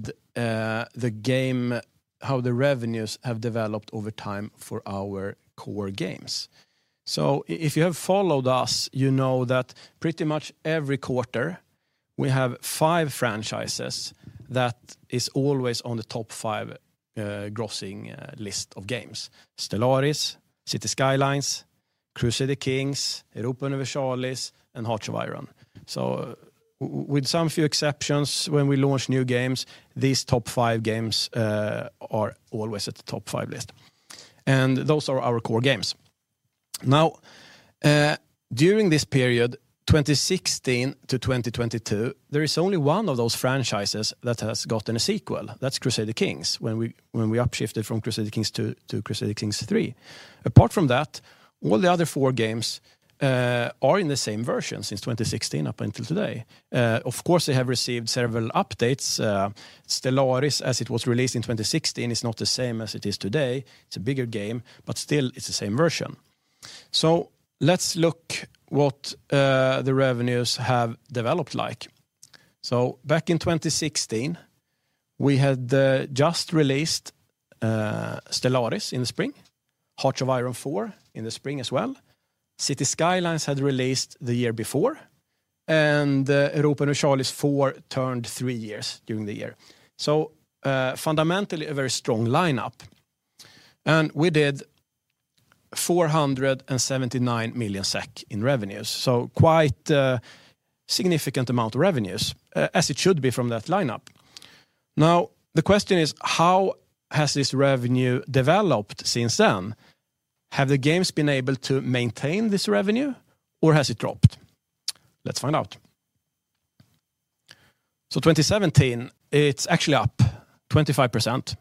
the game, how the revenues have developed over time for our core games. If you have followed us, you know that pretty much every quarter we have five franchises that is always on the top five grossing list of games. Stellaris, Cities: Skylines, Crusader Kings, Europa Universalis, and Hearts of Iron. With some few exceptions, when we launch new games, these top five games are always at the top five list. Those are our core games. Now, during this period, 2016 to 2022, there is only one of those franchises that has gotten a sequel. That's Crusader Kings, when we upshifted from Crusader Kings to Crusader Kings III. Apart from that, all the other four games are in the same version since 2016 up until today. Of course, they have received several updates. Stellaris, as it was released in 2016, is not the same as it is today. It's a bigger game, but still it's the same version. Let's look what the revenues have developed like. Back in 2016, we had just released Stellaris in the spring, Hearts of Iron IV in the spring as well. Cities: Skylines had released the year before, Europa Universalis IV turned three years during the year. Fundamentally a very strong lineup. We did 479 million SEK in revenues, quite a significant amount of revenues as it should be from that lineup. Now, the question is, how has this revenue developed since then? Have the games been able to maintain this revenue or has it dropped? Let's find out. 2017, it's actually up 25%.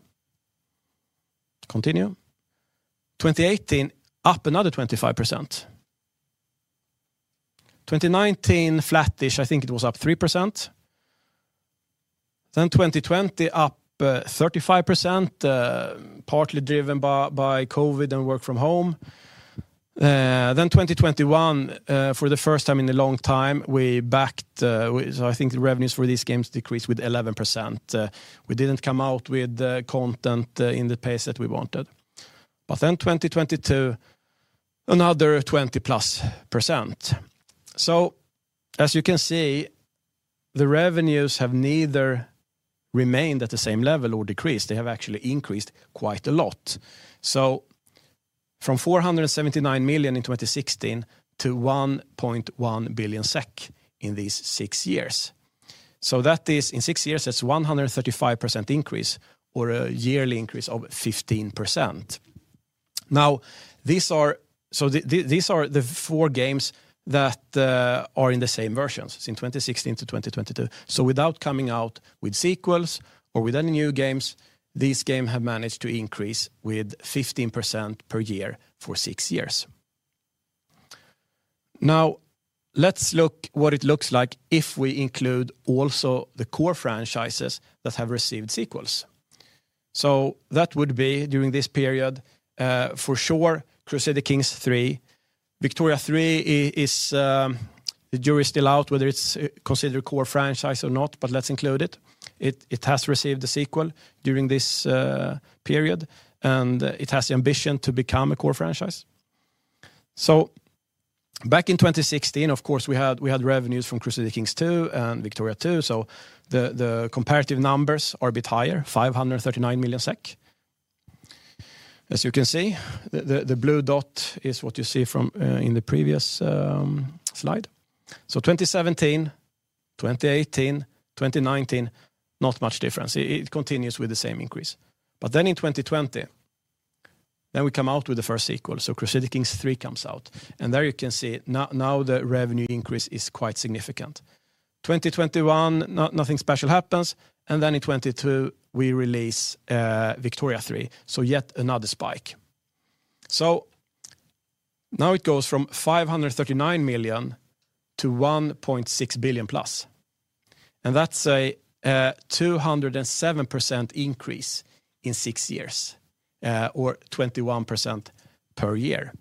Continue. 2018, up another 25%. 2019, flat-ish, I think it was up 3%. 2020 up 35%, partly driven by COVID and work from home. 2021, for the first time in a long time, I think the revenues for these games decreased with 11%. We didn't come out with the content in the pace that we wanted. 2022, another 20+%. As you can see, the revenues have neither remained at the same level or decreased. They have actually increased quite a lot. From 479 million in 2016 to 1.1 billion SEK in these six years. That is in six years, that's 135% increase or a yearly increase of 15%. These are the four games that are in the same versions in 2016 to 2022. Without coming out with sequels or with any new games, these game have managed to increase with 15% per year for six years. Let's look what it looks like if we include also the core franchises that have received sequels. That would be during this period, for sure, Crusader Kings III. Victoria III is the jury's still out whether it's considered core franchise or not, but let's include it. It has received a sequel during this period, and it has the ambition to become a core franchise. Back in 2016, of course, we had revenues from Crusader Kings II and Victoria II, so the comparative numbers are a bit higher, 539 million SEK. As you can see, the blue dot is what you see from in the previous slide. 2017, 2018, 2019, not much difference. It continues with the same increase. In 2020, then we come out with the first sequel, so Crusader Kings III comes out. There you can see now the revenue increase is quite significant. 2021, nothing special happens, and then in 2022 we release Victoria III, so yet another spike. Now it goes from 539 million-1.6 billion plus. That's a 207% increase in six years, or 21% per year.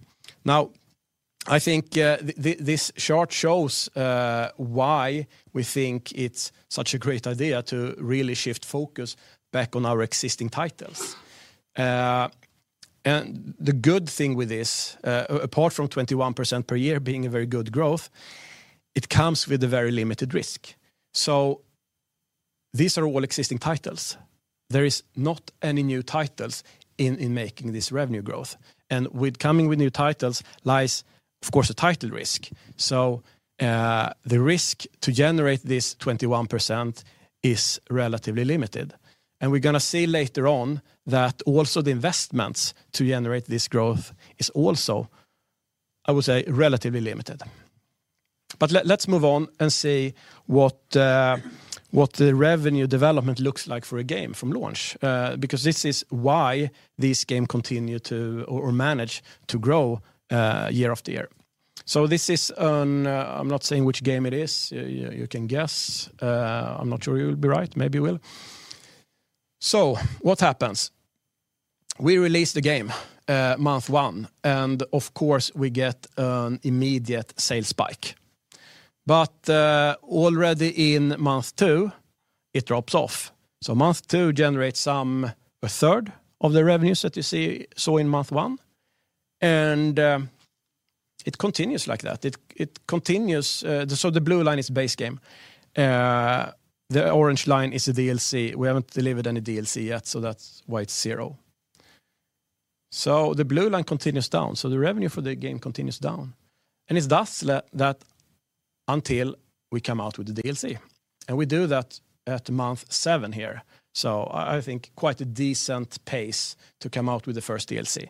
I think this chart shows why we think it's such a great idea to really shift focus back on our existing titles. The good thing with this, apart from 21% per year being a very good growth, it comes with a very limited risk. These are all existing titles. There is not any new titles in making this revenue growth. With coming with new titles lies, of course, a title risk. The risk to generate this 21% is relatively limited. We're gonna see later on that also the investments to generate this growth is also, I would say, relatively limited. Let's move on and see what the revenue development looks like for a game from launch because this is why these games continue to or manage to grow year after year. This is I'm not saying which game it is. You can guess. I'm not sure you'll be right. Maybe you will. What happens? We release the game month one, and of course, we get an immediate sales spike. Already in month two, it drops off. Month two generates a third of the revenues that you saw in month one. It continues like that. It continues. The blue line is base game. The orange line is the DLC. We haven't delivered any DLC yet, so that's why it's zero. The blue line continues down. The revenue for the game continues down. It does that until we come out with the DLC. We do that at month seven here. I think quite a decent pace to come out with the first DLC.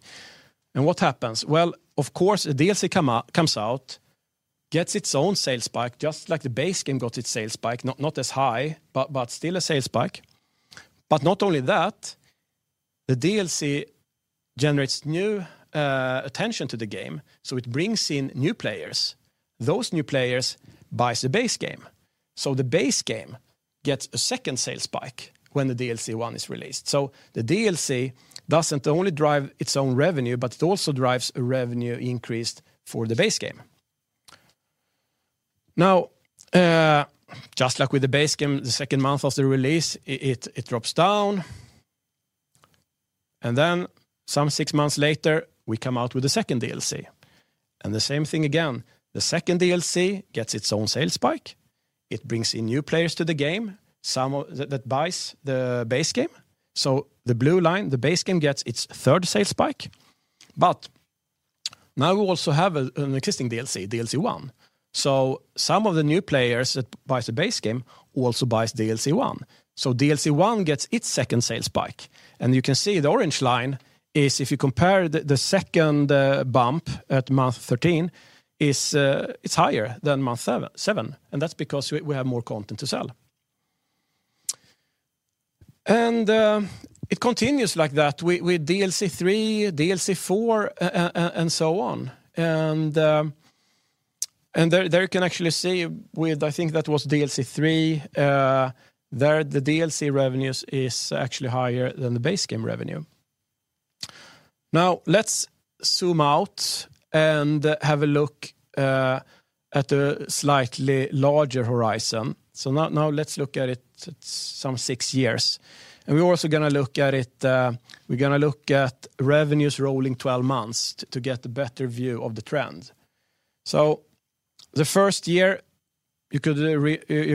What happens? Well, of course, the DLC comes out, gets its own sales spike, just like the base game got its sales spike, not as high, but still a sales spike. Not only that, the DLC generates new attention to the game, it brings in new players. Those new players buys the base game. The base game gets a second sales spike when the DLC one is released. The DLC doesn't only drive its own revenue, but it also drives a revenue increase for the base game. Just like with the base game, the second month of the release, it drops down. Then some six months later, we come out with the second DLC. The same thing again, the second DLC gets its own sales spike. It brings in new players to the game, that buys the base game. The blue line, the base game gets its third sales spike. Now we also have an existing DLC 1. Some of the new players that buys the base game also buys DLC 1. DLC 1 gets its second sales spike. You can see the orange line is if you compare the second bump at month 13 is it's higher than month seven, and that's because we have more content to sell. It continues like that with DLC 3, DLC 4, and so on. There you can actually see with, I think that was DLC 3, there the DLC revenues is actually higher than the base game revenue. Let's zoom out and have a look at a slightly larger horizon. Now let's look at it at some six years, and we're also gonna look at it, we're gonna look at revenues rolling 12 months to get a better view of the trend. The first year you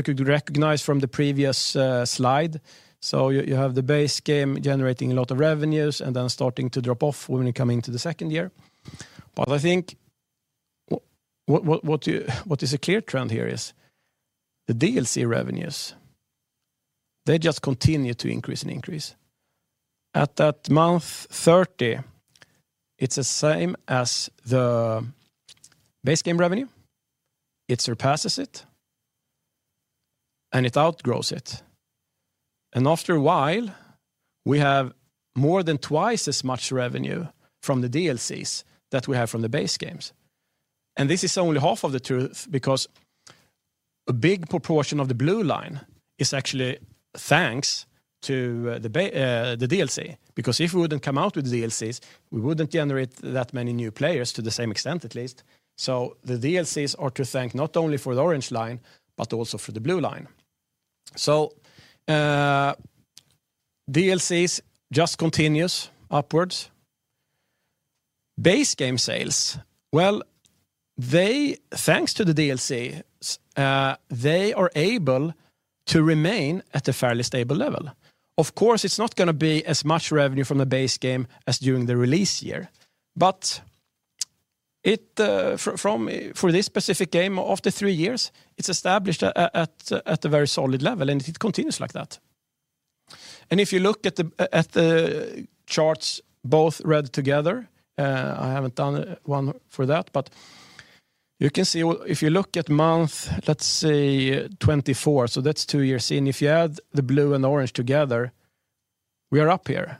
could recognize from the previous slide. You have the base game generating a lot of revenues and then starting to drop off when you come into the second year. I think what is a clear trend here is the DLC revenues, they just continue to increase and increase. At that month 30, it's the same as the base game revenue. It surpasses it, and it outgrows it. After a while, we have more than twice as much revenue from the DLCs that we have from the base games. This is only half of the truth because a big proportion of the blue line is actually thanks to the DLC, because if we wouldn't come out with DLCs, we wouldn't generate that many new players to the same extent, at least. The DLCs are to thank not only for the orange line but also for the blue line. DLCs just continues upwards. Base game sales, well, thanks to the DLCs, they are able to remain at a fairly stable level. Of course, it's not gonna be as much revenue from the base game as during the release year, but it, for this specific game, after three years, it's established at a very solid level, and it continues like that. If you look at the charts, both red together, I haven't done one for that, but you can see if you look at month, let's say 24, so that's two years in, if you add the blue and orange together, we are up here.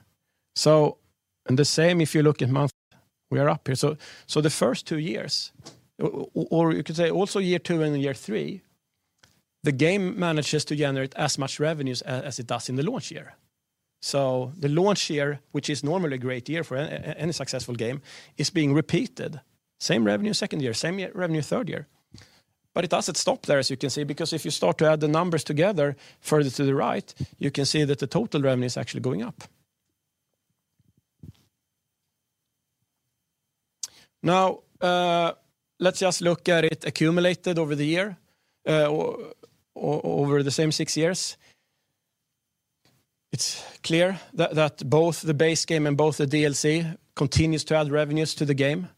The same if you look at month we are up here. The first two years or you could say also year two and year three, the game manages to generate as much revenues as it does in the launch year. The launch year, which is normally a great year for any successful game, is being repeated. Same revenue second year, same revenue third year. It doesn't stop there, as you can see, because if you start to add the numbers together further to the right, you can see that the total revenue is actually going up. Let's just look at it accumulated over the year, over the same six years. It's clear that both the base game and both the DLC continues to add revenues to the game.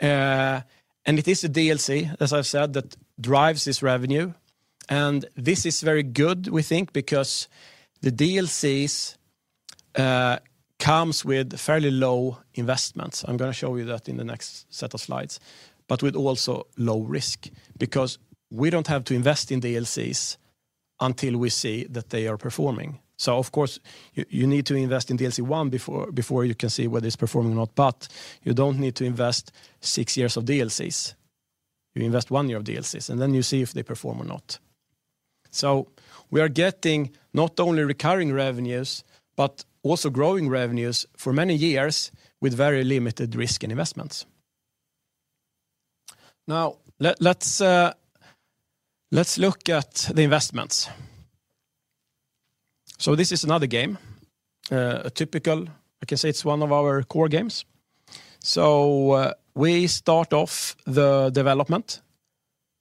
It is the DLC, as I've said, that drives this revenue. This is very good, we think, because the DLCs comes with fairly low investments. I'm gonna show you that in the next set of slides, but with also low risk because we don't have to invest in DLCs until we see that they are performing. Of course, you need to invest in DLC 1 before you can see whether it's performing or not, but you don't need to invest six years of DLCs. You invest one year of DLCs, and then you see if they perform or not. We are getting not only recurring revenues, but also growing revenues for many years with very limited risk and investments. Now let's look at the investments. This is another game, I can say it's one of our core games. We start off the development,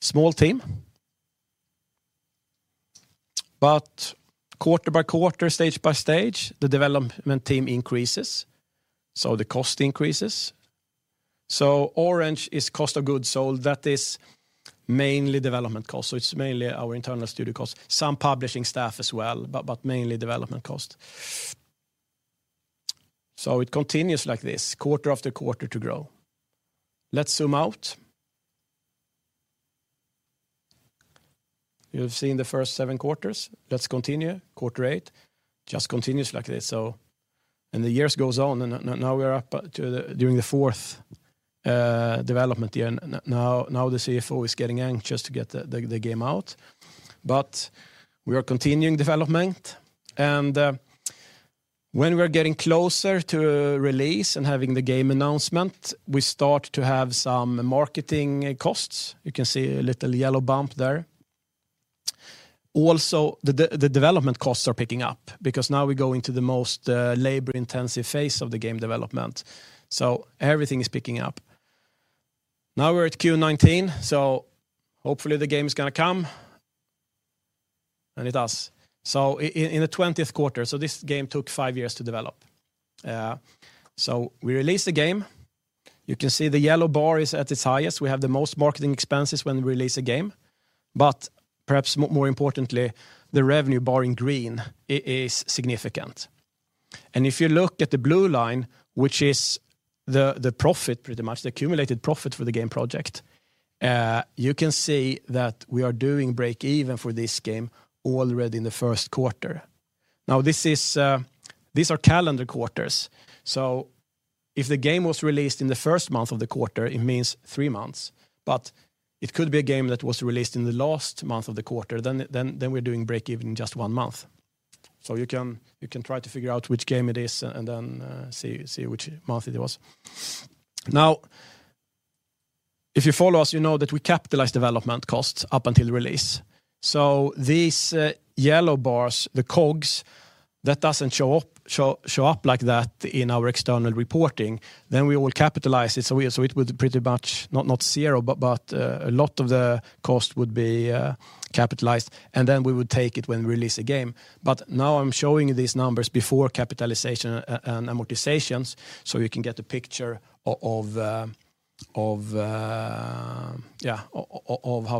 small team. Quarter by quarter, stage by stage, the development team increases, so the cost increases. Orange is cost of goods sold. That is mainly development costs, so it's mainly our internal studio costs. Some publishing staff as well, but mainly development cost. It continues like this quarter after quarter to grow. Let's zoom out. You've seen the first seven quarters. Let's continue. Quarter eight just continues like this. The years goes on, and now we're up to during the fourth development year. Now the CFO is getting anxious to get the game out. We are continuing development, and when we're getting closer to release and having the game announcement, we start to have some marketing costs. You can see a little yellow bump there. Also, the development costs are picking up because now we go into the most labor-intensive phase of the game development, everything is picking up. Now we're at Q19, hopefully the game is gonna come, and it does. In the 20th quarter, this game took five years to develop. We release the game. You can see the yellow bar is at its highest. We have the most marketing expenses when we release a game, perhaps more importantly, the revenue bar in green is significant. If you look at the blue line, which is the profit, pretty much the accumulated profit for the game project, you can see that we are doing break-even for this game already in the first quarter. This is, these are calendar quarters. If the game was released in the first month of the quarter, it means three months. It could be a game that was released in the last month of the quarter, then we're doing break-even in just one month. You can try to figure out which game it is and then see which month it was. If you follow us, you know that we capitalize development costs up until release. These yellow bars, the COGS, that doesn't show up like that in our external reporting. We will capitalize it, so it would pretty much, not zero, but a lot of the cost would be capitalized, and then we would take it when we release a game. Now I'm showing these numbers before capitalization and amortizations, so you can get a picture of how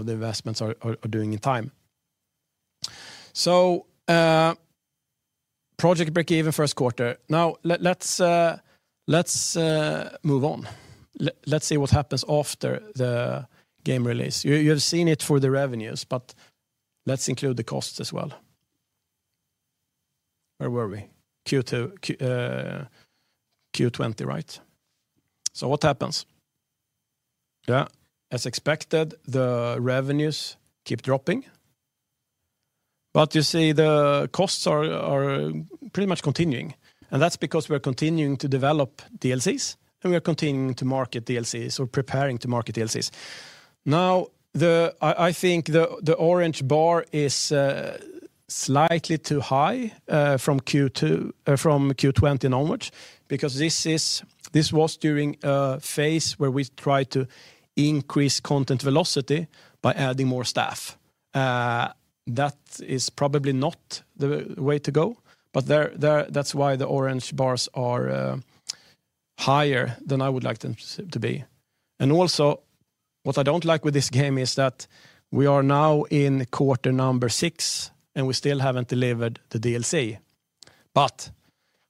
the investments are doing in time. Project breakeven first quarter. Let's move on. Let's see what happens after the game release. You have seen it for the revenues, but let's include the costs as well. Where were we? Q20, right? What happens? As expected, the revenues keep dropping. You see the costs are pretty much continuing, that's because we're continuing to develop DLCs, and we are continuing to market DLCs or preparing to market DLCs. I think the orange bar is slightly too high from Q20 onwards because this was during a phase where we tried to increase content velocity by adding more staff. That is probably not the way to go, that's why the orange bars are higher than I would like them to be. Also, what I don't like with this game is that we are now in quarter number six, and we still haven't delivered the DLC.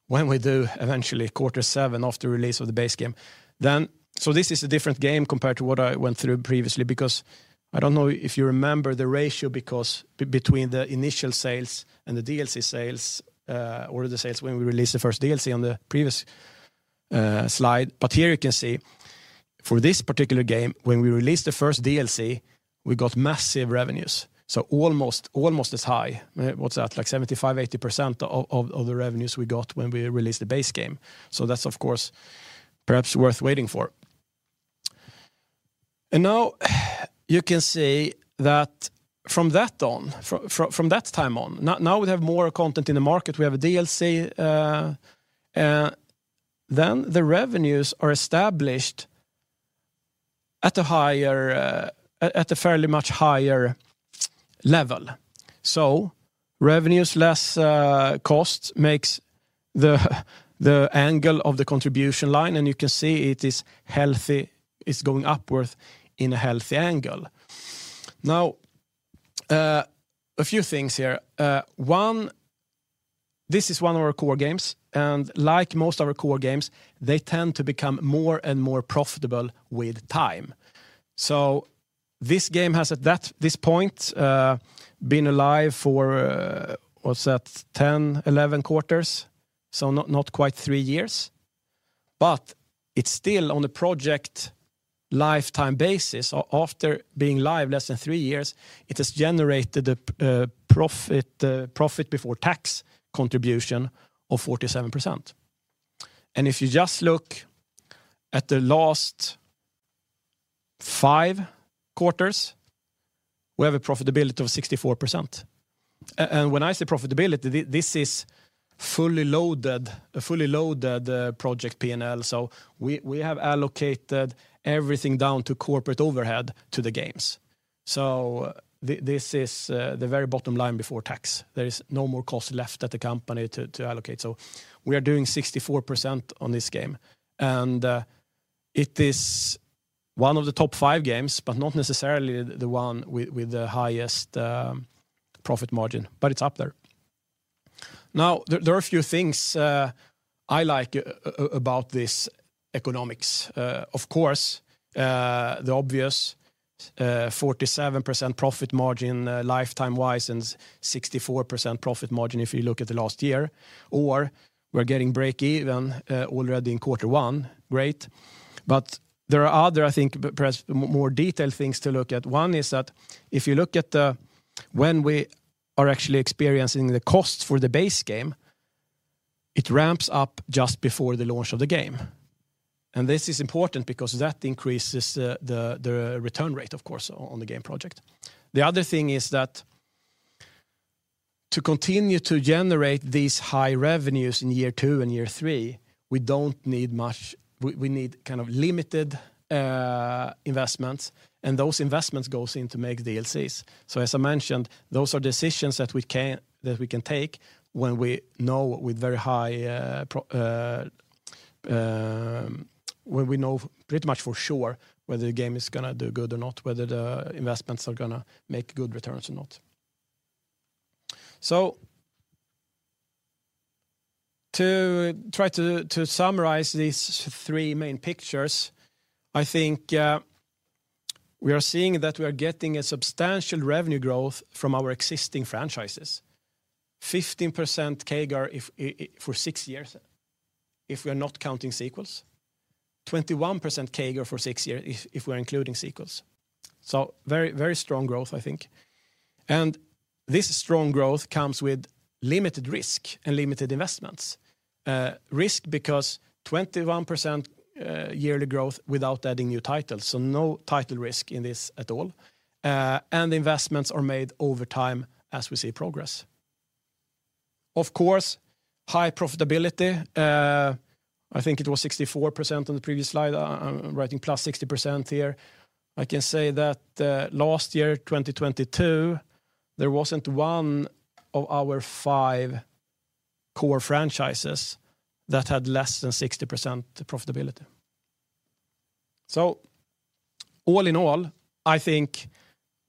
When we do eventually, quarter seven after release of the base game. This is a different game compared to what I went through previously because I don't know if you remember the ratio between the initial sales and the DLC sales, or the sales when we released the first DLC on the previous slide. Here you can see for this particular game, when we released the first DLC, we got massive revenues, so almost as high. What's that? Like 75%, 80% of the revenues we got when we released the base game. That's, of course, perhaps worth waiting for. Now you can see that from that on, from that time on, now we have more content in the market. We have a DLC, then the revenues are established at a higher, at a fairly much higher level. Revenues less costs makes the angle of the contribution line, and you can see it is healthy. It's going upward in a healthy angle. A few things here. One, this is one of our core games, and like most of our core games, they tend to become more and more profitable with time. This game has at this point, been alive for, what's that? 10, 11 quarters, not quite three years. It's still on the project lifetime basis. After being live less than three years, it has generated a profit before tax contribution of 47%. If you just look at the last five quarters, we have a profitability of 64%. When I say profitability, this is fully loaded, a fully loaded project P&L. We have allocated everything down to corporate overhead to the games. This is the very bottom line before tax. There is no more cost left at the company to allocate. We are doing 64% on this game, and it is one of the top five games, but not necessarily the one with the highest profit margin, but it's up there. There are a few things I like about this economics. Of course, the obvious, 47% profit margin lifetime-wise and 64% profit margin if you look at the last year, or we're getting break even already in quarter one. Great. There are other, I think, perhaps more detailed things to look at. One is that if you look at, when we are actually experiencing the cost for the base game, it ramps up just before the launch of the game. This is important because that increases the return rate, of course, on the game project. The other thing is that to continue to generate these high revenues in year two and year three, we need kind of limited investments, and those investments goes into make DLCs. As I mentioned, those are decisions that we can take when we know with very high, when we know pretty much for sure whether the game is gonna do good or not, whether the investments are gonna make good returns or not. To try to summarize these three main pictures, I think, We are seeing that we are getting a substantial revenue growth from our existing franchises. 15% CAGR if for six years if we are not counting sequels. 21% CAGR for six years if we're including sequels. Very, very strong growth, I think. This strong growth comes with limited risk and limited investments. Risk because 21% yearly growth without adding new titles, so no title risk in this at all. Investments are made over time as we see progress. Of course, high profitability, I think it was 64% on the previous slide. I'm writing +60% here. I can say that last year, 2022, there wasn't one of our five core franchises that had less than 60% profitability. All in all, I think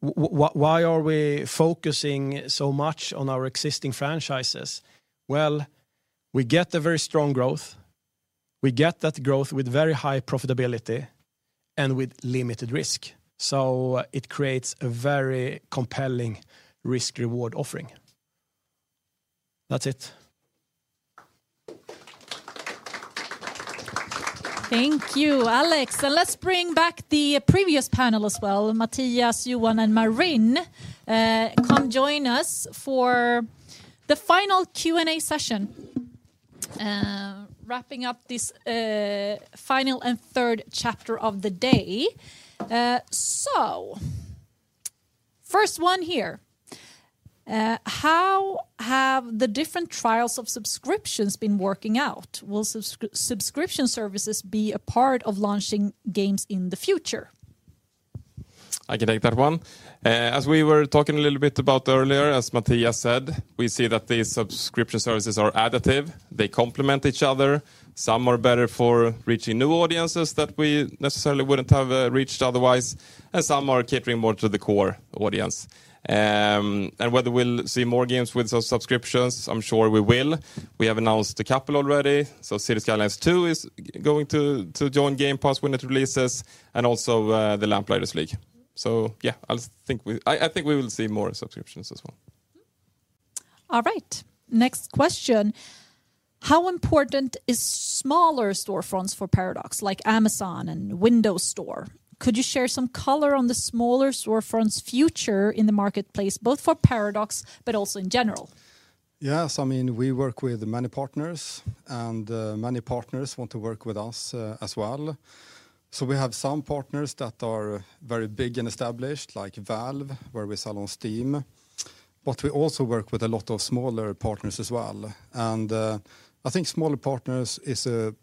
why are we focusing so much on our existing franchises? We get a very strong growth. We get that growth with very high profitability and with limited risk, so it creates a very compelling risk/reward offering. That's it. Thank you, Alex. Let's bring back the previous panel as well. Mattias, Johan, and Marine, come join us for the final Q&A session, wrapping up this final and third chapter of the day. First one here, how have the different trials of subscriptions been working out? Will subscription services be a part of launching games in the future? I can take that one. As we were talking a little bit about earlier, as Mattias said, we see that these subscription services are additive. They complement each other. Some are better for reaching new audiences that we necessarily wouldn't have reached otherwise, some are catering more to the core audience. Whether we'll see more games with subscriptions, I'm sure we will. We have announced a couple already. Cities: Skylines II is going to join Game Pass when it releases and also The Lamplighters League. Yeah, I'll think I think we will see more subscriptions as well. All right. Next question. How important is smaller storefronts for Paradox, like Amazon and Microsoft Store? Could you share some color on the smaller storefronts' future in the marketplace, both for Paradox but also in general? Yes. I mean, we work with many partners, and many partners want to work with us as well. We have some partners that are very big and established, like Valve, where we sell on Steam. We also work with a lot of smaller partners as well. I think smaller partners is a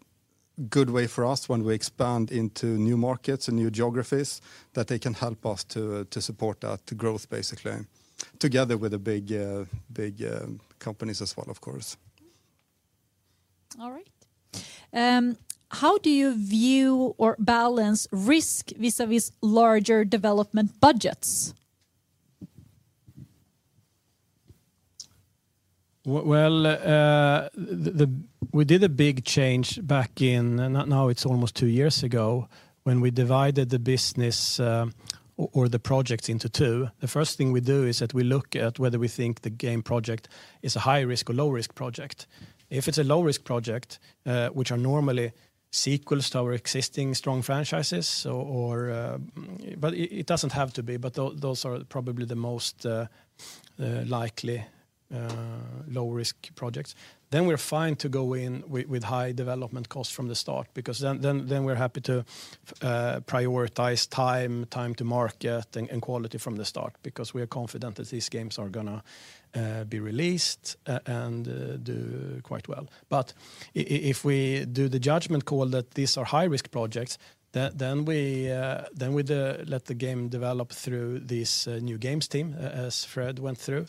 good way for us when we expand into new markets and new geographies, that they can help us to support that, the growth basically, together with the big, big companies as well, of course. All right. How do you view or balance risk vis-à-vis larger development budgets? Well, we did a big change back in, now it's almost two years ago, when we divided the business, or the projects into two. The first thing we do is that we look at whether we think the game project is a high-risk or low-risk project. If it's a low-risk project, which are normally sequels to our existing strong franchises or. It doesn't have to be, those are probably the most likely low-risk projects. We're fine to go in with high development costs from the start because then we're happy to prioritize time to market and quality from the start because we are confident that these games are gonna be released and do quite well. If we do the judgment call that these are high-risk projects, then we let the game develop through this New Games team, as Fred went through.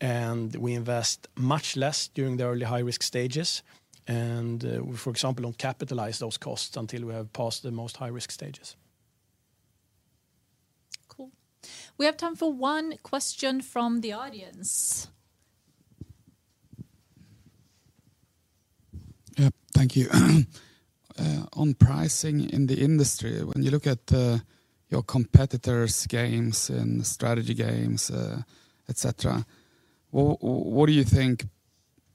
We invest much less during the early high-risk stages and we, for example, don't capitalize those costs until we have passed the most high-risk stages. Cool. We have time for one question from the audience. Yeah. Thank you. On pricing in the industry, when you look at your competitors' games and strategy games, et cetera, what do you think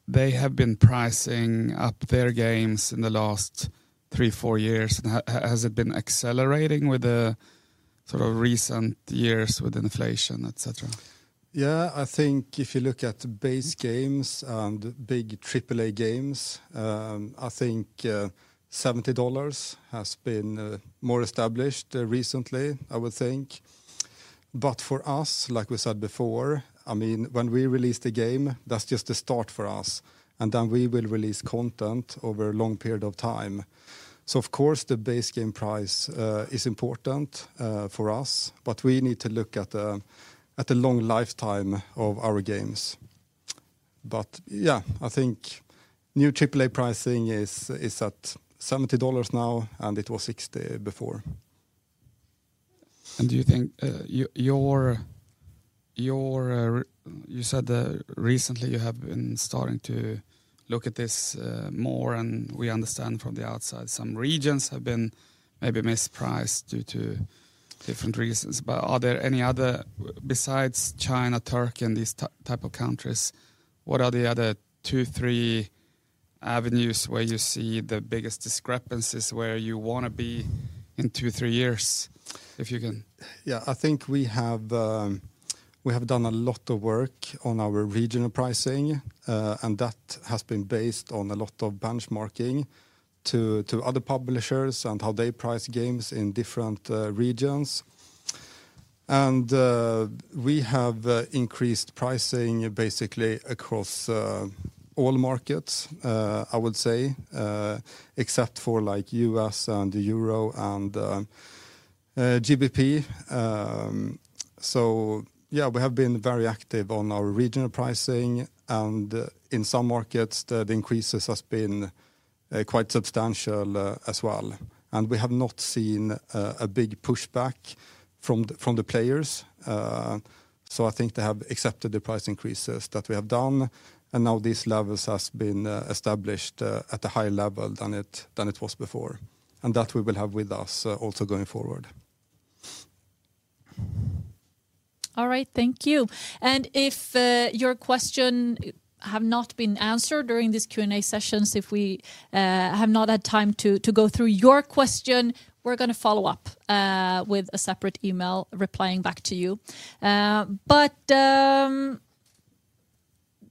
they have been pricing up their games in the last three, four years, and has it been accelerating with the sort of recent years with inflation, et cetera? Yeah. I think if you look at base games and big AAA games, I think $70 has been more established recently, I would think. For us, like we said before, I mean, when we release the game, that's just a start for us, we will release content over a long period of time. Of course, the base game price is important for us, we need to look at the long lifetime of our games. Yeah, I think new AAA pricing is at $70 now, it was $60 before. Do you think your, you said that recently you have been starting to look at this more and we understand from the outside some regions have been maybe mispriced due to different reasons. Are there any other, besides China, Turkey, and these type of countries, what are the other two, three avenues where you see the biggest discrepancies where you wanna be in two, three years, if you can? Yeah, I think we have done a lot of work on our regional pricing, and that has been based on a lot of benchmarking to other publishers and how they price games in different regions. We have increased pricing basically across all markets, I would say, except for like U.S. and Euro and GBP. Yeah, we have been very active on our regional pricing, and in some markets the increases has been quite substantial as well. We have not seen a big pushback from the players. I think they have accepted the price increases that we have done, and now these levels has been established at a higher level than it was before. That we will have with us, also going forward. All right, thank you. If your question have not been answered during this Q&A sessions, if we have not had time to go through your question, we're gonna follow up with a separate email replying back to you.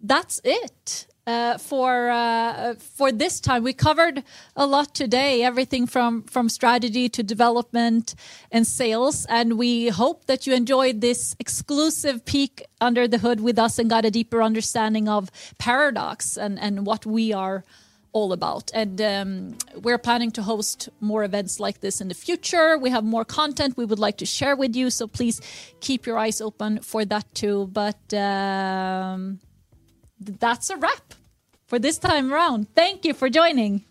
That's it for this time. We covered a lot today, everything from strategy to development and sales, and we hope that you enjoyed this exclusive peek under the hood with us and got a deeper understanding of Paradox and what we are all about. We're planning to host more events like this in the future. We have more content we would like to share with you, so please keep your eyes open for that too. That's a wrap for this time around. Thank you for joining.